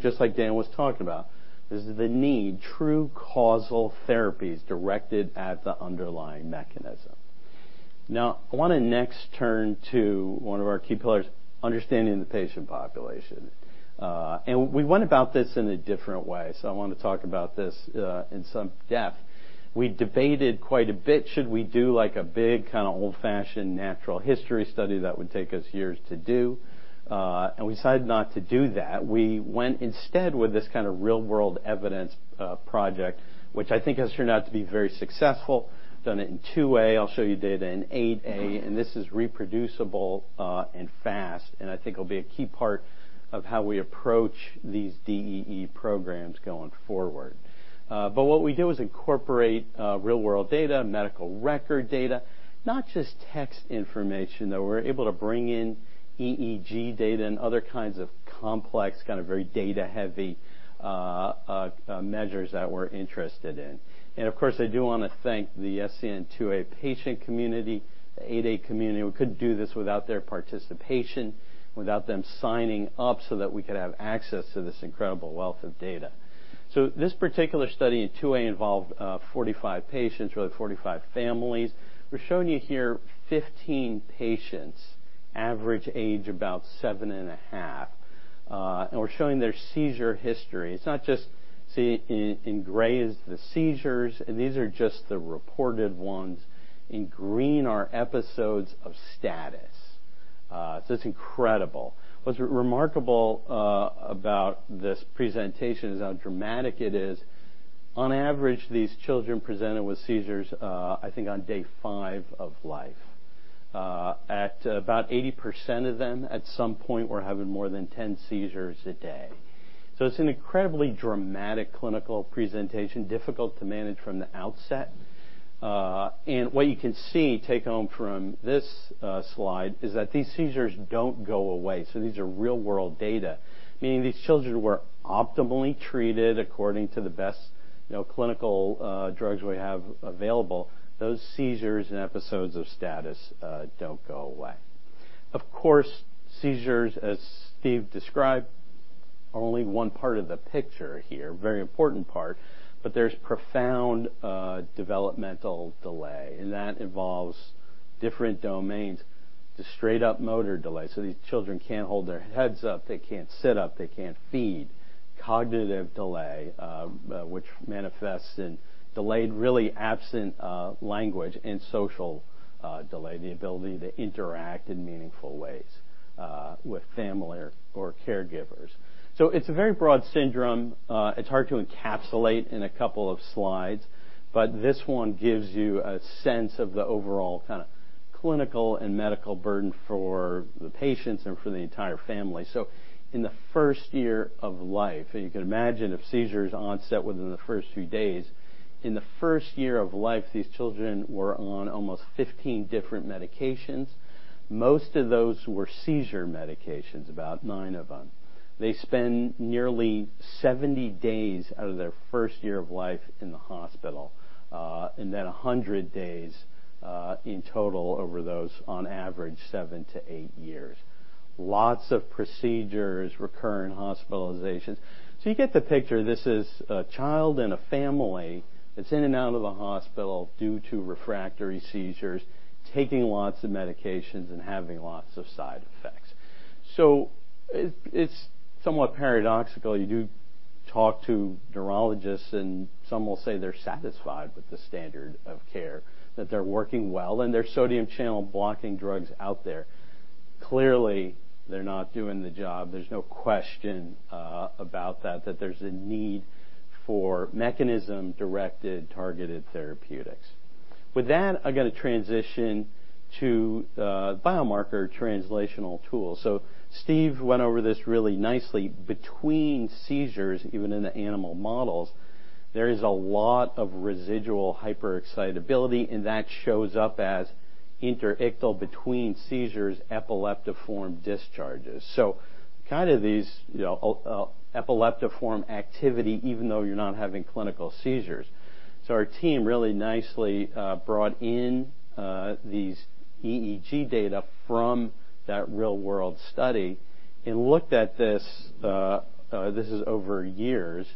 just like Dan was talking about, this is the need, true causal therapies directed at the underlying mechanism. Now, I wanna next turn to one of our key pillars, understanding the patient population. We went about this in a different way, so I wanna talk about this in some depth. We debated quite a bit, should we do like a big, kinda old-fashioned natural history study that would take us years to do? We decided not to do that. We went instead with this kinda real-world evidence project, which I think has turned out to be very successful. Done it in SCN2A. I'll show you data in SCN8A, and this is reproducible and fast. I think it'll be a key part of how we approach these DEE programs going forward. But what we do is incorporate real-world data, medical record data. Not just text information, though. We're able to bring in EEG data and other kinds of complex, kinda very data-heavy measures that we're interested in. Of course, I do wanna thank the SCN2A patient community, the SCN8A community. We couldn't do this without their participation, without them signing up so that we could have access to this incredible wealth of data. This particular study in SCN2A involved 45 patients, really 45 families. We're showing you here 15 patients, average age about 7.5. We're showing their seizure history. See, in gray is the seizures, and these are just the reported ones. In green are episodes of status. It's incredible. What's remarkable about this presentation is how dramatic it is. On average, these children presented with seizures, I think on day five of life. At about 80% of them, at some point, were having more than 10 seizures a day. It's an incredibly dramatic clinical presentation, difficult to manage from the outset. What you can see, take home from this slide is that these seizures don't go away. These are real-world data, meaning these children were optimally treated according to the best, you know, clinical drugs we have available. Those seizures and episodes of status don't go away. Of course, seizures, as Steven Petrou described, are only one part of the picture here. Very important part, but there's profound developmental delay, and that involves different domains to straight up motor delay. These children can't hold their heads up. They can't sit up. They can't feed. Cognitive delay, which manifests in delayed, really absent language and social delay, the ability to interact in meaningful ways with family or caregivers. It's a very broad syndrome. It's hard to encapsulate in a couple of slides, but this one gives you a sense of the overall kinda clinical and medical burden for the patients and for the entire family. In the first year of life, and you can imagine if seizures onset within the first few days, in the first year of life, these children were on almost 15 different medications. Most of those were seizure medications, about nine of them. They spend nearly 70 days out of their first year of life in the hospital, and then 100 days in total over those, on average, seven to eight years. Lots of procedures, recurring hospitalizations. You get the picture. This is a child and a family that's in and out of the hospital due to refractory seizures, taking lots of medications and having lots of side effects. It's somewhat paradoxical. You do talk to neurologists, and some will say they're satisfied with the standard of care, that they're working well, and there's sodium channel blocking drugs out there. Clearly, they're not doing the job. There's no question about that there's a need for mechanism-directed targeted therapeutics. With that, I'm gonna transition to biomarker translational tools. Steve went over this really nicely. Between seizures, even in the animal models, there is a lot of residual hyperexcitability, and that shows up as interictal between seizures, epileptiform discharges. Kind of these, you know, epileptiform activity even though you're not having clinical seizures. Our team really nicely brought in these EEG data from that real-world study and looked at this is over years.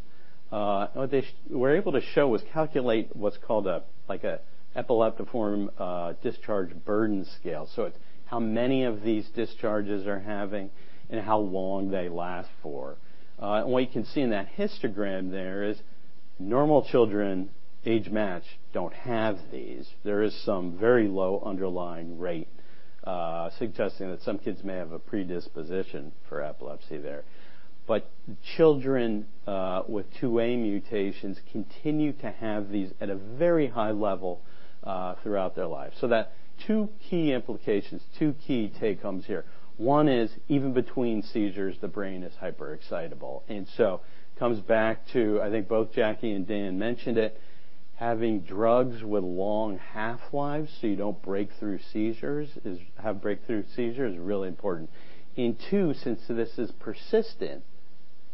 What they were able to show was calculate what's called a, like a epileptiform discharge burden scale. It's how many of these discharges they're having and how long they last for. What you can see in that histogram there is normal children, age-matched, don't have these. There is some very low underlying rate, suggesting that some kids may have a predisposition for epilepsy there. Children with SCN2A mutations continue to have these at a very high level throughout their life. That two key implications, two key take homes here. One is even between seizures, the brain is hyperexcitable. Comes back to, I think both Jackie and Dan mentioned it. Having drugs with long half-lives so you don't have breakthrough seizures is really important. Two, since this is persistent,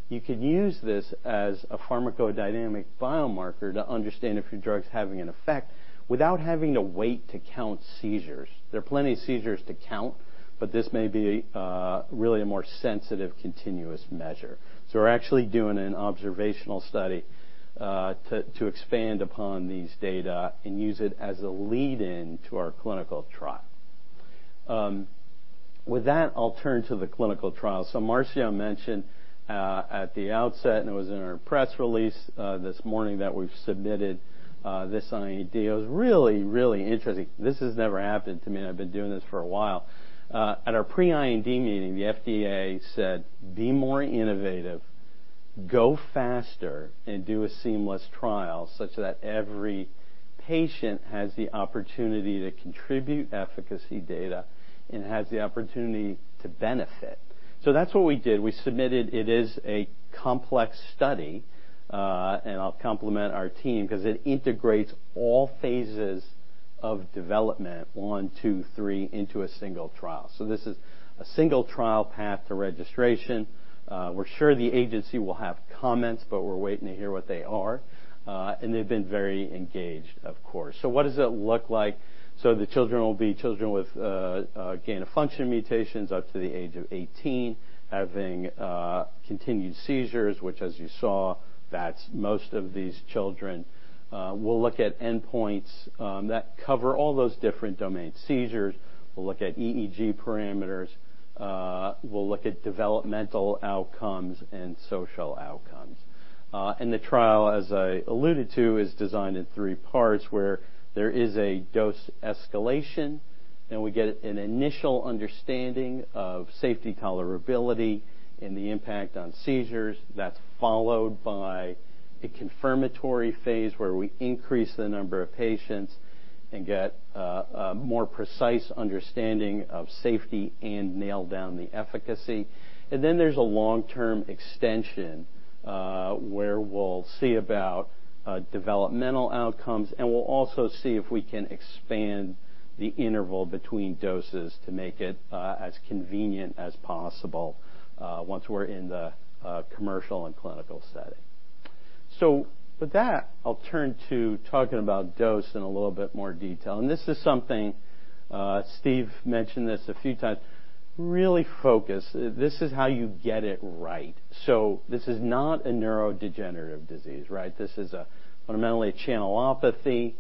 you could use this as a pharmacodynamic biomarker to understand if your drug is having an effect without having to wait to count seizures. There are plenty of seizures to count, but this may be really a more sensitive, continuous measure. We're actually doing an observational study to expand upon these data and use it as a lead in to our clinical trial. With that, I'll turn to the clinical trial. Marcio mentioned at the outset, and it was in our press release this morning that we've submitted this IND. It was really interesting. This has never happened to me, and I've been doing this for a while. At our pre-IND meeting, the FDA said, "Be more innovative, go faster, and do a seamless trial such that every patient has the opportunity to contribute efficacy data and has the opportunity to benefit." That's what we did. We submitted. It is a complex study, and I'll compliment our team 'cause it integrates all phases of development, I, II, III, into a single trial. This is a single trial path to registration. We're sure the agency will have comments, but we're waiting to hear what they are. They've been very engaged, of course. What does it look like? The children will be children with gain-of-function mutations up to the age of 18, having continued seizures, which, as you saw, that's most of these children. We'll look at endpoints that cover all those different domains. Seizures, we'll look at EEG parameters, we'll look at developmental outcomes and social outcomes. The trial, as I alluded to, is designed in three parts where there is a dose escalation, and we get an initial understanding of safety tolerability and the impact on seizures. That's followed by a confirmatory phase where we increase the number of patients and get a more precise understanding of safety and nail down the efficacy. There's a long-term extension, where we'll see about developmental outcomes, and we'll also see if we can expand the interval between doses to make it as convenient as possible once we're in the commercial and clinical setting. With that, I'll turn to talking about dose in a little bit more detail. This is something Steve mentioned a few times. Really focus. This is how you get it right. This is not a neurodegenerative disease, right? This is a fundamentally a channelopathy.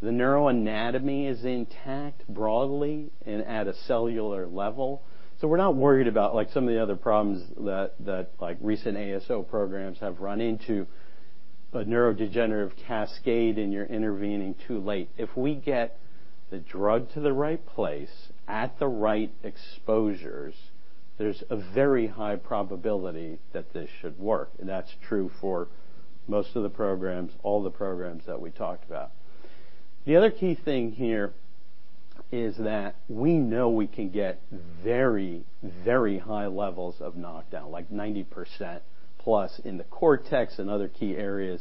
The neuroanatomy is intact broadly and at a cellular level. We're not worried about, like, some of the other problems that, like, recent ASO programs have run into, a neurodegenerative cascade, and you're intervening too late. If we get the drug to the right place at the right exposures, there's a very high probability that this should work. That's true for most of the programs, all the programs that we talked about. The other key thing here is that we know we can get very, very high levels of knockdown, like 90% plus in the cortex and other key areas,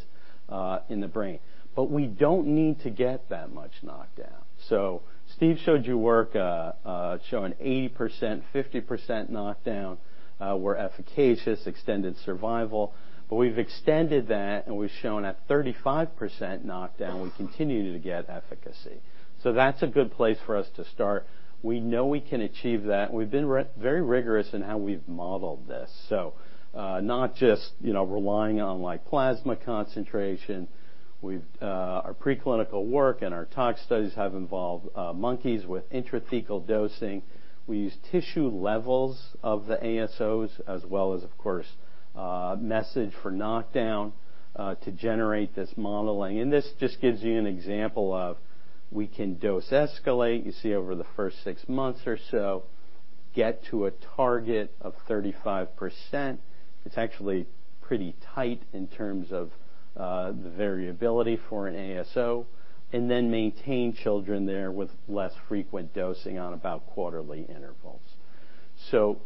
in the brain. We don't need to get that much knockdown. Steve showed you work showing 80%, 50% knockdown were efficacious, extended survival. We've extended that, and we've shown at 35% knockdown, we continue to get efficacy. That's a good place for us to start. We know we can achieve that, and we've been very rigorous in how we've modeled this. Not just, you know, relying on, like, plasma concentration. We've our preclinical work and our tox studies have involved monkeys with intrathecal dosing. We use tissue levels of the ASOs as well as, of course, message for knockdown to generate this modeling. This just gives you an example of we can dose escalate, you see over the first six months or so, get to a target of 35%. It's actually pretty tight in terms of the variability for an ASO, and then maintain that level there with less frequent dosing on about quarterly intervals.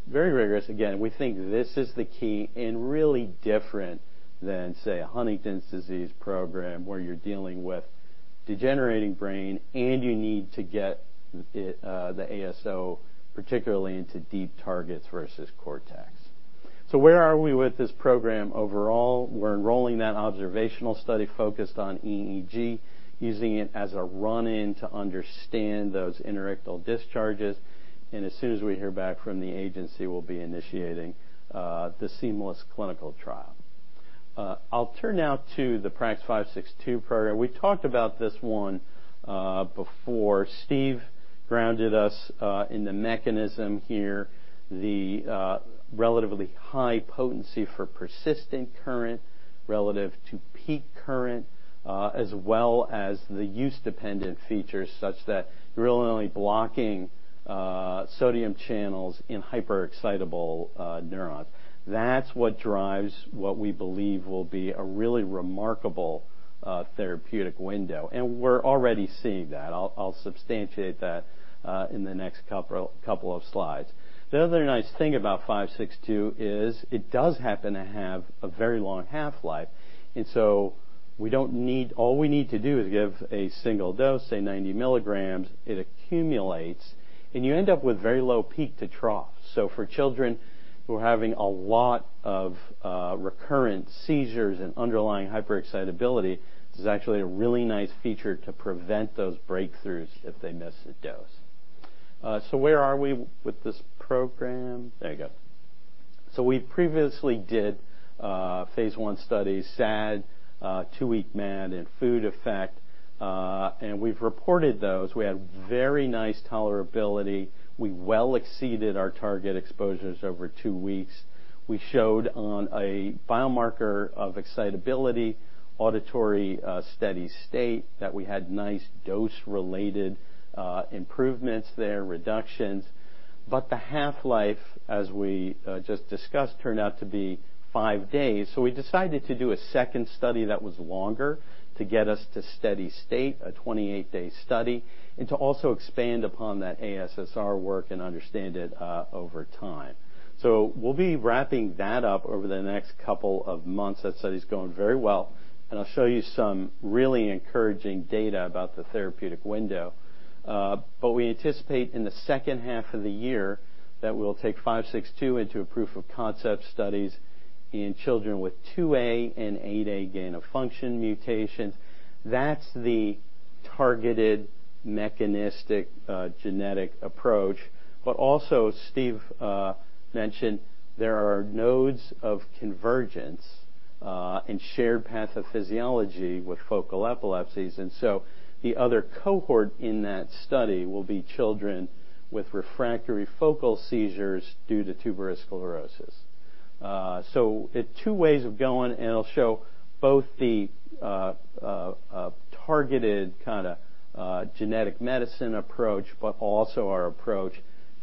Very rigorous. We think this is the key and really different than, say, a Huntington's disease program where you're dealing with degenerating brain, and you need to get it, the ASO, particularly into deep targets versus cortex. Where are we with this program overall? We're enrolling that observational study focused on EEG, using it as a run-in to understand those interictal discharges. As soon as we hear back from the agency, we'll be initiating the seamless clinical trial. I'll turn now to the PRAX-562 program. We talked about this one before. Steve grounded us in the mechanism here, the relatively high potency for persistent current relative to peak current, as well as the use-dependent features such that you're only blocking sodium channels in hyperexcitable neurons. That's what drives what we believe will be a really remarkable therapeutic window. We're already seeing that. I'll substantiate that in the next couple of slides. The other nice thing about five six two is it does happen to have a very long half-life, and so all we need to do is give a single dose, say 90 mg. It accumulates, and you end up with very low peak to trough. For children who are having a lot of recurrent seizures and underlying hyperexcitability, this is actually a really nice feature to prevent those breakthroughs if they miss a dose. Where are we with this program? There you go. We previously did phase I studies, SAD, two-week MAD, and food effect, and we've reported those. We had very nice tolerability. We well exceeded our target exposures over two weeks. We showed on a biomarker of excitability, auditory steady state, that we had nice dose-related improvements there, reductions. The half-life, as we just discussed, turned out to be five days, so we decided to do a second study that was longer to get us to steady state, a 28-day study, and to also expand upon that ASSR work and understand it over time. We'll be wrapping that up over the next couple of months. That study's going very well, and I'll show you some really encouraging data about the therapeutic window. We anticipate in the second half of the year that we'll take PRAX-562 into proof-of-concept studies in children with SCN2A and SCN8A gain-of-function mutations. That's the targeted mechanistic genetic approach. Steve mentioned there are nodes of convergence and shared pathophysiology with focal epilepsies, and the other cohort in that study will be children with refractory focal seizures due to tuberous sclerosis. Two ways of going, and it'll show both the targeted kinda genetic medicine approach, but also our approach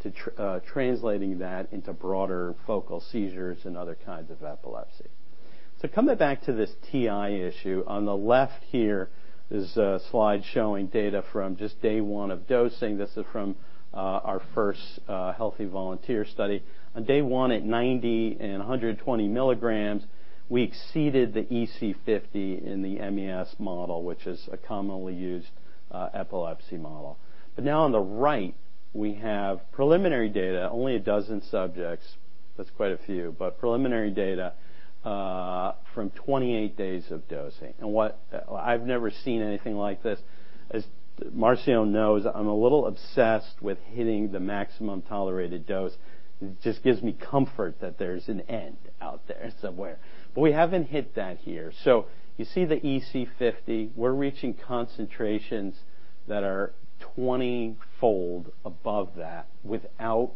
to translating that into broader focal seizures and other kinds of epilepsy. Coming back to this TI issue, on the left here is a slide showing data from just day one of dosing. This is from our first healthy volunteer study. On day one at 90 and 120 mg, we exceeded the EC50 in the MES model, which is a commonly used epilepsy model. Now on the right, we have preliminary data, only a dozen subjects. That's quite a few. Preliminary data from 28 days of dosing. I've never seen anything like this. As Marcio knows, I'm a little obsessed with hitting the maximum tolerated dose. It just gives me comfort that there's an end out there somewhere. We haven't hit that here. You see the EC50. We're reaching concentrations that are 20-fold above that without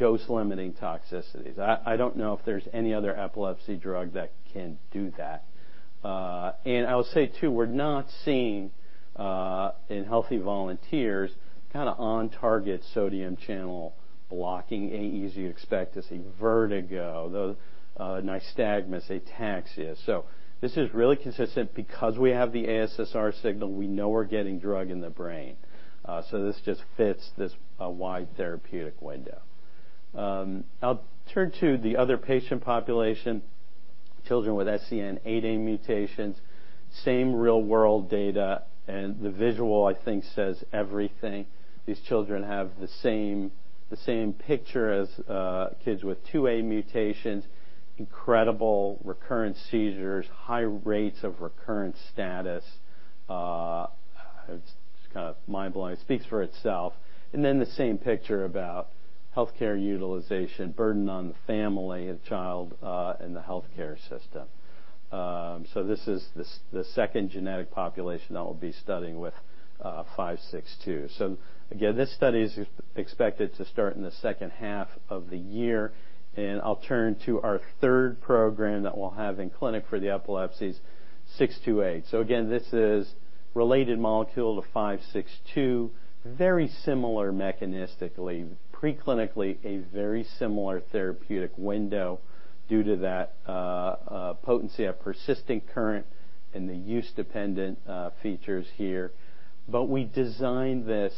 dose-limiting toxicities. I don't know if there's any other epilepsy drug that can do that. I'll say too, we're not seeing in healthy volunteers kinda on-target sodium channel blocking AEs you'd expect to see, vertigo, the nystagmus, ataxia. This is really consistent. Because we have the ASSR signal, we know we're getting drug in the brain. This just fits this wide therapeutic window. I'll turn to the other patient population, children with SCN8A mutations. Same real-world data, and the visual, I think, says everything. These children have the same picture as kids with SCN2A mutations, incredible recurrent seizures, high rates of recurrent status. It's just kinda mind-blowing. It speaks for itself. The same picture about healthcare utilization, burden on the family, the child, and the healthcare system. This is the second genetic population that we'll be studying with PRAX-562. Again, this study is expected to start in the second half of the year, and I'll turn to our third program that we'll have in clinic for the epilepsies, PRAX-628. Again, this is related molecule to PRAX-562. Very similar mechanistically. Preclinically, a very similar therapeutic window due to that, potency of persistent current and the use-dependent, features here. We designed this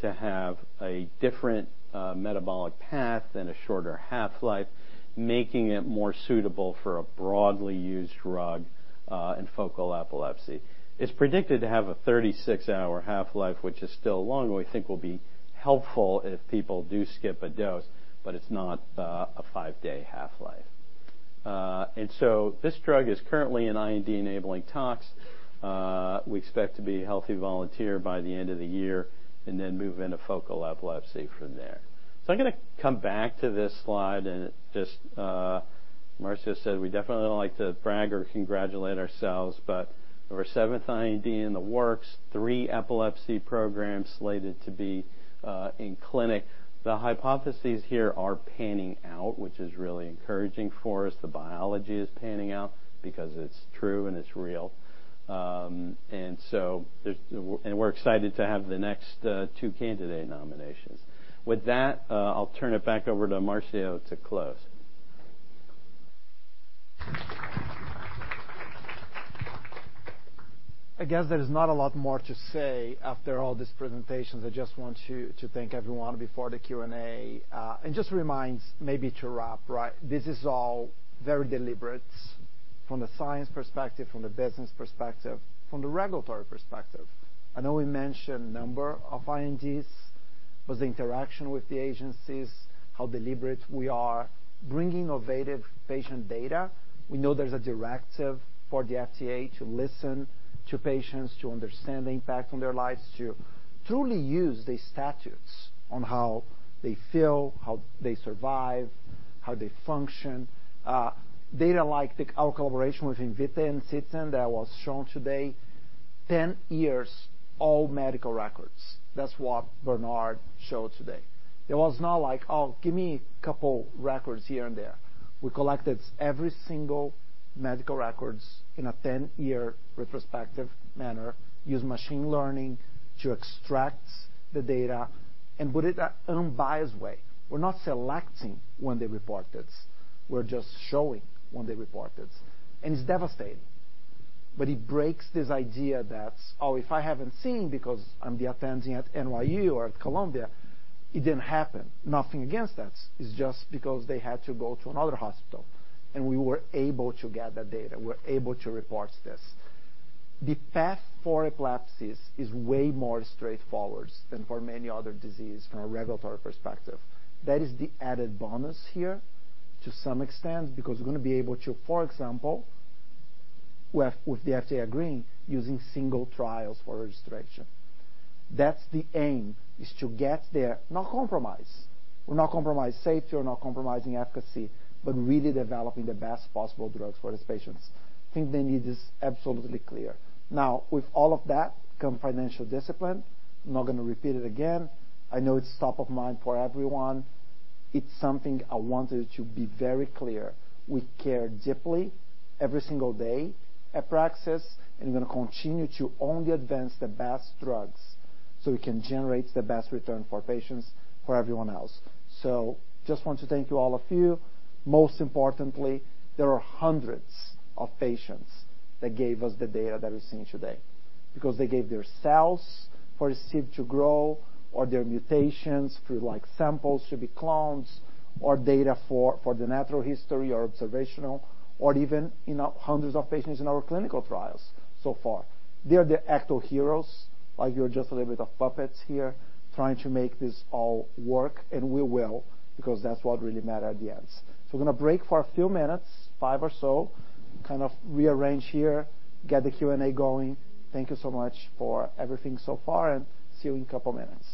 to have a different, metabolic path and a shorter half-life, making it more suitable for a broadly used drug, in focal epilepsy. It's predicted to have a 36-hour half-life, which is still long and we think will be helpful if people do skip a dose, but it's not, a five-day half-life. This drug is currently in IND-enabling tox. We expect to be healthy volunteer by the end of the year and then move into focal epilepsy from there. I'm gonna come back to this slide, and just, Marcio said we definitely don't like to brag or congratulate ourselves, but our seveth IND in the works, three epilepsy programs slated to be, in clinic. The hypotheses here are panning out, which is really encouraging for us. The biology is panning out because it's true and it's real. We're excited to have the next two candidate nominations. With that, I'll turn it back over to Marcio to close. I guess there is not a lot more to say after all these presentations. I just want to thank everyone before the Q and A, and just remind maybe to wrap, right? This is all very deliberate from the science perspective, from the business perspective, from the regulatory perspective. I know we mentioned number of INDs, was the interaction with the agencies, how deliberate we are bringing innovative patient data. We know there's a directive for the FDA to listen to patients, to understand the impact on their lives, to truly use the statutes on how they feel, how they survive, how they function. Data like our collaboration with Invitae and Ciitizen that was shown today, 10 years all medical records. That's what Bernard showed today. It was not like, "Oh, give me a couple records here and there." We collected every single medical records in a 10-year retrospective manner, used machine learning to extract the data and put it in an unbiased way. We're not selecting when they report it. We're just showing when they report it, and it's devastating. It breaks this idea that, "Oh, if I haven't seen it because I'm the attending at NYU or at Columbia, it didn't happen." Nothing against us. It's just because they had to go to another hospital, and we were able to get that data. We're able to report this. The path for epilepsies is way more straightforward than for many other diseases from a regulatory perspective. That is the added bonus here to some extent, because we're gonna be able to, for example, with the FDA agreeing, using single trials for registration. That's the aim, is to get there, not compromise. We're not compromising safety, we're not compromising efficacy, but really developing the best possible drugs for these patients. I think the need is absolutely clear. Now, with all of that come financial discipline. I'm not gonna repeat it again. I know it's top of mind for everyone. It's something I wanted to be very clear. We care deeply every single day at Praxis, and we're gonna continue to only advance the best drugs so we can generate the best return for patients, for everyone else. Just want to thank you all of you. Most importantly, there are hundreds of patients that gave us the data that we've seen today because they gave their cells for a seed to grow or their mutations through like samples to be cloned or data for the natural history or observational or even in hundreds of patients in our clinical trials so far. They are the actual heroes, like you're just a little bit of puppets here trying to make this all work, and we will because that's what really matter at the end. We're gonna break for a few minutes, five or so, kind of rearrange here, get the Q and A going. Thank you so much for everything so far, and see you in a couple minutes.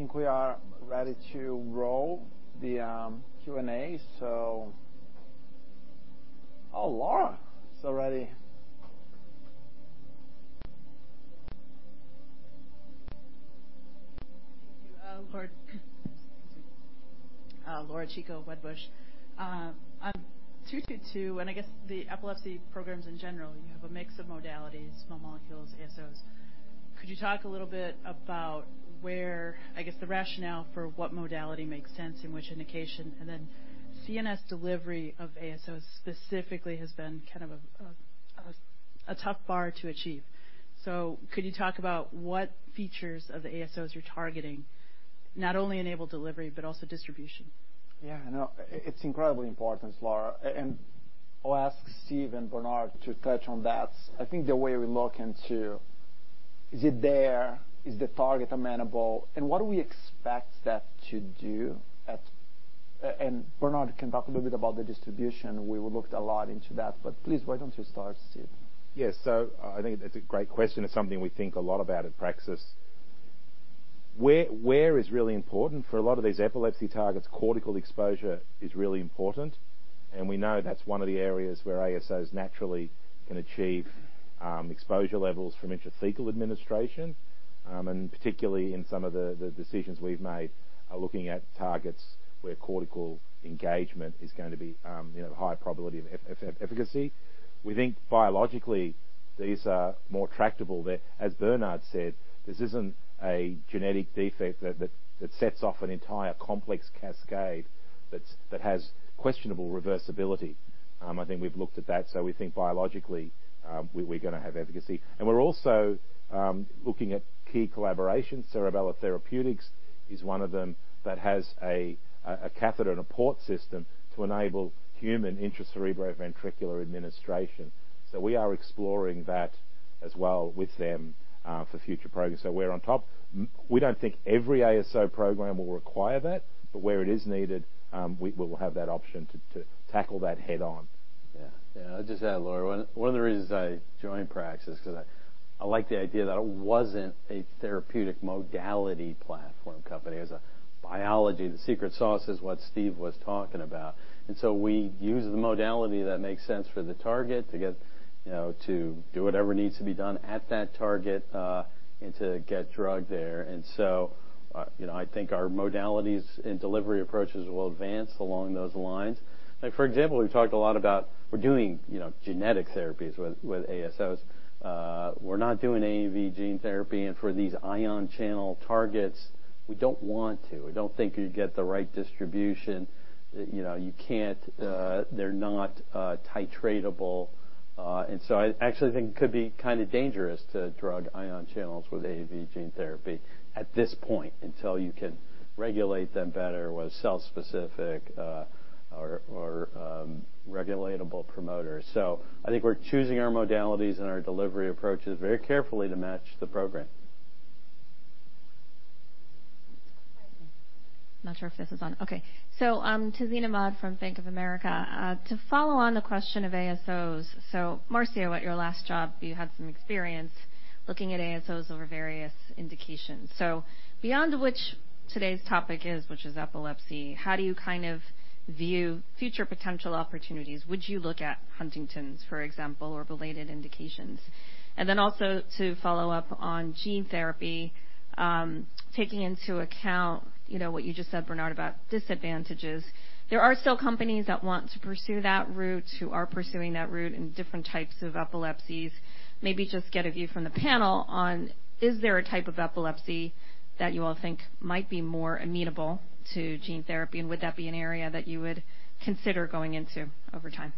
All right, I think we are ready to roll the Q and A. Oh, Laura is already- Thank you, Laura Chico, Wedbush. On PRAX-222, and I guess the epilepsy programs in general, you have a mix of modalities, small molecules, ASOs. Could you talk a little bit about where I guess, the rationale for what modality makes sense in which indication? And then CNS delivery of ASOs specifically has been kind of a high bar to achieve. So could you talk about what features of the ASOs you're targeting, not only enable delivery but also distribution? Yeah, no. It's incredibly important, Laura. And I'll ask Steve and Bernard to touch on that. I think the way we look into is it there? Is the target amenable? And what do we expect that to do at. And Bernard can talk a little bit about the distribution. We looked a lot into that. But please, why don't you start, Steve? Yes. I think that's a great question. It's something we think a lot about at Praxis. Where is really important for a lot of these epilepsy targets, cortical exposure is really important, and we know that's one of the areas where ASOs naturally can achieve exposure levels from intrathecal administration. Particularly in some of the decisions we've made are looking at targets where cortical engagement is gonna be you know high probability of efficacy. We think biologically these are more tractable. As Bernard said, this isn't a genetic defect that sets off an entire complex cascade that's that has questionable reversibility. I think we've looked at that, so we think biologically we're gonna have efficacy. We're also looking at key collaborations. Cerebral Therapeutics is one of them that has a catheter and a port system to enable human intracerebroventricular administration. We are exploring that as well with them for future programs. We're on top. We don't think every ASO program will require that, but where it is needed, we will have that option to tackle that head-on. Yeah. Yeah. I'll just add, Laura. One of the reasons I joined Praxis ‘cause I like the idea that it wasn't a therapeutic modality platform company. It was a biology. The secret sauce is what Steve was talking about. We use the modality that makes sense for the target to get, you know, to do whatever needs to be done at that target, and to get drug there. You know, I think our modalities and delivery approaches will advance along those lines. Like, for example, we've talked a lot about we're doing, you know, genetic therapies with ASOs. We're not doing AAV gene therapy. For these ion channel targets, we don't want to. We don't think you'd get the right distribution. You know, you can't. They're not titratable. I actually think it could be kinda dangerous to drug ion channels with AAV gene therapy at this point until you can regulate them better with cell-specific, regulatable promoters. I think we're choosing our modalities and our delivery approaches very carefully to match the program. Not sure if this is on. Okay. I'm Tazeen Ahmad from Bank of America. To follow on the question of ASOs. Marcio, at your last job, you had some experience looking at ASOs over various indications. Beyond which today's topic is, which is epilepsy, how do you kind of view future potential opportunities? Would you look at Huntington's, for example, or related indications? To follow up on gene therapy, taking into account, you know, what you just said, Bernard, about disadvantages. There are still companies that want to pursue that route, who are pursuing that route in different types of epilepsies. Maybe just get a view from the panel on, is there a type of epilepsy that you all think might be more amenable to gene therapy? Would that be an area that you would consider going into over time?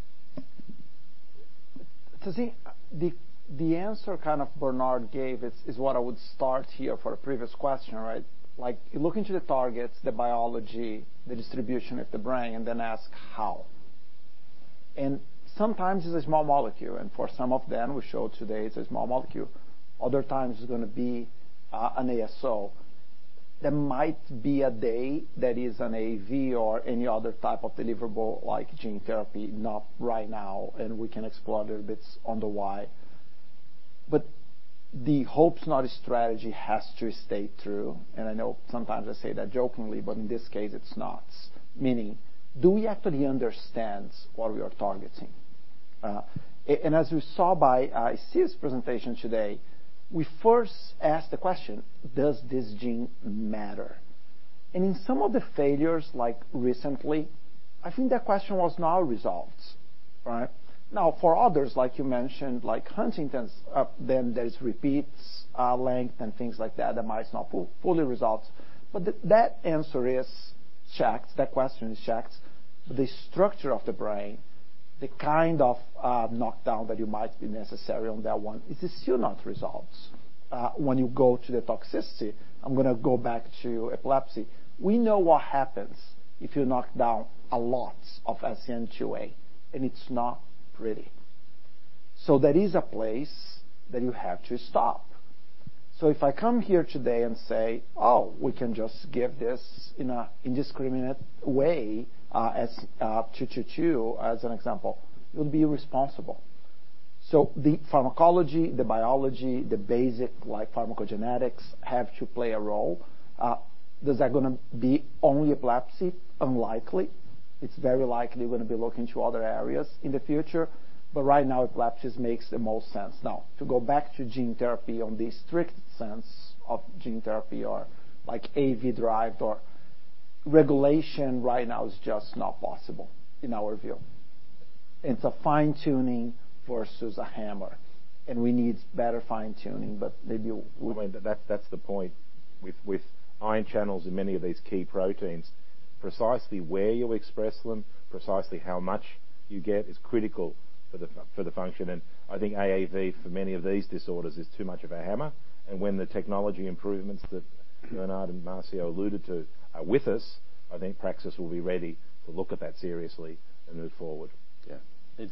Tazeen, the answer kind of Bernard gave is what I would start here for a previous question, right? Like, look into the targets, the biology, the distribution of the brain, and then ask how. Sometimes it's a small molecule, and for some of them, we showed today it's a small molecule. Other times it's gonna be an ASO. There might be a day that is an AAV or any other type of deliverable like gene therapy, not right now, and we can explore other bits on the why. But the hopes not a strategy has to stay true. I know sometimes I say that jokingly, but in this case, it's not. Meaning, do we actually understand what we are targeting? And as you saw by Steve's presentation today, we first ask the question, does this gene matter? In some of the failures, like recently, I think that question was now resolved, right? For others, like you mentioned, like Huntington's, then there is repeat length and things like that that might not fully resolve. That answer is checked. That question is checked. The structure of the brain, the kind of knockdown that you might be necessary on that one is still not resolved. When you go to the toxicity, I'm gonna go back to epilepsy. We know what happens if you knock down a lot of SCN2A, and it's not pretty. There is a place that you have to stop. If I come here today and say, "Oh, we can just give this in an indiscriminate way," PRAX-222 as an example, it would be irresponsible. The pharmacology, the biology, the basic like pharmacogenetics, have to play a role. Is that gonna be only epilepsy? Unlikely. It's very likely we're gonna be looking to other areas in the future. Right now, epilepsy makes the most sense. Now, to go back to gene therapy on the strict sense of gene therapy or like AAV-derived or regulation right now is just not possible in our view. It's a fine-tuning versus a hammer, and we need better fine-tuning. I mean, that's the point with ion channels and many of these key proteins. Precisely where you express them, precisely how much you get is critical for the function. I think AAV, for many of these disorders, is too much of a hammer. When the technology improvements that Bernard and Marcio alluded to are with us, I think Praxis will be ready to look at that seriously and move forward. Yeah. It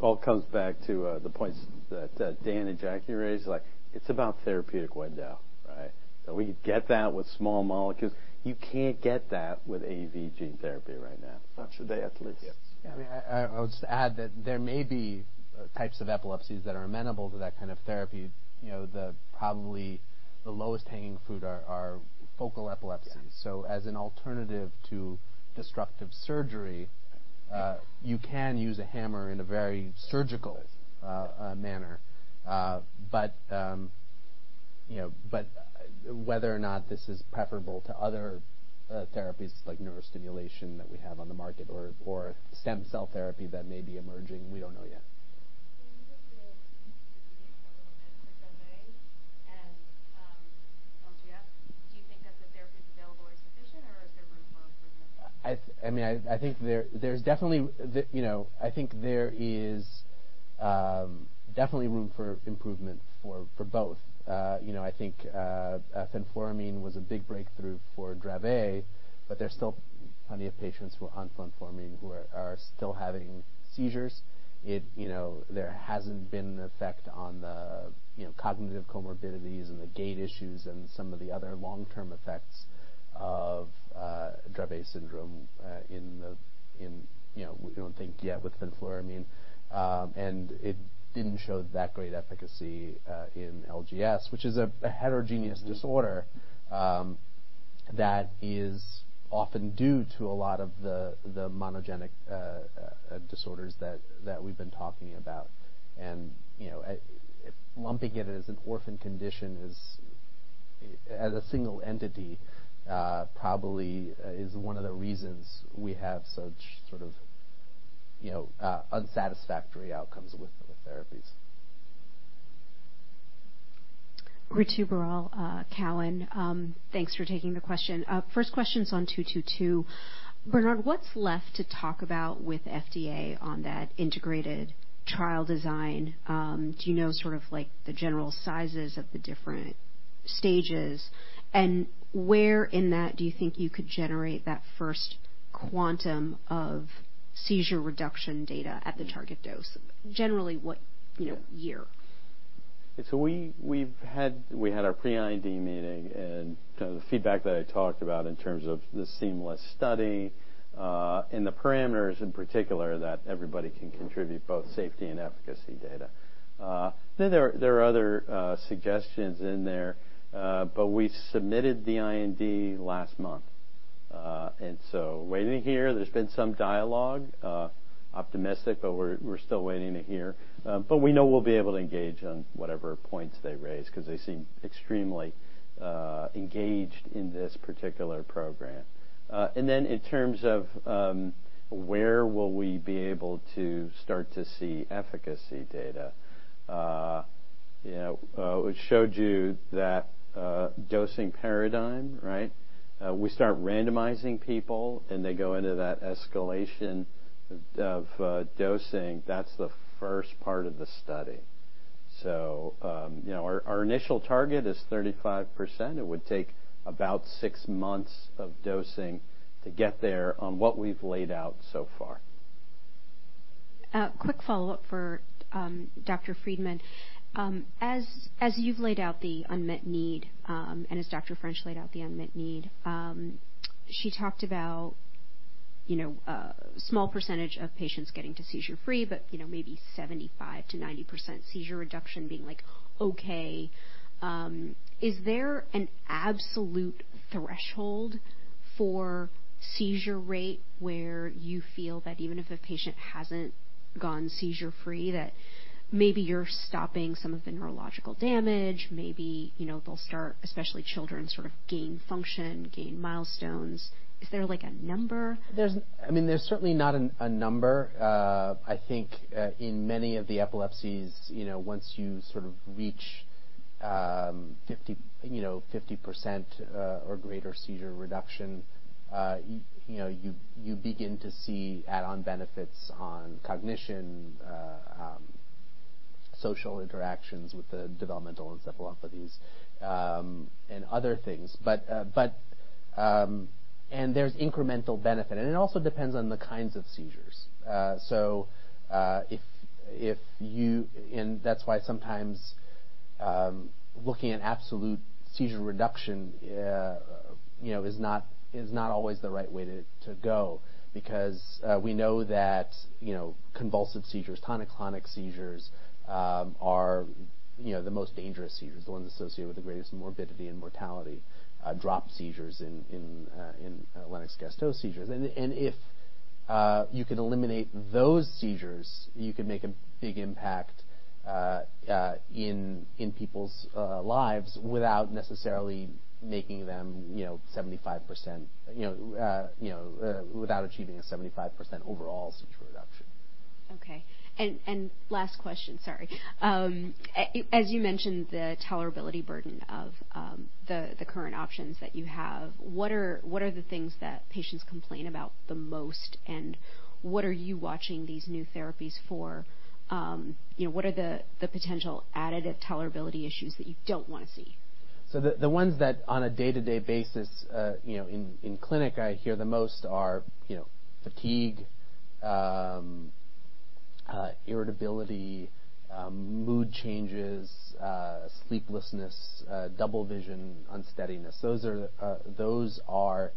all comes back to the points that Dan and Jackie raised. Like, it's about therapeutic window, right? That we get that with small molecules. You can't get that with AAV gene therapy right now. Not today, at least. Yes. Yeah. I would just add that there may be types of epilepsies that are amenable to that kind of therapy. You know, probably the lowest hanging fruit are focal epilepsies. Yeah. As an alternative to destructive surgery, you can use a hammer in a very surgical manner. You know, but whether or not this is preferable to other therapies like neurostimulation that we have on the market or stem cell therapy that may be emerging, we don't know yet. Can you just give me a little bit for Dravet and LGS? Do you think that the therapies available are sufficient or is there room for improvement? I mean, I think there is definitely room for improvement for both. You know, I think fenfluramine was a big breakthrough for Dravet, but there's still plenty of patients who are on fenfluramine who are still having seizures. You know, there hasn't been an effect on the, you know, cognitive comorbidities and the gait issues and some of the other long-term effects of Dravet syndrome, in, you know, we don't think yet with fenfluramine. It didn't show that great efficacy in LGS, which is a heterogeneous disorder that is often due to a lot of the monogenic disorders that we've been talking about. You know, lumping it as an orphan condition is, as a single entity, probably, is one of the reasons we have such sort of, you know, unsatisfactory outcomes with the therapies. Ritu Baral, Cowen. Thanks for taking the question. First question's on PRAX-222. Bernard, what's left to talk about with FDA on that integrated trial design? Do you know sort of like the general sizes of the different stages? Where in that do you think you could generate that first quantum of seizure reduction data at the target dose? Generally what, you know, year? We've had our pre-IND meeting and, you know, the feedback that I talked about in terms of the seamless study, and the parameters in particular that everybody can contribute both safety and efficacy data. There are other suggestions in there, but we submitted the IND last month. Waiting to hear. There's been some dialogue. Optimistic, but we're still waiting to hear. We know we'll be able to engage on whatever points they raise 'cause they seem extremely engaged in this particular program. In terms of where will we be able to start to see efficacy data. You know, we showed you that dosing paradigm, right? We start randomizing people, and they go into that escalation of dosing. That's the first part of the study. You know, our initial target is 35%. It would take about six months of dosing to get there on what we've laid out so far. Quick follow-up for Dr. Friedman. As you've laid out the unmet need, and as Dr. French laid out the unmet need, she talked about, you know, small percentage of patients getting to seizure-free, but, you know, maybe 75%-90% seizure reduction being, like, okay. Is there an absolute threshold for seizure rate where you feel that even if a patient hasn't gone seizure-free, that maybe you're stopping some of the neurological damage, maybe, you know, they'll start, especially children, sort of gain function, gain milestones? Is there like a number? There's certainly not a number. I think in many of the epilepsies, you know, once you sort of reach 50%, you know, you begin to see add-on benefits on cognition, social interactions with the developmental encephalopathies, and other things. But there's incremental benefit. It also depends on the kinds of seizures. If you-- That's why sometimes looking at absolute seizure reduction, you know, is not always the right way to go because we know that, you know, convulsive seizures, tonic-clonic seizures are the most dangerous seizures, the ones associated with the greatest morbidity and mortality. Drop seizures in Lennox-Gastaut seizures. If you could eliminate those seizures, you could make a big impact in people's lives without necessarily making them, you know, 75%. You know without achieving a 75% overall seizure reduction. Last question, sorry. As you mentioned the tolerability burden of the current options that you have, what are the things that patients complain about the most, and what are you watching these new therapies for? You know, what are the potential additive tolerability issues that you don't wanna see? The ones that on a day-to-day basis, you know, in clinic I hear the most are, you know, fatigue, irritability, mood changes, sleeplessness, double vision, unsteadiness. Those are the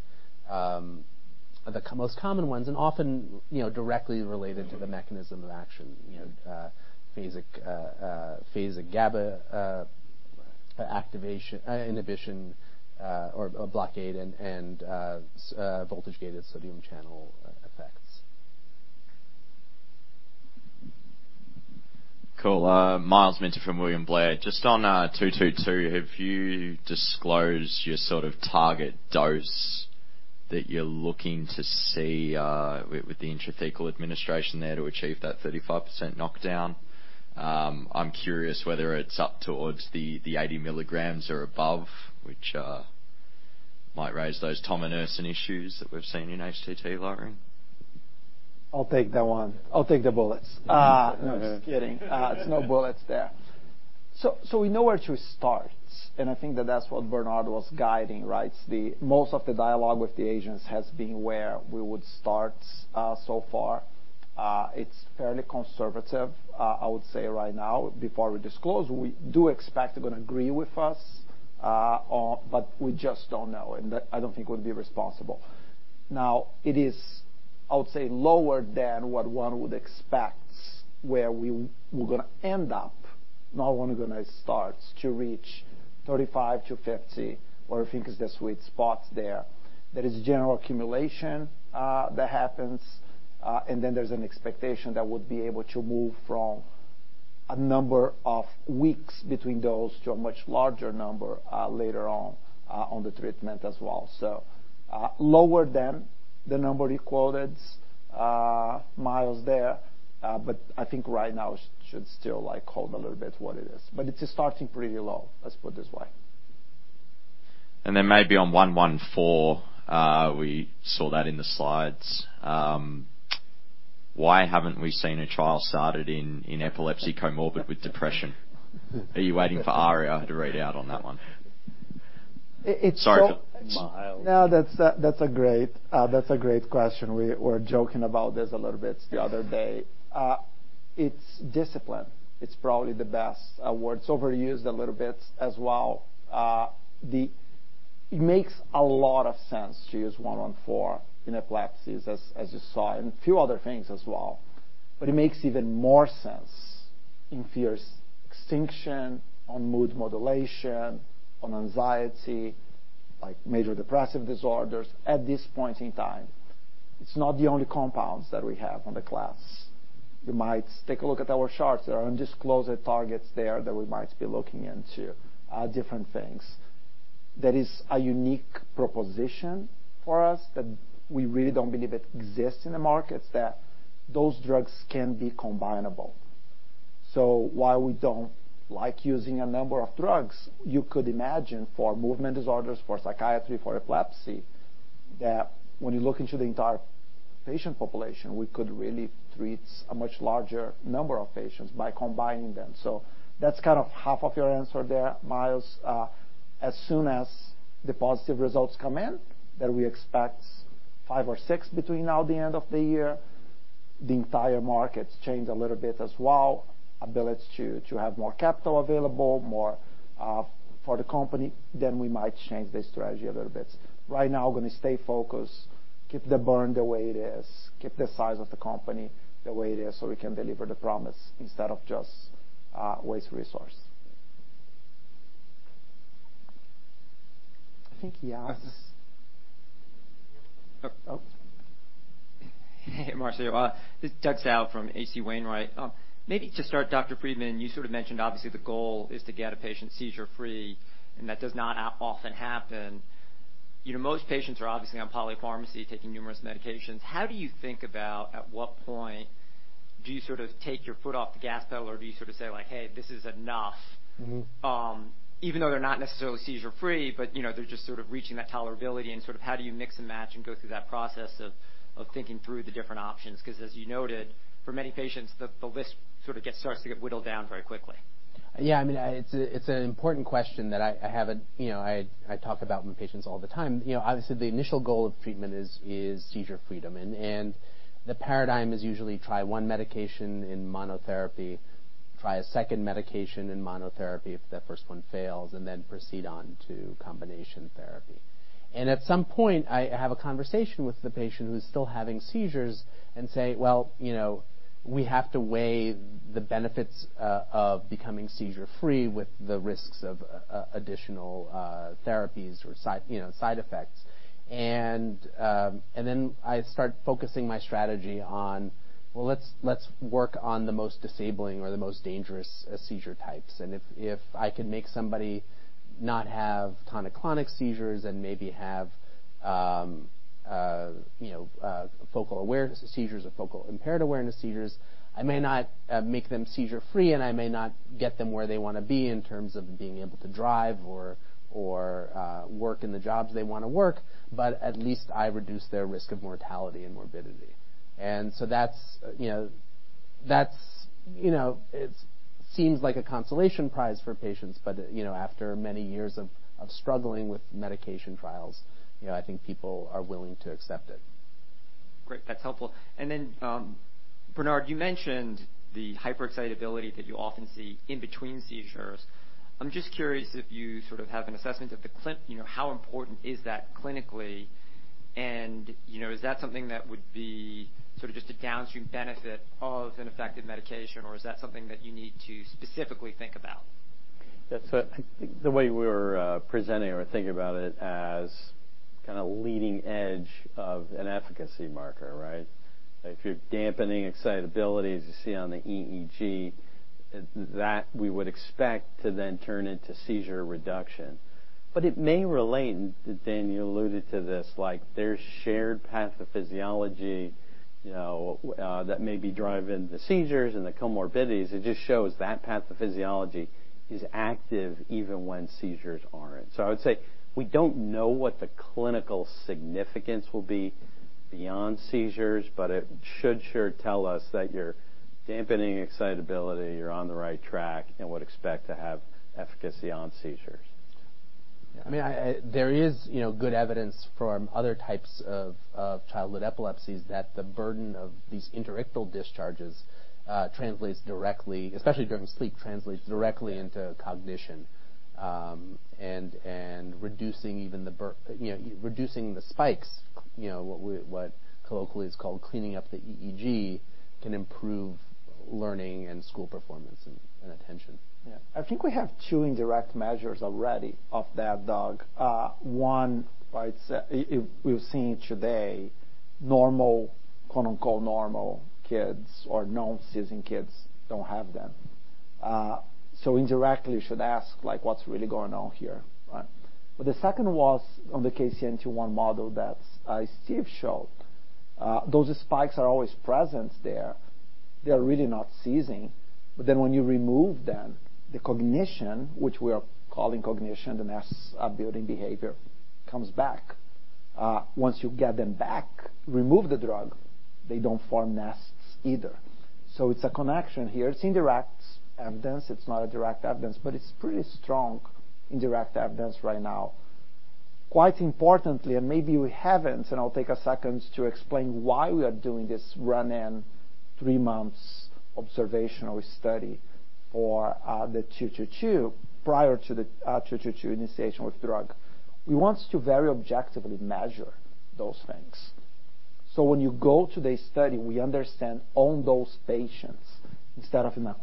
most common ones and often, you know, directly related to the mechanism of action. You know, phasic GABA inhibition or blockade and voltage-gated sodium channel. Cool. Myles Minter from William Blair. Just on PRAX-222, have you disclosed your sort of target dose that you're looking to see with the intrathecal administration there to achieve that 35% knockdown? I'm curious whether it's up towards the 80 mg or above, which might raise those tominersen issues that we've seen in HTT lowering. I'll take that one. I'll take the bullets. No, just kidding. There's no bullets there. We know where to start, and I think that that's what Bernard was guiding, right? The most of the dialogue with the agents has been where we would start, so far. It's fairly conservative, I would say right now. Before we disclose, we do expect they're gonna agree with us on. But we just don't know, and that I don't think would be responsible. Now, it is, I would say, lower than what one would expect where we're gonna end up, not only we're gonna start to reach 35-50, where I think is the sweet spot there. There is general accumulation that happens, and then there's an expectation that we'll be able to move from a number of weeks between those to a much larger number later on on the treatment as well. Lower than the number you quoted, Miles, there, but I think right now should still, like, hold a little bit what it is. It is starting pretty low, let's put it this way. Maybe on PRAX-114, we saw that in the slides. Why haven't we seen a trial started in epilepsy comorbid with depression? Are you waiting for Aria to read out on that one? It, it's so- Sorry for Miles. No, that's a great question. We were joking about this a little bit the other day. It's discipline. It's probably the best word. It's overused a little bit as well. It makes a lot of sense to use PRAX-114 in epilepsies, as you saw, and a few other things as well. But it makes even more sense in fear extinction, on mood modulation, on anxiety, like major depressive disorders at this point in time. It's not the only compounds that we have in the class. You might take a look at our charts. There are undisclosed targets there that we might be looking into, different things. That is a unique proposition for us that we really don't believe it exists in the markets, that those drugs can be combinable. While we don't like using a number of drugs, you could imagine for movement disorders, for psychiatry, for epilepsy, that when you look into the entire patient population, we could really treat a much larger number of patients by combining them. That's kind of half of your answer there, Miles. As soon as the positive results come in, that we expect five orsix between now and the end of the year, the entire markets change a little bit as well, ability to have more capital available, more for the company, then we might change the strategy a little bit. Right now, we're gonna stay focused, keep the burn the way it is, keep the size of the company the way it is, so we can deliver the promise instead of just waste resource. I think he asked. Oh. Oh. Hey, Marcio. This is Doug Tsao from H.C. Wainwright. Maybe to start, Dr. Friedman, you sort of mentioned obviously the goal is to get a patient seizure-free, and that does not happen often. You know, most patients are obviously on polypharmacy taking numerous medications. How do you think about at what point you sort of take your foot off the gas pedal or you sort of say like, "Hey, this is enough"? Mm-hmm Even though they're not necessarily seizure-free, but you know, they're just sort of reaching that tolerability, and sort of how do you mix and match and go through that process of thinking through the different options? 'Cause as you noted, for many patients, the list sort of starts to get whittled down very quickly. Yeah, I mean, it's an important question. You know, I talk about with patients all the time. You know, obviously the initial goal of treatment is seizure freedom and the paradigm is usually try one medication in monotherapy, try a second medication in monotherapy if the first one fails, and then proceed on to combination therapy. At some point, I have a conversation with the patient who's still having seizures and say, "Well, you know, we have to weigh the benefits of becoming seizure-free with the risks of additional therapies or side effects." Then I start focusing my strategy on, "Well, let's work on the most disabling or the most dangerous seizure types." If I can make somebody not have tonic-clonic seizures and maybe have you know focal awareness seizures or focal impaired awareness seizures, I may not make them seizure-free and I may not get them where they wanna be in terms of being able to drive or work in the jobs they wanna work, but at least I reduce their risk of mortality and morbidity. That's, you know, it seems like a consolation prize for patients, but, you know, after many years of struggling with medication trials, you know, I think people are willing to accept it. Great. That's helpful. Bernard, you mentioned the hyperexcitability that you often see in between seizures. I'm just curious if you sort of have an assessment of, you know, how important is that clinically? And, you know, is that something that would be sort of just a downstream benefit of an effective medication, or is that something that you need to specifically think about? That's what I think the way we're presenting or thinking about it as kinda leading edge of an efficacy marker, right? If you're dampening excitability, as you see on the EEG, that we would expect to then turn into seizure reduction. It may relate, and then you alluded to this, like there's shared pathophysiology, you know, that may be driving the seizures and the comorbidities. It just shows that pathophysiology is active even when seizures aren't. I would say we don't know what the clinical significance will be beyond seizures, but it should sure tell us that you're dampening excitability, you're on the right track, and would expect to have efficacy on seizures. I mean, there is, you know, good evidence from other types of childhood epilepsies that the burden of these interictal discharges translates directly, especially during sleep, translates directly into cognition. Reducing the spikes, you know, what colloquially is called cleaning up the EEG can improve learning and school performance and attention. Yeah. I think we have two indirect measures already of that, Doug. One by itself, if we've seen today, normal, quote-unquote, normal kids or non-seizing kids don't have them. So indirectly, you should ask, like, what's really going on here, right? The second was on the KCNT1 model that Steve showed. Those spikes are always present there. They are really not seizing. But then when you remove them, the cognition, which we are calling cognition, the nests, building behavior comes back. Once you get them back, remove the drug, they don't form nests either. It's a connection here. It's indirect evidence. It's not a direct evidence, but it's pretty strong indirect evidence right now. Quite importantly, maybe we haven't, and I'll take a second to explain why we are doing this three-month run-in observational study for PRAX-222, prior to the PRAX-222 initiation with drug. We want to very objectively measure those things. When you go to the study, we understand on those patients instead of in the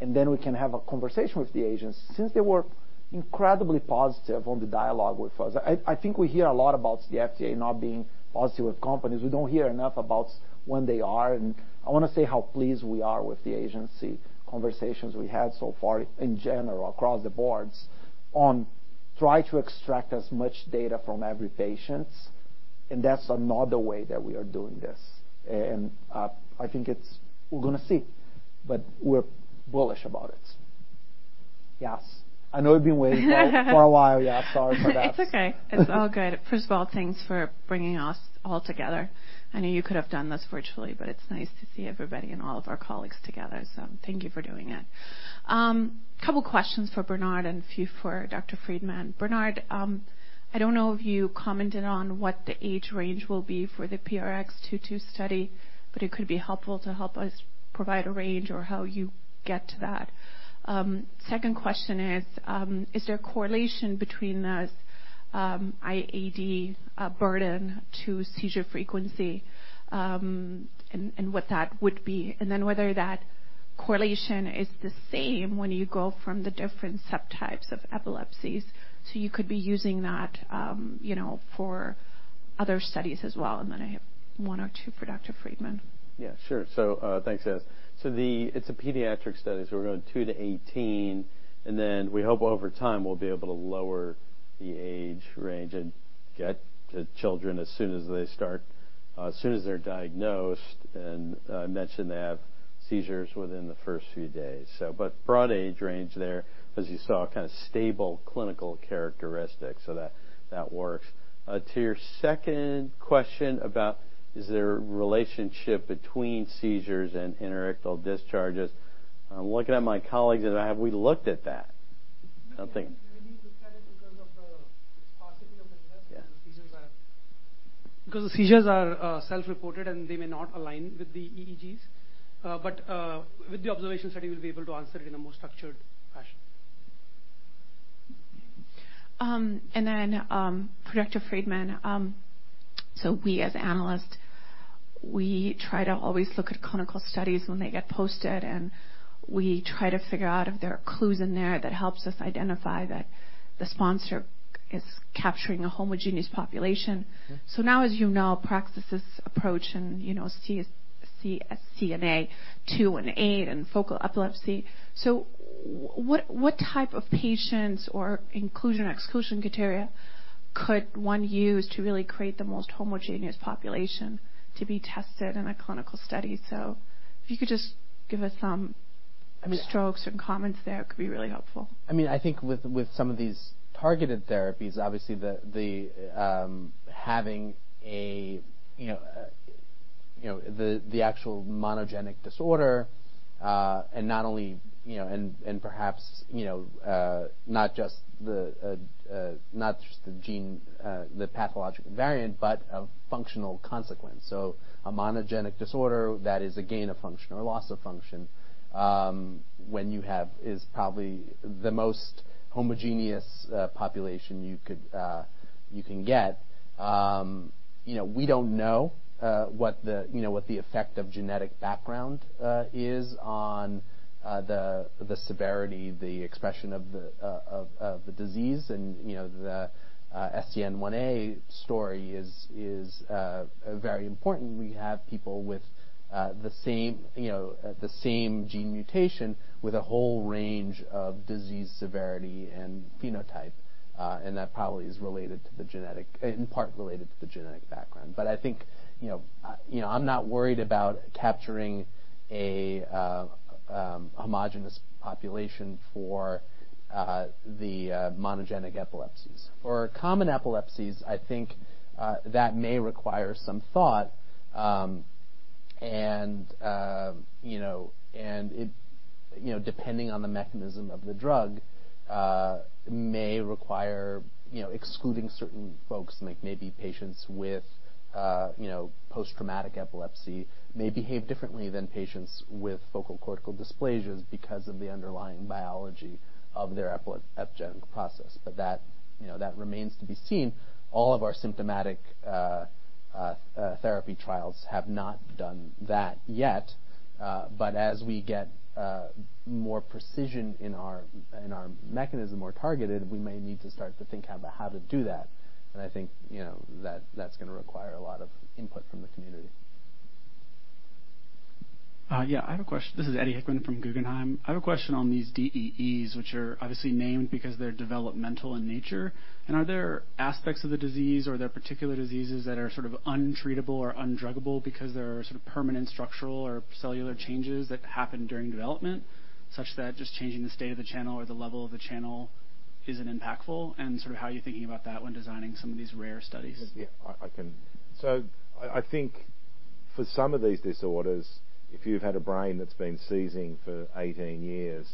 cohorts. Then we can have a conversation with the agents. They were incredibly positive on the dialogue with us. I think we hear a lot about the FDA not being positive with companies. We don't hear enough about when they are. I wanna say how pleased we are with the agency conversations we had so far in general across the board on trying to extract as much data from every patient, and that's another way that we are doing this. We're gonna see, but we're bullish about it. Yes. I know you've been waiting for a while. Yeah, sorry for that. It's okay. It's all good. First of all, thanks for bringing us all together. I know you could have done this virtually, but it's nice to see everybody and all of our colleagues together. Thank you for doing it. Couple questions for Bernard and a few for Dr. Friedman. Bernard, I don't know if you commented on what the age range will be for the PRAX-222 study, but it could be helpful to help us provide a range or how you get to that. Second question is there a correlation between the IED burden to seizure frequency, and what that would be? And then whether that correlation is the same when you go from the different subtypes of epilepsies. You could be using that, you know, for other studies as well. I have one or two for Dr. Friedman. Yeah, sure. Thanks, Ez. It's a pediatric study, so we're going two to 18, and then we hope over time we'll be able to lower the age range and get to children as soon as they start, as soon as they're diagnosed. I mentioned they have seizures within the first few days. Broad age range there, as you saw, kind of stable clinical characteristics. That works. To your second question about, is there a relationship between seizures and interictal discharges. I'm looking at my colleagues, and have we looked at that? I'm thinking. We need to look at it in terms of the possibility of an Yeah. Because the seizures are self-reported, and they may not align with the EEGs. With the observation study, we'll be able to answer it in a more structured fashion. Dr. Friedman, we as analysts try to always look at clinical studies when they get posted, and we try to figure out if there are clues in there that helps us identify that the sponsor is capturing a homogeneous population. Mm-hmm. Now, as you know, Praxis approach and, you know, SCN2A and SCN8A and focal epilepsy. What type of patients or inclusion/exclusion criteria could one use to really create the most homogeneous population to be tested in a clinical study? If you could just give us some Yeah. Notes and comments there, it could be really helpful. I mean, I think with some of these targeted therapies, obviously having, you know, the actual monogenic disorder, and not only, you know, and perhaps, you know, not just the gene, the pathological variant, but a functional consequence. So a monogenic disorder that is a gain of function or loss of function, when you have is probably the most homogeneous population you can get. You know, we don't know what the effect of genetic background is on the severity, the expression of the disease. You know, the SCN1A story is very important. We have people with the same gene mutation with a whole range of disease severity and phenotype, and that probably is related to the genetic background in part. I think, you know, I'm not worried about capturing a homogeneous population for the monogenic epilepsies. For common epilepsies, I think that may require some thought, and it, you know, depending on the mechanism of the drug, may require, you know, excluding certain folks. Like maybe patients with post-traumatic epilepsy may behave differently than patients with focal cortical dysplasias because of the underlying biology of their epigenetic process. That remains to be seen. All of our symptomatic therapy trials have not done that yet. As we get more precision in our mechanism, more targeted, we may need to start to think about how to do that. I think, you know, that that's gonna require a lot of input from the community. Yeah, I have a question. This is Eddie Hickman from Guggenheim. I have a question on these DEEs, which are obviously named because they're developmental in nature. Are there aspects of the disease or are there particular diseases that are sort of untreatable or undruggable because there are sort of permanent structural or cellular changes that happen during development, such that just changing the state of the channel or the level of the channel isn't impactful? Sort of how are you thinking about that when designing some of these rare studies? I think for some of these disorders, if you've had a brain that's been seizing for 18 years,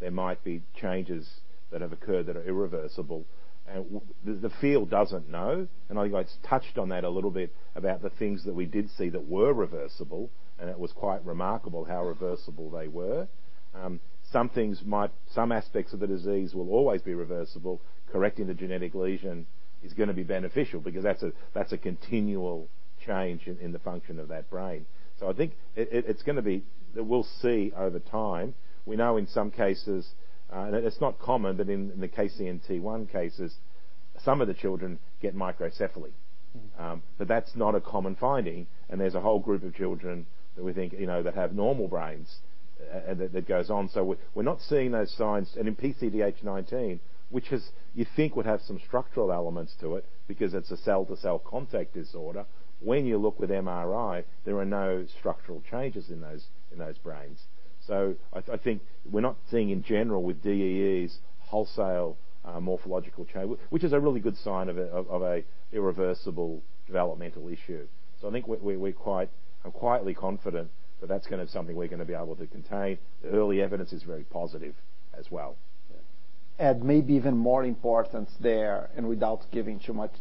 there might be changes that have occurred that are irreversible. The field doesn't know, and I touched on that a little bit about the things that we did see that were reversible, and it was quite remarkable how reversible they were. Some aspects of the disease will always be reversible. Correcting the genetic lesion is gonna be beneficial because that's a continual change in the function of that brain. I think it's gonna be that we'll see over time. We know in some cases, it's not common that in the KCNT1 cases, some of the children get microcephaly. Mm-hmm. That's not a common finding, and there's a whole group of children that we think, you know, that have normal brains and that goes on. We're not seeing those signs. In PCDH19, which is you think would have some structural elements to it because it's a cell-to-cell contact disorder, when you look with MRI, there are no structural changes in those brains. I think we're not seeing in general with DEEs wholesale morphological change, which is a really good sign of a irreversible developmental issue. I think we're quite, I'm quietly confident that that's gonna something we're gonna be able to contain. The early evidence is very positive as well. Yeah. Maybe even more importance there, and without giving too much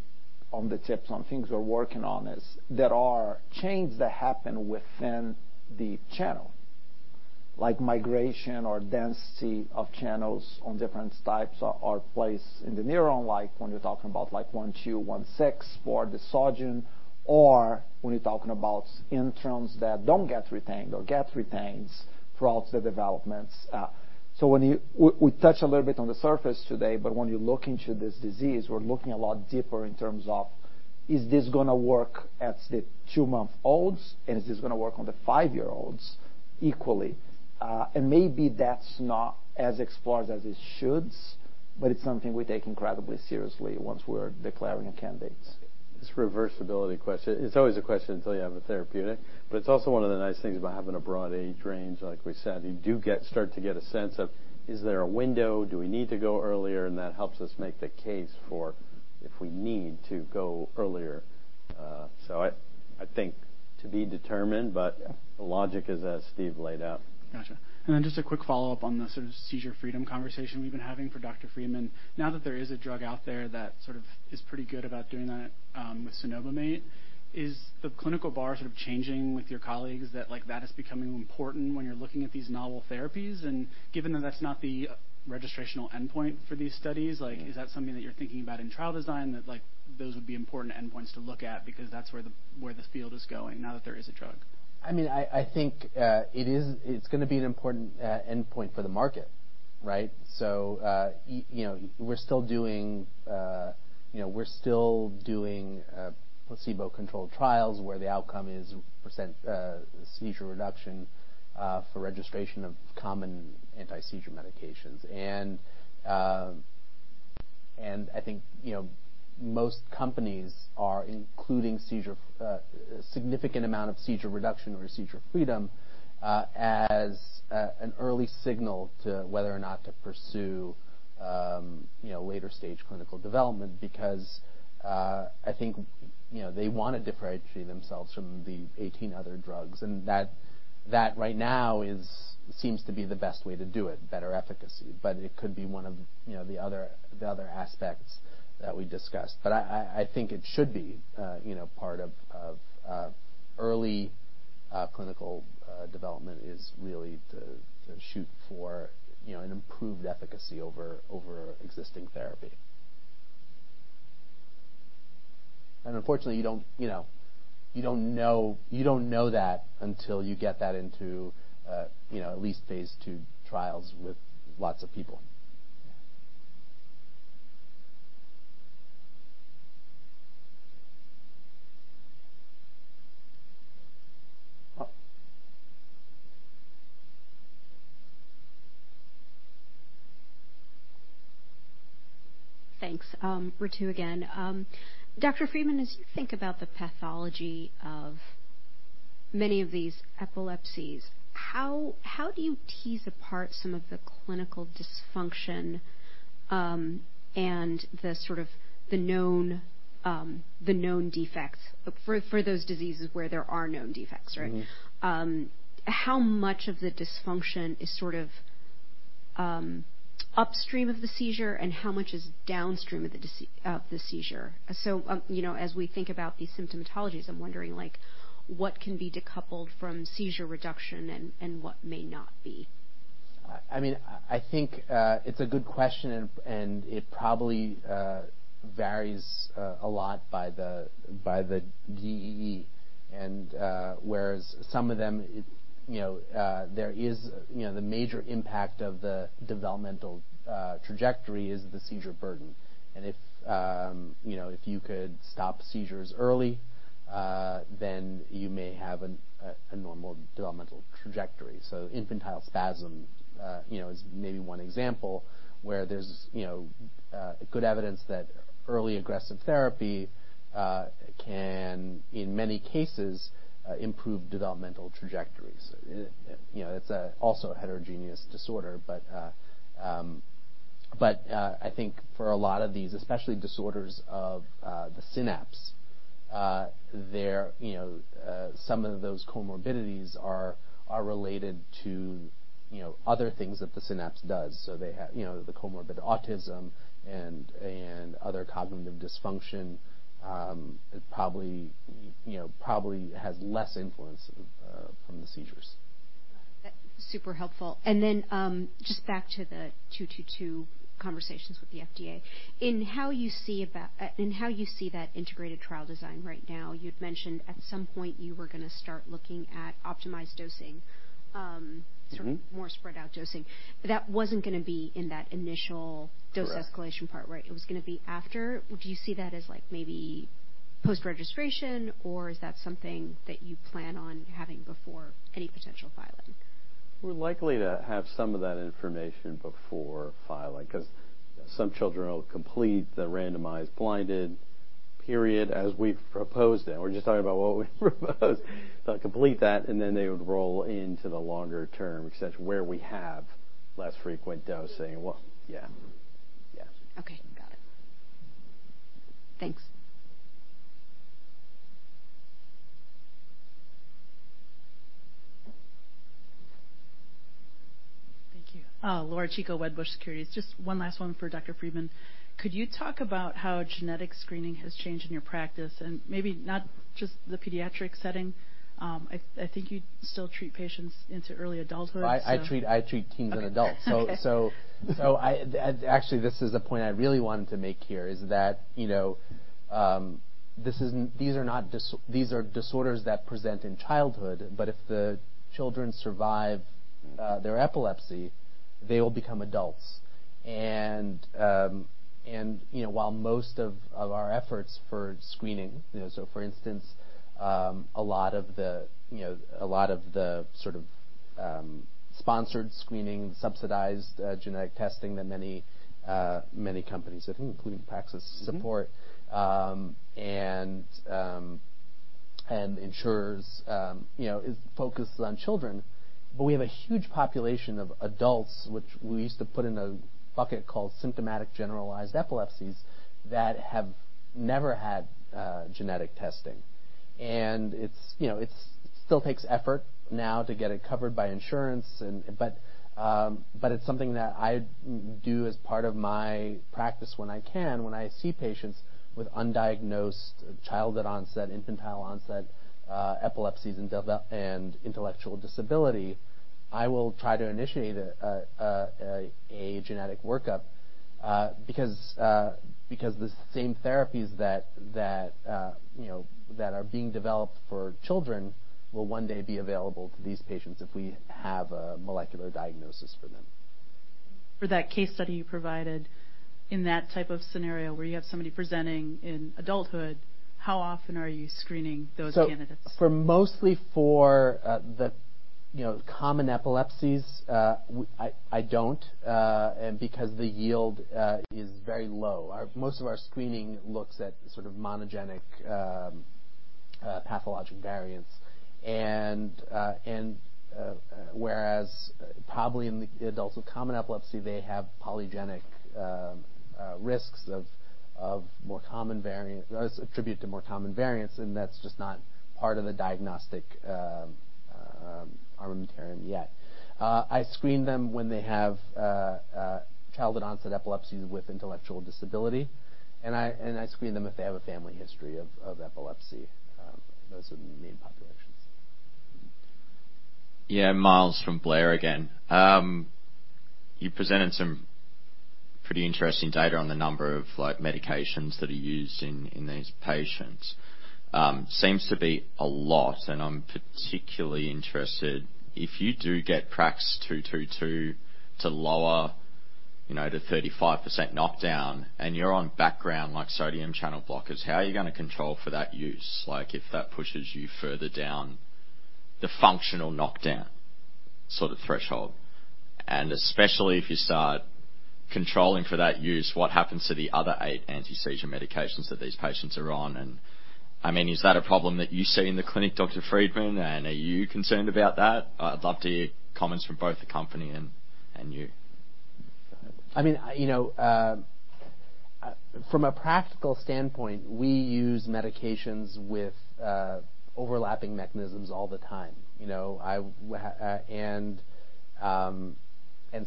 on the tips on things we're working on, is there are changes that happen within the channel, like migration or density of channels on different types or place in the neuron, like when you're talking about like NaV1.2, NaV1.6 for the sodium, or when you're talking about interneurons that don't get retained or retained throughout the development. So we touch a little bit on the surface today, but when you look into this disease, we're looking a lot deeper in terms of, is this gonna work at the two-month-olds, and is this gonna work on the five-year-olds equally? Maybe that's not as explored as it should, but it's something we take incredibly seriously once we're declaring candidates. This reversibility question, it's always a question until you have a therapeutic, but it's also one of the nice things about having a broad age range. Like we said, you do get a sense of, is there a window? Do we need to go earlier? That helps us make the case for if we need to go earlier. I think to be determined, but the logic is as Steve laid out. Gotcha. Just a quick follow-up on the sort of seizure freedom conversation we've been having for Dr. Friedman. Now that there is a drug out there that sort of is pretty good about doing that, with cenobamate, is the clinical bar sort of changing with your colleagues that like that is becoming important when you're looking at these novel therapies? Given that that's not the registrational endpoint for these studies, like is that something that you're thinking about in trial design that like those would be important endpoints to look at because that's where the field is going now that there is a drug? I mean, I think it's gonna be an important endpoint for the market, right? You know, we're still doing placebo-controlled trials where the outcome is percent seizure reduction for registration of common anti-seizure medications. I think, you know, most companies are including significant amount of seizure reduction or seizure freedom as an early signal to whether or not to pursue you know, later-stage clinical development because, I think, you know, they wanna differentiate themselves from the 18 other drugs, and that right now seems to be the best way to do it, better efficacy. It could be one of, you know, the other aspects that we discussed. I think it should be, you know, part of early clinical development is really to shoot for, you know, an improved efficacy over existing therapy. Unfortunately, you don't know that until you get that into, you know, at least phase two trials with lots of people. Yeah. Thanks. Ritu again. Dr. Friedman, as you think about the pathology of many of these epilepsies, how do you tease apart some of the clinical dysfunction, and the sort of the known defects for those diseases where there are known defects, right? Mm-hmm. How much of the dysfunction is sort of upstream of the seizure, and how much is downstream of the seizure? You know, as we think about these symptomatologies, I'm wondering like what can be decoupled from seizure reduction and what may not be. I mean, I think it's a good question, and it probably varies a lot by the DEE. Whereas some of them, you know, there is, you know, the major impact of the developmental trajectory is the seizure burden. If, you know, if you could stop seizures early, then you may have a normal developmental trajectory. Infantile spasms, you know, is maybe one example where there's, you know, good evidence that early aggressive therapy can, in many cases, improve developmental trajectories. You know, it's also a heterogeneous disorder. I think for a lot of these, especially disorders of the synapse, they're, you know, some of those comorbidities are related to, you know, other things that the synapse does. You know, the comorbid autism and other cognitive dysfunction probably, you know, has less influence from the seizures. That's super helpful. Just back to the PRAX-222 conversations with the FDA. In how you see that integrated trial design right now, you'd mentioned at some point you were gonna start looking at optimized dosing. Mm-hmm. Sort of more spread out dosing. That wasn't gonna be in that initial- Correct. Dose escalation part, right? It was gonna be after. Do you see that as like maybe post-registration, or is that something that you plan on having before any potential filing? We're likely to have some of that information before filing 'cause some children will complete the randomized blinded period as we've proposed it. We're just talking about what we proposed. They'll complete that, and then they would roll into the longer-term extension where we have less frequent dosing. Well, yeah. Yeah. Okay. Got it. Thanks. Thank you. Laura Chico, Wedbush Securities. Just one last one for Dr. Friedman. Could you talk about how genetic screening has changed in your practice? Maybe not just the pediatric setting. I think you still treat patients into early adulthood, so I treat teens and adults. Okay. Actually, this is the point I really wanted to make here, that you know, these are not disorders that present in childhood, but if the children survive their epilepsy, they will become adults. You know, while most of our efforts for screening, for instance, a lot of the sort of sponsored screening, subsidized genetic testing that many companies, I think including Praxis Mm-hmm. support and insurers, you know, is focused on children. We have a huge population of adults, which we used to put in a bucket called symptomatic generalized epilepsies, that have never had genetic testing. It's, you know, still takes effort now to get it covered by insurance. It's something that I do as part of my practice when I can. When I see patients with undiagnosed childhood onset, infantile onset epilepsies and intellectual disability, I will try to initiate a genetic workup because the same therapies that you know that are being developed for children will one day be available to these patients if we have a molecular diagnosis for them. For that case study you provided, in that type of scenario where you have somebody presenting in adulthood, how often are you screening those candidates? For most of the, you know, common epilepsies, why I don't, and because the yield is very low. Most of our screening looks at sort of monogenic pathogenic variants. Whereas probably in the adults with common epilepsy, they have polygenic risks of more common variants, that's attributed to more common variants, and that's just not part of the diagnostic. Are we recording yet? I screen them when they have childhood onset epilepsy with intellectual disability. I screen them if they have a family history of epilepsy. Those are the main populations. Yeah. Miles from William Blair again. You presented some pretty interesting data on the number of like medications that are used in these patients. Seems to be a lot, and I'm particularly interested if you do get PRAX-222 to lower, you know, to 35% knockdown and you're on background like sodium channel blockers, how are you gonna control for that use? Like, if that pushes you further down the functional knockdown sort of threshold. Especially if you start controlling for that use, what happens to the other eight anti-seizure medications that these patients are on? I mean, is that a problem that you see in the clinic, Dr. Friedman, and are you concerned about that? I'd love to hear comments from both the company and you. I mean, you know, from a practical standpoint, we use medications with overlapping mechanisms all the time. You know, and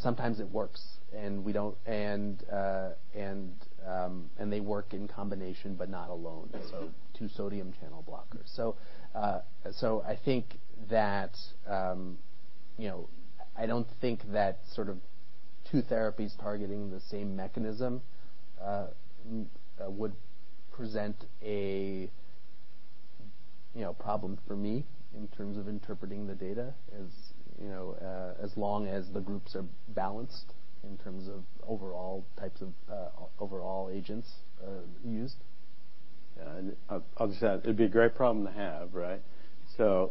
sometimes it works, and they work in combination, but not alone. Two sodium channel blockers. I think that, you know, I don't think that sort of two therapies targeting the same mechanism would present a, you know, problem for me in terms of interpreting the data as, you know, as long as the groups are balanced in terms of overall types of agents used. Obviously, that it'd be a great problem to have, right? You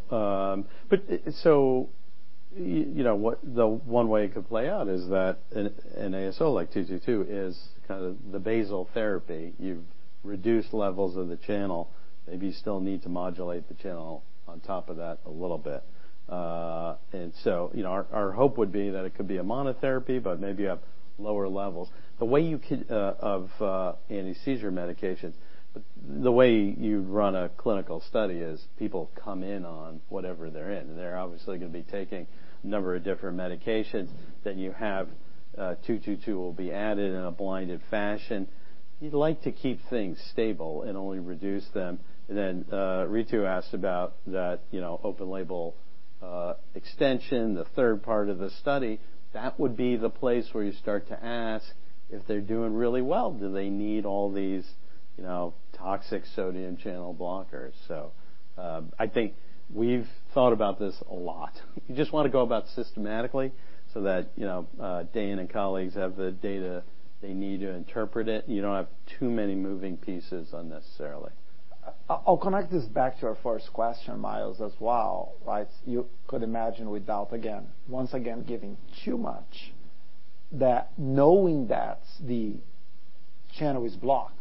know, what the one way it could play out is that an ASO like PRAX-222 is kind of the basal therapy. You've reduced levels of the channel. Maybe you still need to modulate the channel on top of that a little bit. You know, our hope would be that it could be a monotherapy, but maybe you have lower levels. The way you can of anti-seizure medications. The way you run a clinical study is people come in on whatever they're in. They're obviously gonna be taking a number of different medications. Then you have PRAX-222 will be added in a blinded fashion. You'd like to keep things stable and only reduce them. Ritu asked about that, you know, open label extension, the third part of the study. That would be the place where you start to ask if they're doing really well. Do they need all these, you know, toxic sodium channel blockers? I think we've thought about this a lot. You just wanna go about systematically so that, you know, Dan and colleagues have the data they need to interpret it, and you don't have too many moving pieces unnecessarily. I'll connect this back to our first question, Myles, as well, right? You could imagine with Delta again. Once again, giving too much that knowing that the channel is blocked,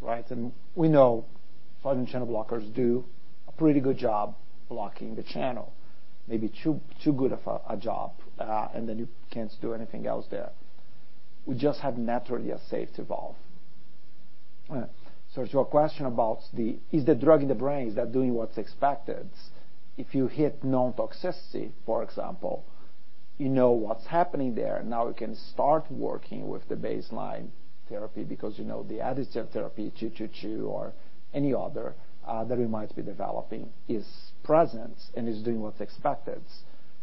right? We know sodium channel blockers do a pretty good job blocking the channel, maybe too good of a job, and then you can't do anything else there. We just have naturally a safety valve. To your question about the. Is the drug in the brain? Is that doing what's expected? If you hit toxicity, for example, you know what's happening there. Now we can start working with the baseline therapy because you know the additive therapy PRAX-222 or any other that we might be developing is present and is doing what's expected,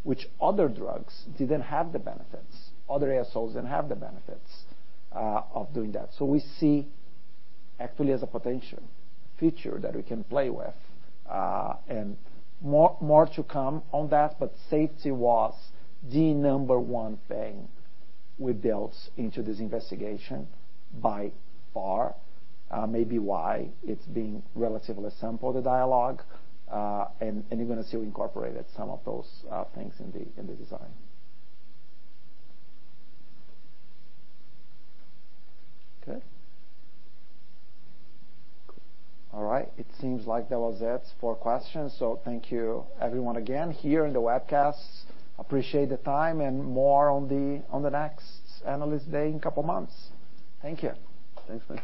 which other drugs didn't have the benefits. Other ASOs didn't have the benefits of doing that. We see actually as a potential feature that we can play with, and more to come on that. Safety was the number one thing we built into this investigation by far. Maybe why it's being relatively simple, the dialogue. You're gonna see we incorporated some of those things in the design. Okay. All right. It seems like that was it for questions. Thank you everyone again here in the webcast. Appreciate the time and more on the next analyst day in a couple of months. Thank you. Thanks, man.